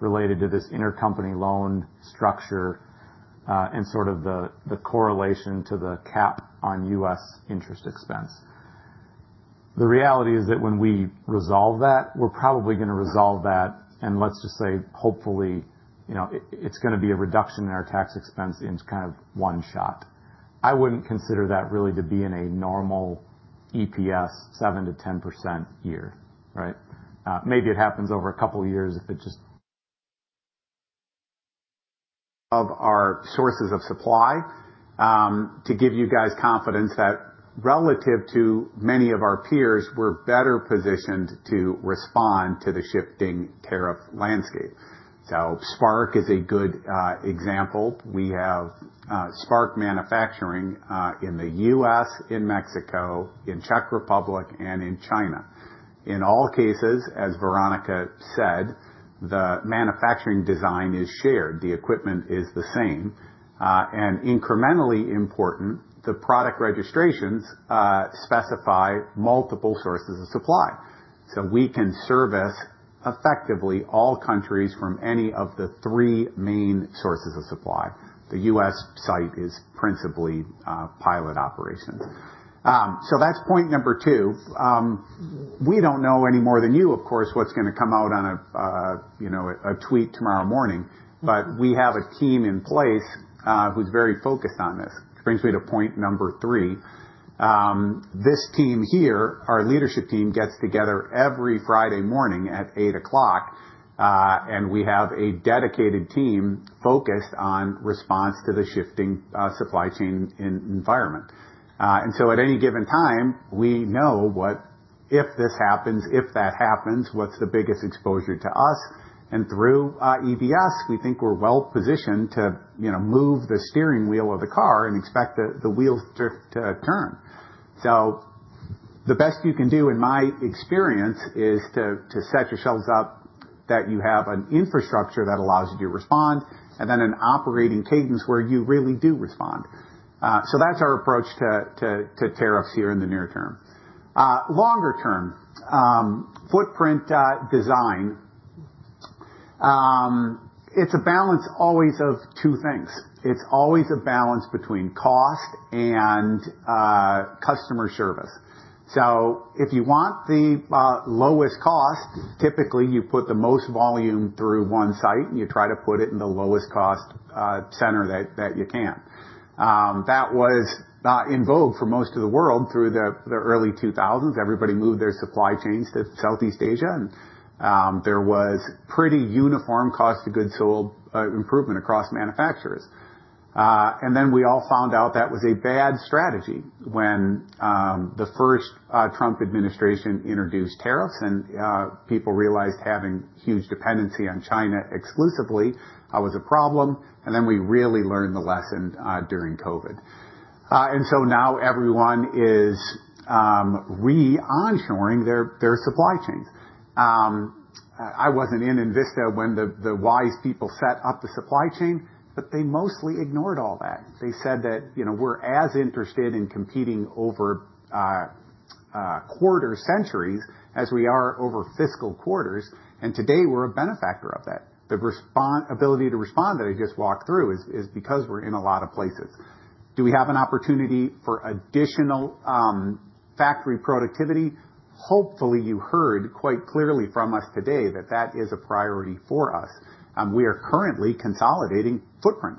related to this intercompany loan structure and sort of the correlation to the cap on U.S. interest expense. The reality is that when we resolve that, we're probably going to resolve that. And let's just say, hopefully, it's going to be a reduction in our tax expense in kind of one shot. I wouldn't consider that really to be in a normal EPS 7%-10% year, right? Maybe it happens over a couple of years if it just. Of our sources of supply to give you guys confidence that relative to many of our peers, we're better positioned to respond to the shifting tariff landscape. So Spark is a good example. We have Spark Manufacturing in the US, in Mexico, in Czech Republic, and in China. In all cases, as Veronica said, the manufacturing design is shared. The equipment is the same. And incrementally important, the product registrations specify multiple sources of supply. So we can service effectively all countries from any of the three main sources of supply. The US site is principally pilot operations. That's point number two. We don't know any more than you, of course, what's going to come out on a tweet tomorrow morning. But we have a team in place who's very focused on this. It brings me to point number three. This team here, our leadership team, gets together every Friday morning at 8:00 A.M. We have a dedicated team focused on response to the shifting supply chain environment. At any given time, we know if this happens, if that happens, what's the biggest exposure to us. Through EBS, we think we're well positioned to move the steering wheel of the car and expect the wheels to turn. The best you can do, in my experience, is to set yourselves up that you have an infrastructure that allows you to respond and then an operating cadence where you really do respond. So that's our approach to tariffs here in the near term. Longer-term footprint design, it's a balance always of two things. It's always a balance between cost and customer service. So if you want the lowest cost, typically, you put the most volume through one site, and you try to put it in the lowest cost center that you can. That was in vogue for most of the world through the early 2000s. Everybody moved their supply chains to Southeast Asia. And there was pretty uniform cost of goods sold improvement across manufacturers. And then we all found out that was a bad strategy when the first Trump administration introduced tariffs. And people realized having huge dependency on China exclusively was a problem. And then we really learned the lesson during COVID. And so now everyone is re-onshoring their supply chains. I wasn't in Envista when the wise people set up the supply chain, but they mostly ignored all that. They said that we're as interested in competing over quarter centuries as we are over fiscal quarters. Today, we're a benefactor of that. The ability to respond that I just walked through is because we're in a lot of places. Do we have an opportunity for additional factory productivity? Hopefully, you heard quite clearly from us today that that is a priority for us. We are currently consolidating footprint.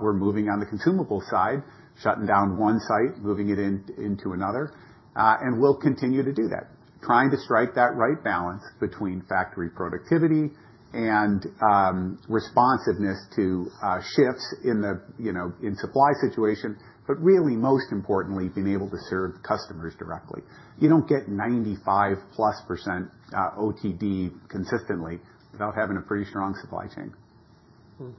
We're moving on the consumable side, shutting down one site, moving it into another. We'll continue to do that, trying to strike that right balance between factory productivity and responsiveness to shifts in the supply situation. Really, most importantly, being able to serve customers directly. You don't get 95-plus% OTD consistently without having a pretty strong supply chain. Okay.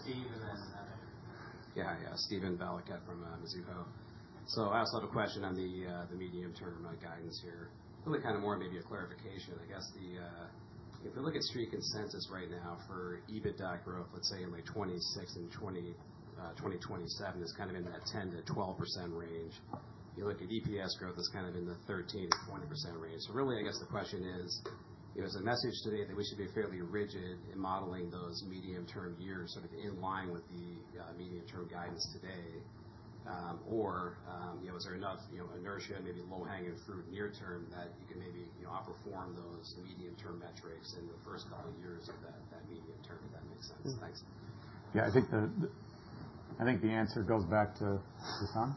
Steve and then Vik. Yeah. Yeah. Steven Valiquette from Mizuho. So I also have a question on the medium-term guidance here. Really kind of more maybe a clarification. I guess if you look at street consensus right now for EBITDA growth, let's say in like 2026 and 2027, it's kind of in that 10%-12% range. If you look at EPS growth, it's kind of in the 13%-20% range. So really, I guess the question is, is the message today that we should be fairly rigid in modeling those medium-term years sort of in line with the medium-term guidance today? Or is there enough inertia, maybe low-hanging fruit near-term, that you can maybe outperform those medium-term metrics in the first couple of years of that medium term, if that makes sense? Thanks. Yeah. I think the answer goes back to this one.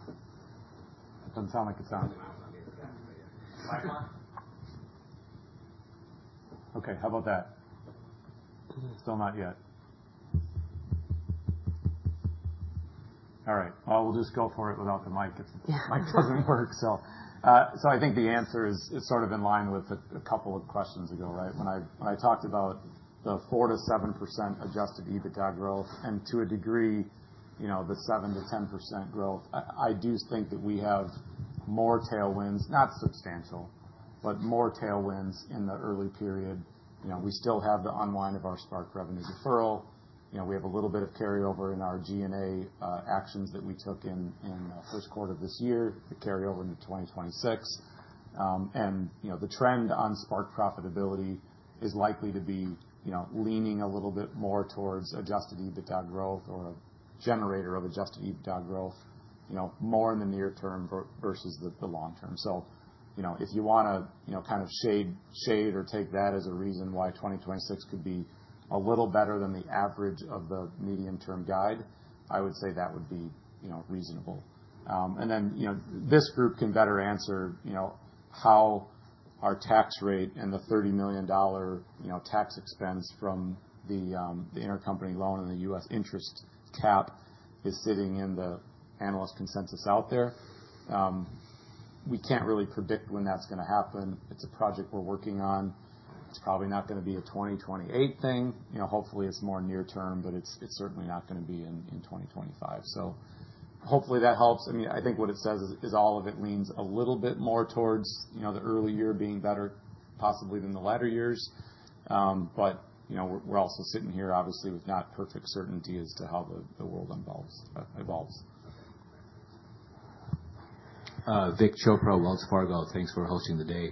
It doesn't sound like it's on. I'm going to move it back, but yeah. Mic on? Okay. How about that? Still not yet. All right, we'll just go for it without the mic. The mic doesn't work, so I think the answer is sort of in line with a couple of questions ago, right? When I talked about the 4%-7% Adjusted EBITDA growth and to a degree, the 7%-10% growth, I do think that we have more tailwinds, not substantial, but more tailwinds in the early period. We still have the unwind of our Spark revenue deferral. We have a little bit of carryover in our G&A actions that we took in the first quarter of this year, the carryover into 2026. And the trend on Spark profitability is likely to be leaning a little bit more towards Adjusted EBITDA growth or a generator of Adjusted EBITDA growth more in the near term versus the long term. So if you want to kind of shade or take that as a reason why 2026 could be a little better than the average of the medium-term guide, I would say that would be reasonable. And then this group can better answer how our tax rate and the $30 million tax expense from the intercompany loan and the U.S. interest cap is sitting in the analyst consensus out there. We can't really predict when that's going to happen. It's a project we're working on. It's probably not going to be a 2028 thing. Hopefully, it's more near term, but it's certainly not going to be in 2025. So hopefully, that helps. I mean, I think what it says is all of it leans a little bit more towards the early year being better possibly than the latter years. But we're also sitting here, obviously, with not perfect certainty as to how the world evolves. Vik Chopra, Wells Fargo. Thanks for hosting the day.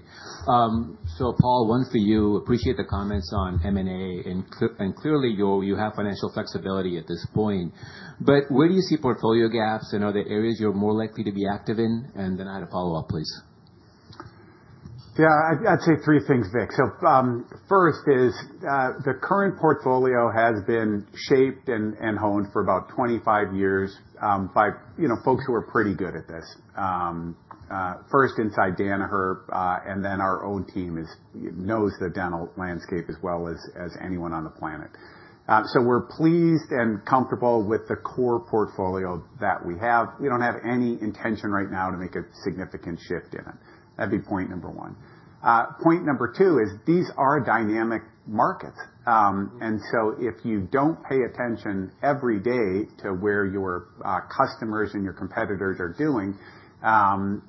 So Paul, one for you. Appreciate the comments on M&A. And clearly, you have financial flexibility at this point. But where do you see portfolio gaps and are there areas you're more likely to be active in? And then I had a follow-up, please. Yeah. I'd say three things, Vik. So first is the current portfolio has been shaped and honed for about 25 years by folks who are pretty good at this. First, inside Danaher, and then our own team knows the dental landscape as well as anyone on the planet. So we're pleased and comfortable with the core portfolio that we have. We don't have any intention right now to make a significant shift in it. That'd be point number one. Point number two is these are dynamic markets. And so if you don't pay attention every day to where your customers and your competitors are doing,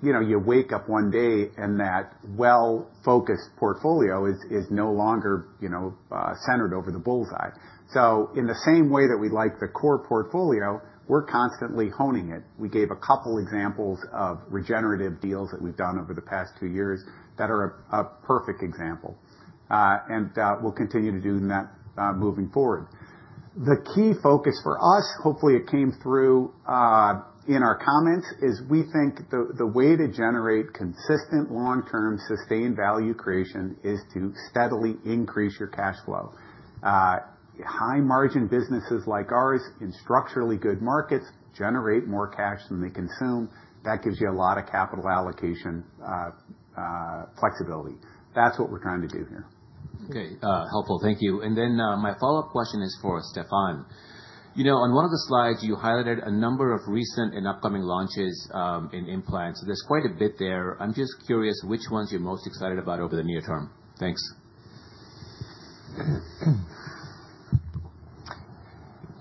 you wake up one day and that well-focused portfolio is no longer centered over the bullseye. So in the same way that we like the core portfolio, we're constantly honing it. We gave a couple of examples of regenerative deals that we've done over the past two years that are a perfect example. And we'll continue to do that moving forward. The key focus for us, hopefully, it came through in our comments, is we think the way to generate consistent long-term sustained value creation is to steadily increase your cash flow. High-margin businesses like ours in structurally good markets generate more cash than they consume. That gives you a lot of capital allocation flexibility. That's what we're trying to do here. Okay. Helpful. Thank you. And then my follow-up question is for Stefan. On one of the slides, you highlighted a number of recent and upcoming launches in implants. There's quite a bit there. I'm just curious which ones you're most excited about over the near term. Thanks.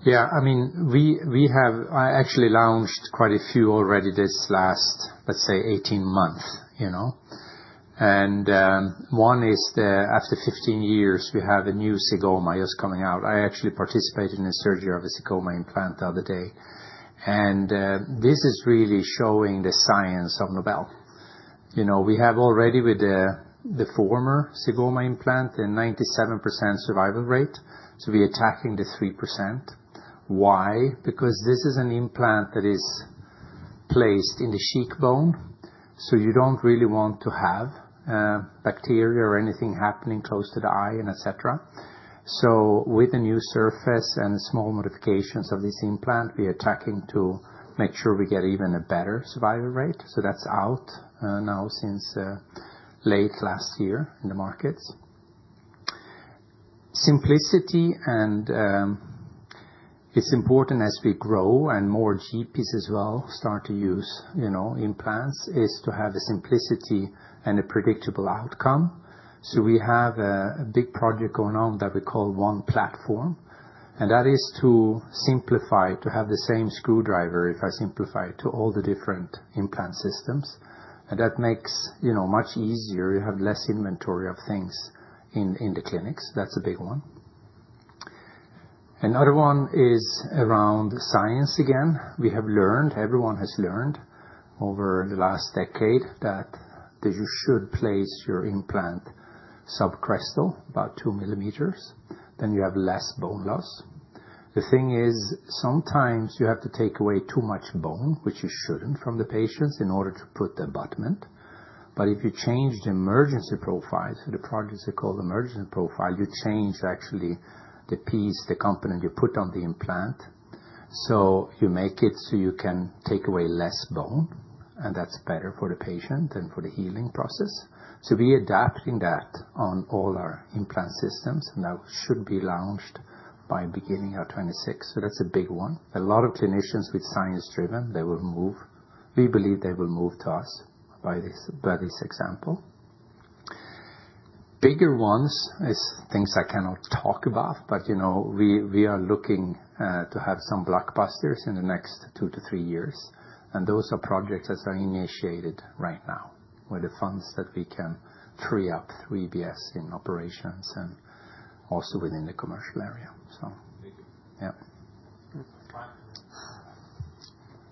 Yeah. I mean, we have actually launched quite a few already this last, let's say, 18 months. And one is after 15 years, we have a new zygoma just coming out. I actually participated in a surgery of a zygoma implant the other day. And this is really showing the science of Nobel. We have already with the former zygoma implant a 97% survival rate. So we're attacking the 3%. Why? Because this is an implant that is placed in the cheekbone. So you don't really want to have bacteria or anything happening close to the eye, etc. So with a new surface and small modifications of this implant, we're attacking to make sure we get even a better survival rate. So that's out now since late last year in the markets. Simplicity, and it's important as we grow and more GPs as well start to use implants, is to have a simplicity and a predictable outcome. So we have a big project going on that we call One Platform. And that is to simplify to have the same screwdriver, if I simplify it, to all the different implant systems. And that makes it much easier. You have less inventory of things in the clinics. That's a big one. Another one is around science again. We have learned, everyone has learned over the last decade that you should place your implant subcrestal, about 2 millimeters, then you have less bone loss. The thing is, sometimes you have to take away too much bone, which you shouldn't from the patients in order to put the abutment. But if you change the emergence profile, so the project is called Emergence Profile, you change actually the piece, the component you put on the implant, so you make it so you can take away less bone. And that's better for the patient than for the healing process, so we are adapting that on all our implant systems, and that should be launched by beginning of 2026. So that's a big one. A lot of clinicians with science-driven, they will move. We believe they will move to us by this example. Bigger ones are things I cannot talk about. But we are looking to have some blockbusters in the next two to three years. And those are projects that are initiated right now with the funds that we can free up through EBS in operations and also within the commercial area. So. Thank you.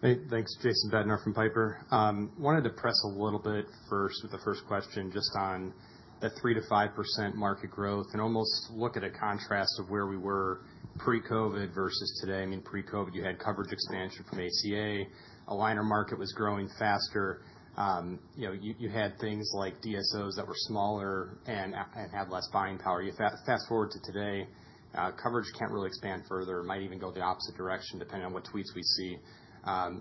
Yeah. Thanks. Jason Bednar from Piper. Wanted to press a little bit first with the first question just on the 3-5% market growth and almost look at a contrast of where we were pre-COVID versus today. I mean, pre-COVID, you had coverage expansion from ACA. Aligner market was growing faster. You had things like DSOs that were smaller and had less buying power. You fast forward to today, coverage can't really expand further. It might even go the opposite direction depending on what tweets we see.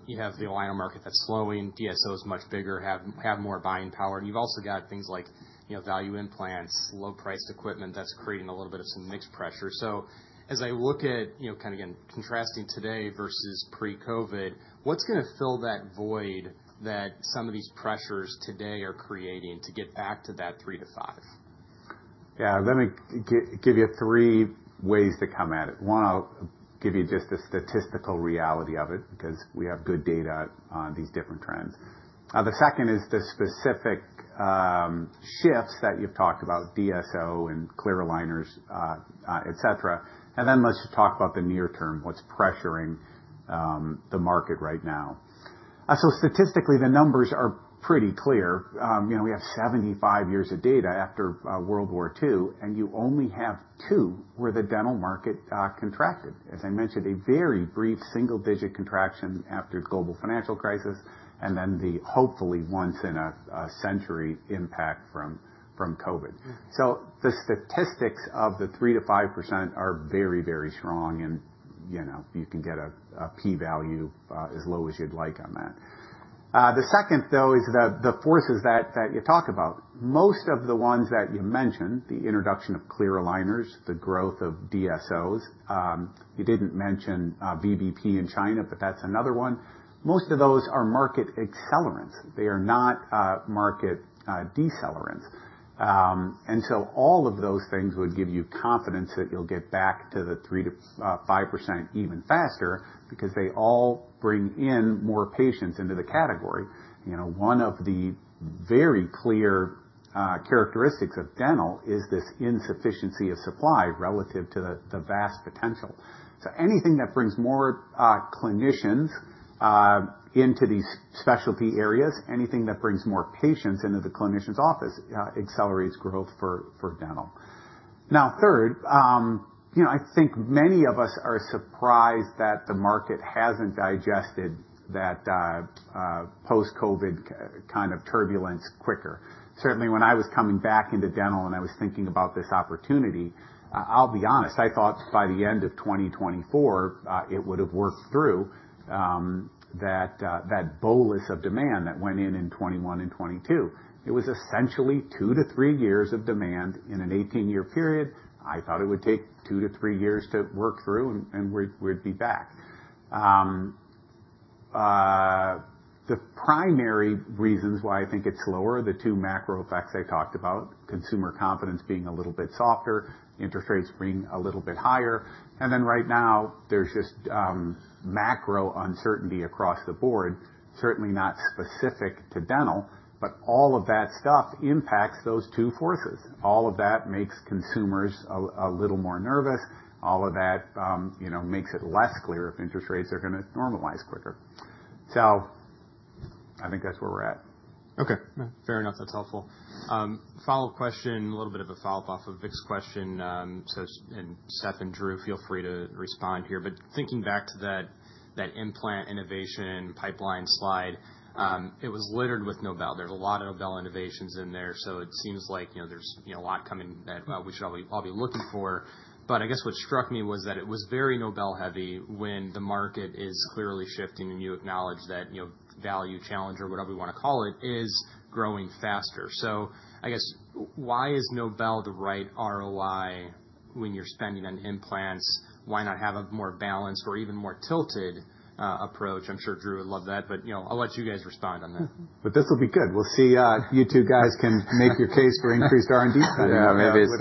You have the Aligner market that's slowing. DSO is much bigger, have more buying power. And you've also got things like value implants, low-priced equipment that's creating a little bit of some mixed pressure. So as I look at kind of contrasting today versus pre-COVID, what's going to fill that void that some of these pressures today are creating to get back to that 3 to 5? Yeah. Let me give you three ways to come at it. One, I'll give you just the statistical reality of it because we have good data on these different trends. The second is the specific shifts that you've talked about, DSO and clear aligners, etc. And then let's talk about the near term, what's pressuring the market right now. So statistically, the numbers are pretty clear. We have 75 years of data after World War II. And you only have two where the dental market contracted. As I mentioned, a very brief single-digit contraction after the global financial crisis and then the hopefully once-in-a-century impact from COVID. So the statistics of the 3%-5% are very, very strong. And you can get a p-value as low as you'd like on that. The second, though, is the forces that you talk about. Most of the ones that you mentioned, the introduction of clear aligners, the growth of DSOs. You didn't mention VBP in China, but that's another one. Most of those are market accelerants. They are not market decelerants. And so all of those things would give you confidence that you'll get back to the 3%-5% even faster because they all bring in more patients into the category. One of the very clear characteristics of dental is this insufficiency of supply relative to the vast potential. Anything that brings more clinicians into these specialty areas, anything that brings more patients into the clinician's office accelerates growth for dental. Now, third, I think many of us are surprised that the market hasn't digested that post-COVID kind of turbulence quicker. Certainly, when I was coming back into dental and I was thinking about this opportunity, I'll be honest, I thought by the end of 2024, it would have worked through that bolus of demand that went in in 2021 and 2022. It was essentially two to three years of demand in an 18-year period. I thought it would take two to three years to work through and we'd be back. The primary reasons why I think it's slower, the two macro effects I talked about, consumer confidence being a little bit softer, interest rates being a little bit higher. And then right now, there's just macro uncertainty across the board, certainly not specific to dental, but all of that stuff impacts those two forces. All of that makes consumers a little more nervous. All of that makes it less clear if interest rates are going to normalize quicker. So I think that's where we're at. Okay. Fair enough. That's helpful. Follow-up question, a little bit of a follow-up off of Vik's question. And Stef and Drew, feel free to respond here. But thinking back to that implant innovation pipeline slide, it was littered with Nobel. There's a lot of Nobel innovations in there. So it seems like there's a lot coming that we should all be looking for. But I guess what struck me was that it was very Nobel-heavy when the market is clearly shifting and you acknowledge that value challenger or whatever you want to call it is growing faster. So I guess, why is Nobel the right ROI when you're spending on implants? Why not have a more balanced or even more tilted approach? I'm sure Drew would love that. But I'll let you guys respond on that. But this will be good. We'll see you two guys can make your case for increased R&D spending. Yeah. Maybe it's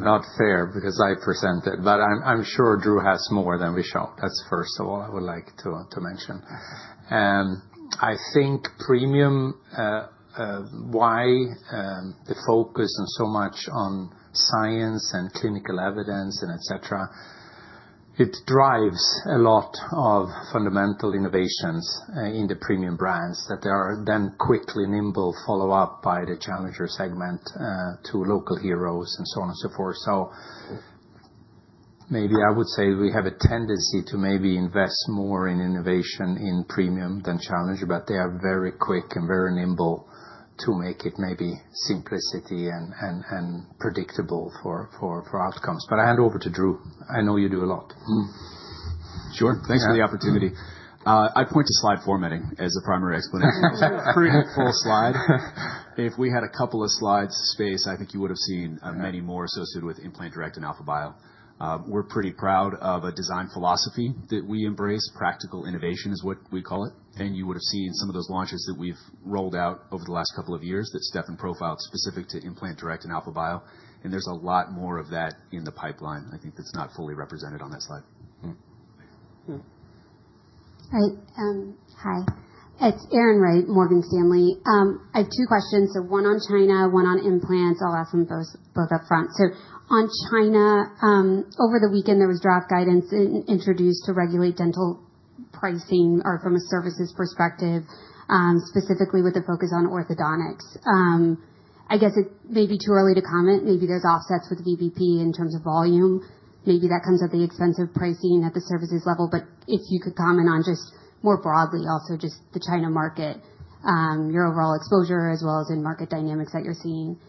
not fair because I present it. But I'm sure Drew has more than we show. That's first of all I would like to mention. I think premium why the focus and so much on science and clinical evidence and etc. It drives a lot of fundamental innovations in the premium brands that are then quickly nimble follow-up by the challenger segment to local heroes and so on and so forth. So maybe I would say we have a tendency to maybe invest more in innovation in premium than challenger, but they are very quick and very nimble to make it maybe simplicity and predictable for outcomes. But I hand over to Drew. I know you do a lot. Sure. Thanks for the opportunity. I'd point to slide formatting as a primary explanation. It was a pretty full slide. If we had a couple of slides space, I think you would have seen many more associated with Implant Direct and Alpha-Bio Tec. We're pretty proud of a design philosophy that we embrace. Practical innovation is what we call it. And you would have seen some of those launches that we've rolled out over the last couple of years that Stefan profiled specific to Implant Direct and Alpha-Bio Tec. And there's a lot more of that in the pipeline. I think that's not fully represented on that slide. All right. Hi. It's Erin Wright, Morgan Stanley. I have two questions. So one on China, one on implants. I'll ask them both upfront. So on China, over the weekend, there was draft guidance introduced to regulate dental pricing from a services perspective, specifically with a focus on orthodontics. I guess it may be too early to comment. Maybe there's offsets with VBP in terms of volume. Maybe that comes at the expense of pricing at the services level. But if you could comment on just more broadly, also just the China market, your overall exposure as well as in market dynamics that you're seeing.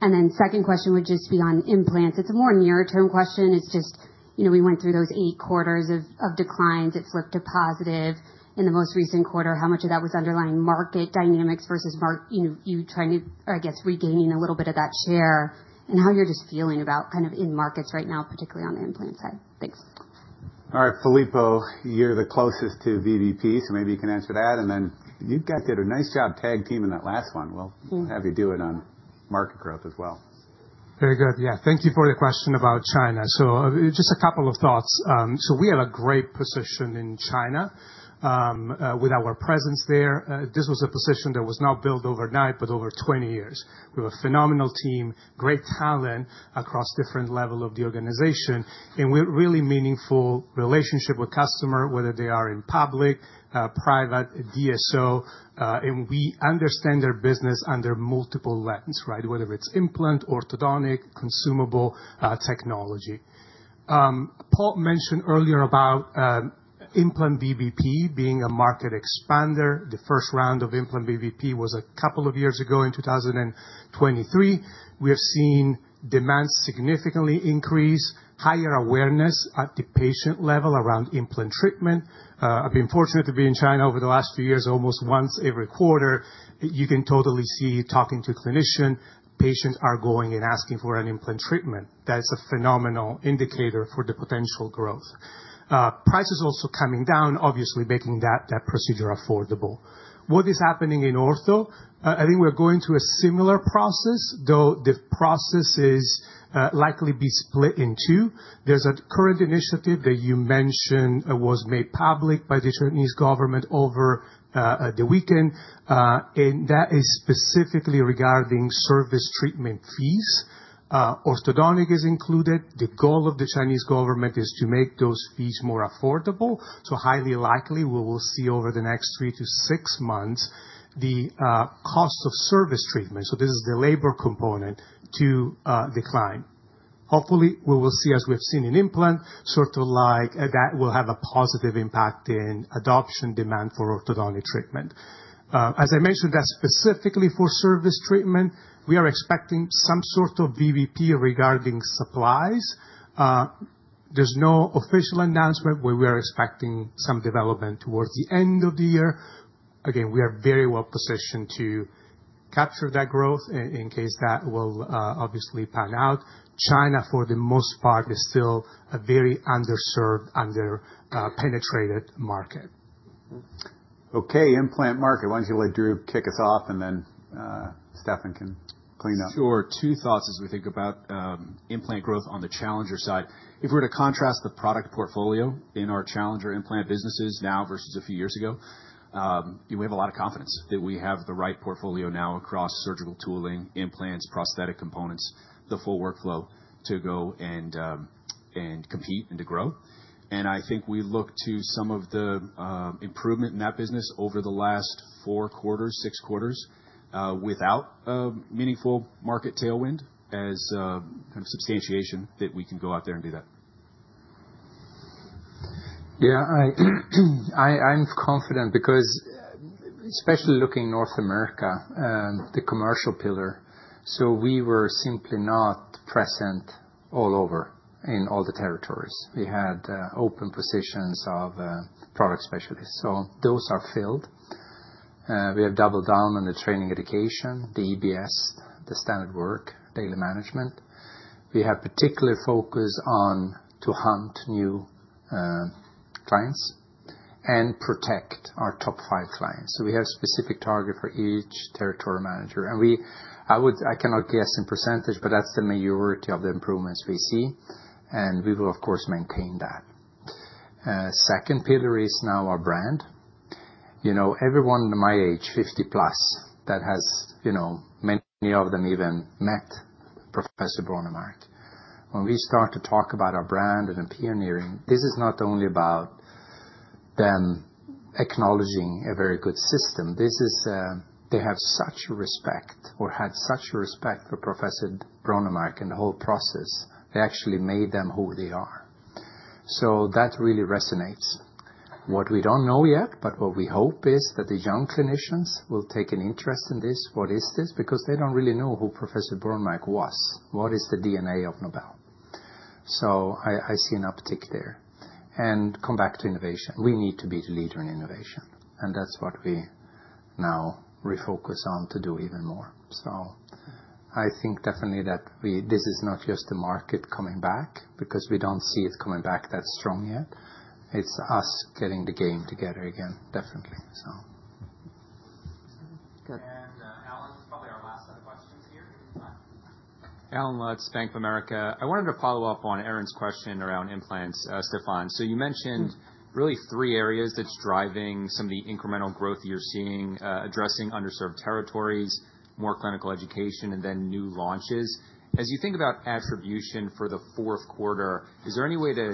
And then second question would just be on implants. It's a more near-term question. It's just we went through those eight quarters of declines. It flipped to positive. In the most recent quarter, how much of that was underlying market dynamics versus you trying to, I guess, regaining a little bit of that share and how you're just feeling about kind of in markets right now, particularly on the implant side. Thanks. All right. Filippo, you're the closest to VBP, so maybe you can answer that. And then you guys did a nice job tag teaming that last one. We'll have you do it on market growth as well. Very good. Yeah. Thank you for the question about China. So just a couple of thoughts. We have a great position in China with our presence there. This was a position that was not built overnight, but over 20 years. We have a phenomenal team, great talent across different levels of the organization, and we have a really meaningful relationship with customers, whether they are in public, private, DSO. We understand their business under multiple lens, right? Whether it's implant, orthodontic, consumable technology. Paul mentioned earlier about implant VBP being a market expander. The first round of implant VBP was a couple of years ago in 2023. We have seen demand significantly increase, higher awareness at the patient level around implant treatment. I've been fortunate to be in China over the last few years, almost once every quarter. You can totally see, talking to a clinician, patients are going and asking for an implant treatment. That's a phenomenal indicator for the potential growth. Price is also coming down, obviously making that procedure affordable. What is happening in Ortho? I think we're going through a similar process, though the process is likely to be split in two. There's a current initiative that you mentioned was made public by the Chinese government over the weekend, and that is specifically regarding service treatment fees. Orthodontics is included. The goal of the Chinese government is to make those fees more affordable, so highly likely, we will see over the next three to six months the cost of service treatment. So this is the labor component to decline. Hopefully, we will see, as we have seen in implant, sort of like that will have a positive impact in adoption demand for orthodontic treatment. As I mentioned, that's specifically for service treatment. We are expecting some sort of VBP regarding supplies. There's no official announcement where we are expecting some development towards the end of the year. Again, we are very well positioned to capture that growth in case that will obviously pan out. China, for the most part, is still a very underserved, under-penetrated market. Okay. Implant market. Why don't you let Drew kick us off, and then Stefan can clean up. Sure. Two thoughts as we think about implant growth on the challenger side. If we were to contrast the product portfolio in our challenger implant businesses now versus a few years ago, we have a lot of confidence that we have the right portfolio now across surgical tooling, implants, prosthetic components, the full workflow to go and compete and to grow. And I think we look to some of the improvement in that business over the last four quarters, six quarters without meaningful market tailwind as kind of substantiation that we can go out there and do that. Yeah. I'm confident because especially looking at North America, the commercial pillar. So we were simply not present all over in all the territories. We had open positions of product specialists. So those are filled. We have doubled down on the training education, the EBS, the standard work, daily management. We have particular focus on how to hunt new clients and protect our top five clients. So we have specific target for each territorial manager. And I cannot guess in percentage, but that's the majority of the improvements we see. And we will, of course, maintain that. Second pillar is now our brand. Everyone my age, 50 plus, that has many of them even met Professor Brånemark. When we start to talk about our brand and pioneering, this is not only about them acknowledging a very good system. They have such respect or had such respect for Professor Brånemark and the whole process. They actually made them who they are. So that really resonates. What we don't know yet, but what we hope is that the young clinicians will take an interest in this. What is this? Because they don't really know who Professor Brånemark was. What is the DNA of Nobel? So I see an uptick there. And come back to innovation. We need to be the leader in innovation. And that's what we now refocus on to do even ore. I think definitely that this is not just the market coming back because we don't see it coming back that strong yet. It's us getting the game together again, definitely. Allen, this is probably our last set of questions here. Allen Lutz Bank of America. I wanted to follow up on Erin's question around implants, Stefan. So you mentioned really three areas that's driving some of the incremental growth you're seeing, addressing underserved territories, more clinical education, and then new launches. As you think about attribution for the fourth quarter, is there any way to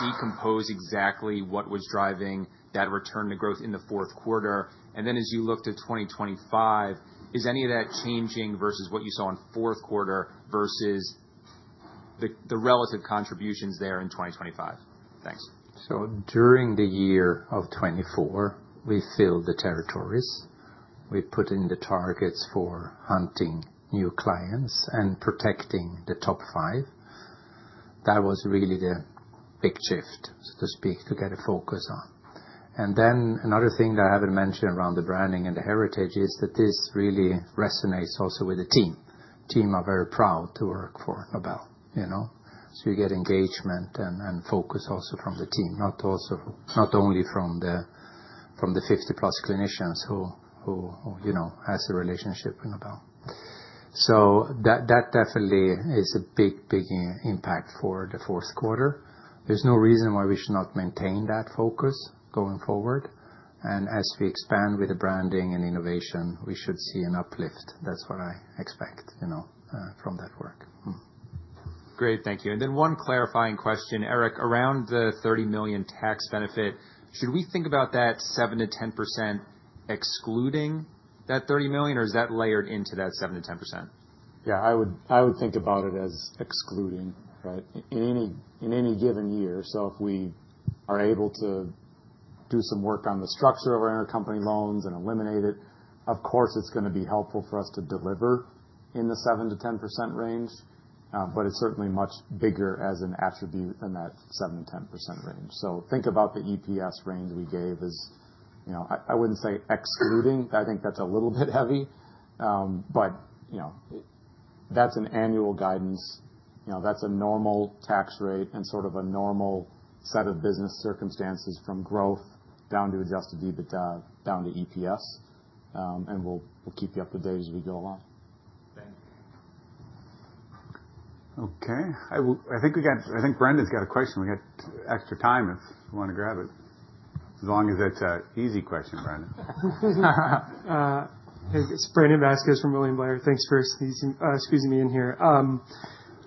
decompose exactly what was driving that return to growth in the fourth quarter? And then as you look to 2025, is any of that changing versus what you saw in fourth quarter versus the relative contributions there in 2025? Thanks. During the year of 2024, we filled the territories. We put in the targets for hunting new clients and protecting the top five. That was really the big shift, so to speak, to get a focus on. And then another thing that I haven't mentioned around the branding and the heritage is that this really resonates also with the team. Team are very proud to work for Nobel. So you get engagement and focus also from the team, not only from the 50-plus clinicians who has a relationship with Nobel. So that definitely is a big, big impact for the fourth quarter. There's no reason why we should not maintain that focus going forward. And as we expand with the branding and innovation, we should see an uplift. That's what I expect from that work. Great. Thank you. And then one clarifying question, Eric, around the $30 million tax benefit, should we think about that 7%-10% excluding that $30 million, or is that layered into that 7%-10%? Yeah. I would think about it as excluding, right, in any given year. So if we are able to do some work on the structure of our intercompany loans and eliminate it, of course, it's going to be helpful for us to deliver in the 7%-10% range. But it's certainly much bigger as an attribute than that 7%-10% range. So think about the EPS range we gave as I wouldn't say excluding. I think that's a little bit heavy. But that's an annual guidance. That's a normal tax rate and sort of a normal set of business circumstances from growth down to Adjusted EBITDA, down to EPS. And we'll keep you up to date as we go along. Thank you. Okay. I think Brandon's got a question. We got extra time if you want to grab it. As long as it's an easy question, Brandon. Hey, it's Brandon Vazquez from William Blair. Thanks for squeezing me in here.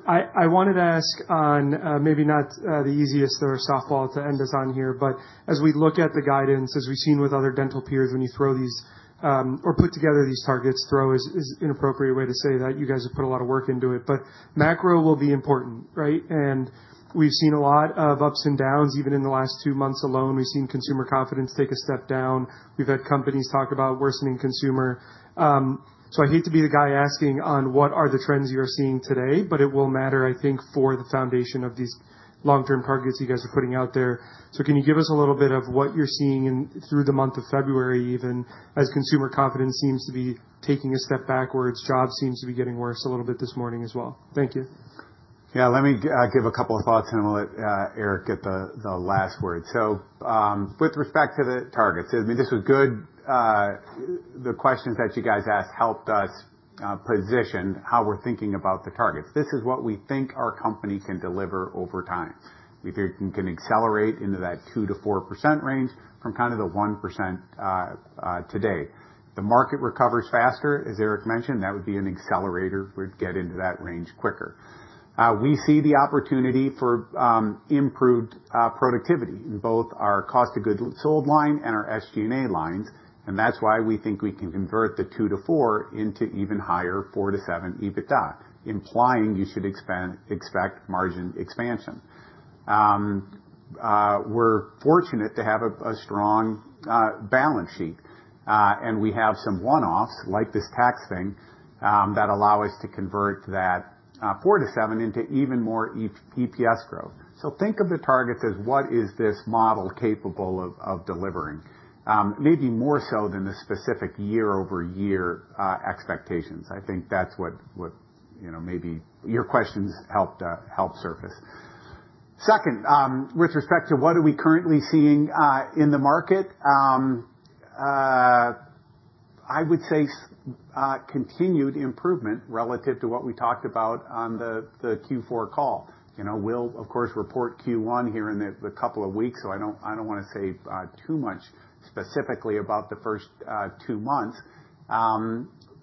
I wanted to ask on maybe not the easiest or softball to end us on here. But as we look at the guidance, as we've seen with other dental peers, when you throw these or put together these targets, throw is an inappropriate way to say that you guys have put a lot of work into it. But macro will be important, right? And we've seen a lot of ups and downs. Even in the last two months alone, we've seen consumer confidence take a step down. We've had companies talk about worsening consumer. So I hate to be the guy asking on what are the trends you're seeing today, but it will matter, I think, for the foundation of these long-term targets you guys are putting out there. So can you give us a little bit of what you're seeing through the month of February, even as consumer confidence seems to be taking a step backwards, jobs seems to be getting worse a little bit this morning as well? Thank you. Yeah. Let me give a couple of thoughts, and then we'll let Eric get the last word. So with respect to the targets, I mean, this was good. The questions that you guys asked helped us position how we're thinking about the targets. This is what we think our company can deliver over time. We think we can accelerate into that 2%-4% range from kind of the 1% today. If the market recovers faster, as Eric mentioned, that would be an accelerator. We'd get into that range quicker. We see the opportunity for improved productivity in both our cost of goods sold line and our SG&A lines. And that's why we think we can convert the 2%-4% into even higher 4%-7% EBITDA, implying you should expect margin expansion. We're fortunate to have a strong balance sheet, and we have some one-offs like this tax thing that allow us to convert that 4%-7% into even more EPS growth. So think of the targets as what is this model capable of delivering, maybe more so than the specific year-over-year expectations. I think that's what maybe your questions helped surface. Second, with respect to what are we currently seeing in the market, I would say continued improvement relative to what we talked about on the Q4 call. We'll, of course, report Q1 here in the couple of weeks. So I don't want to say too much specifically about the first two months.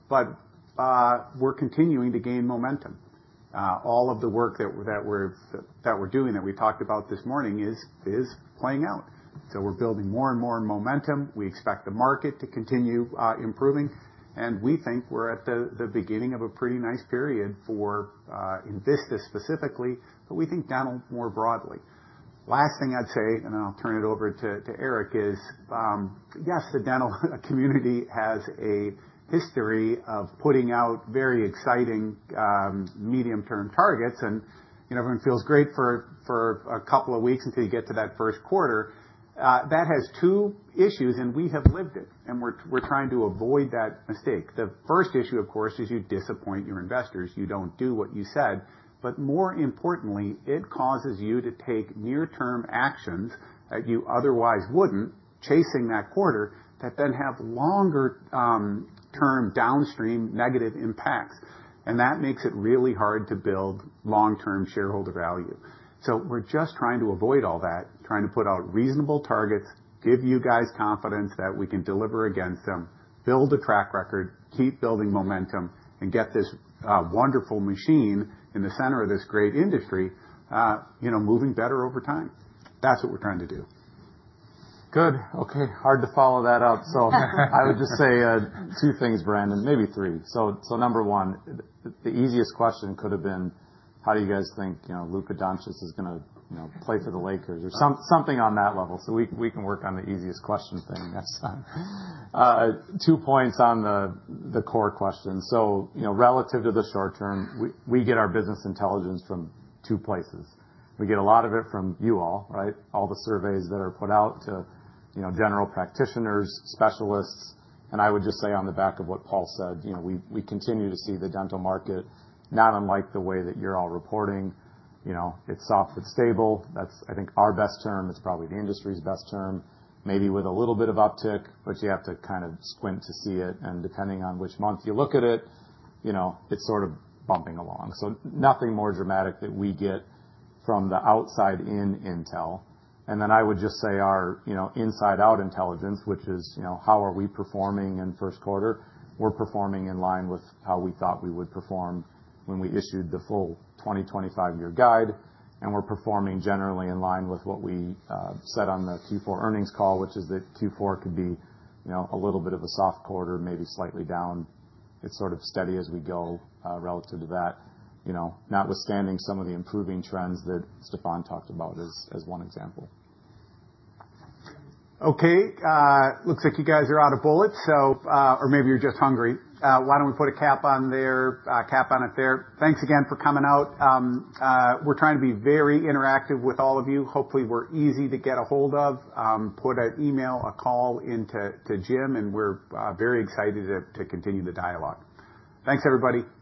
But we're continuing to gain momentum. All of the work that we're doing that we talked about this morning is playing out. So we're building more and more momentum. We expect the market to continue improving. And we think we're at the beginning of a pretty nice period for Envista specifically, but we think dental more broadly. Last thing I'd say, and then I'll turn it over to Eric, is yes, the dental community has a history of putting out very exciting medium-term targets. And everyone feels great for a couple of weeks until you get to that first quarter. That has two issues, and we have lived it. And we're trying to avoid that mistake. The first issue, of course, is you disappoint your investors. You don't do what you said. But more importantly, it causes you to take near-term actions that you otherwise wouldn't, chasing that quarter, that then have longer-term downstream negative impacts. And that makes it really hard to build long-term shareholder value. So we're just trying to avoid all that, trying to put out reasonable targets, give you guys confidence that we can deliver against them, build a track record, keep building momentum, and get this wonderful machine in the center of this great industry moving better over time. That's what we're trying to do. Good. Okay. Hard to follow that up. So I would just say two things, Brandon, maybe three. So number one, the easiest question could have been, how do you guys think Luka Dončić is going to play for the Lakers or something on that level? So we can work on the easiest question thing. Two points on the core question. So relative to the short term, we get our business intelligence from two places. We get a lot of it from you all, right? All the surveys that are put out to general practitioners, specialists. And I would just say on the back of what Paul said, we continue to see the dental market, not unlike the way that you're all reporting. It's soft but stable. That's, I think, our best term. It's probably the industry's best term, maybe with a little bit of uptick, but you have to kind of squint to see it. Depending on which month you look at it, it's sort of bumping along. So nothing more dramatic that we get from the outside in intel. And then I would just say our inside-out intelligence, which is how are we performing in first quarter? We're performing in line with how we thought we would perform when we issued the full 2025 year guide. And we're performing generally in line with what we said on the Q4 earnings call, which is that Q4 could be a little bit of a soft quarter, maybe slightly down. It's sort of steady as we go relative to that, notwithstanding some of the improving trends that Stefan talked about as one example. Okay. Looks like you guys are out of bullets. Or maybe you're just hungry. Why don't we put a cap on there, cap on it there? Thanks again for coming out. We're trying to be very interactive with all of you. Hopefully, we're easy to get a hold of, put an email, a call into Jim. And we're very excited to continue the dialogue. Thanks, everybody.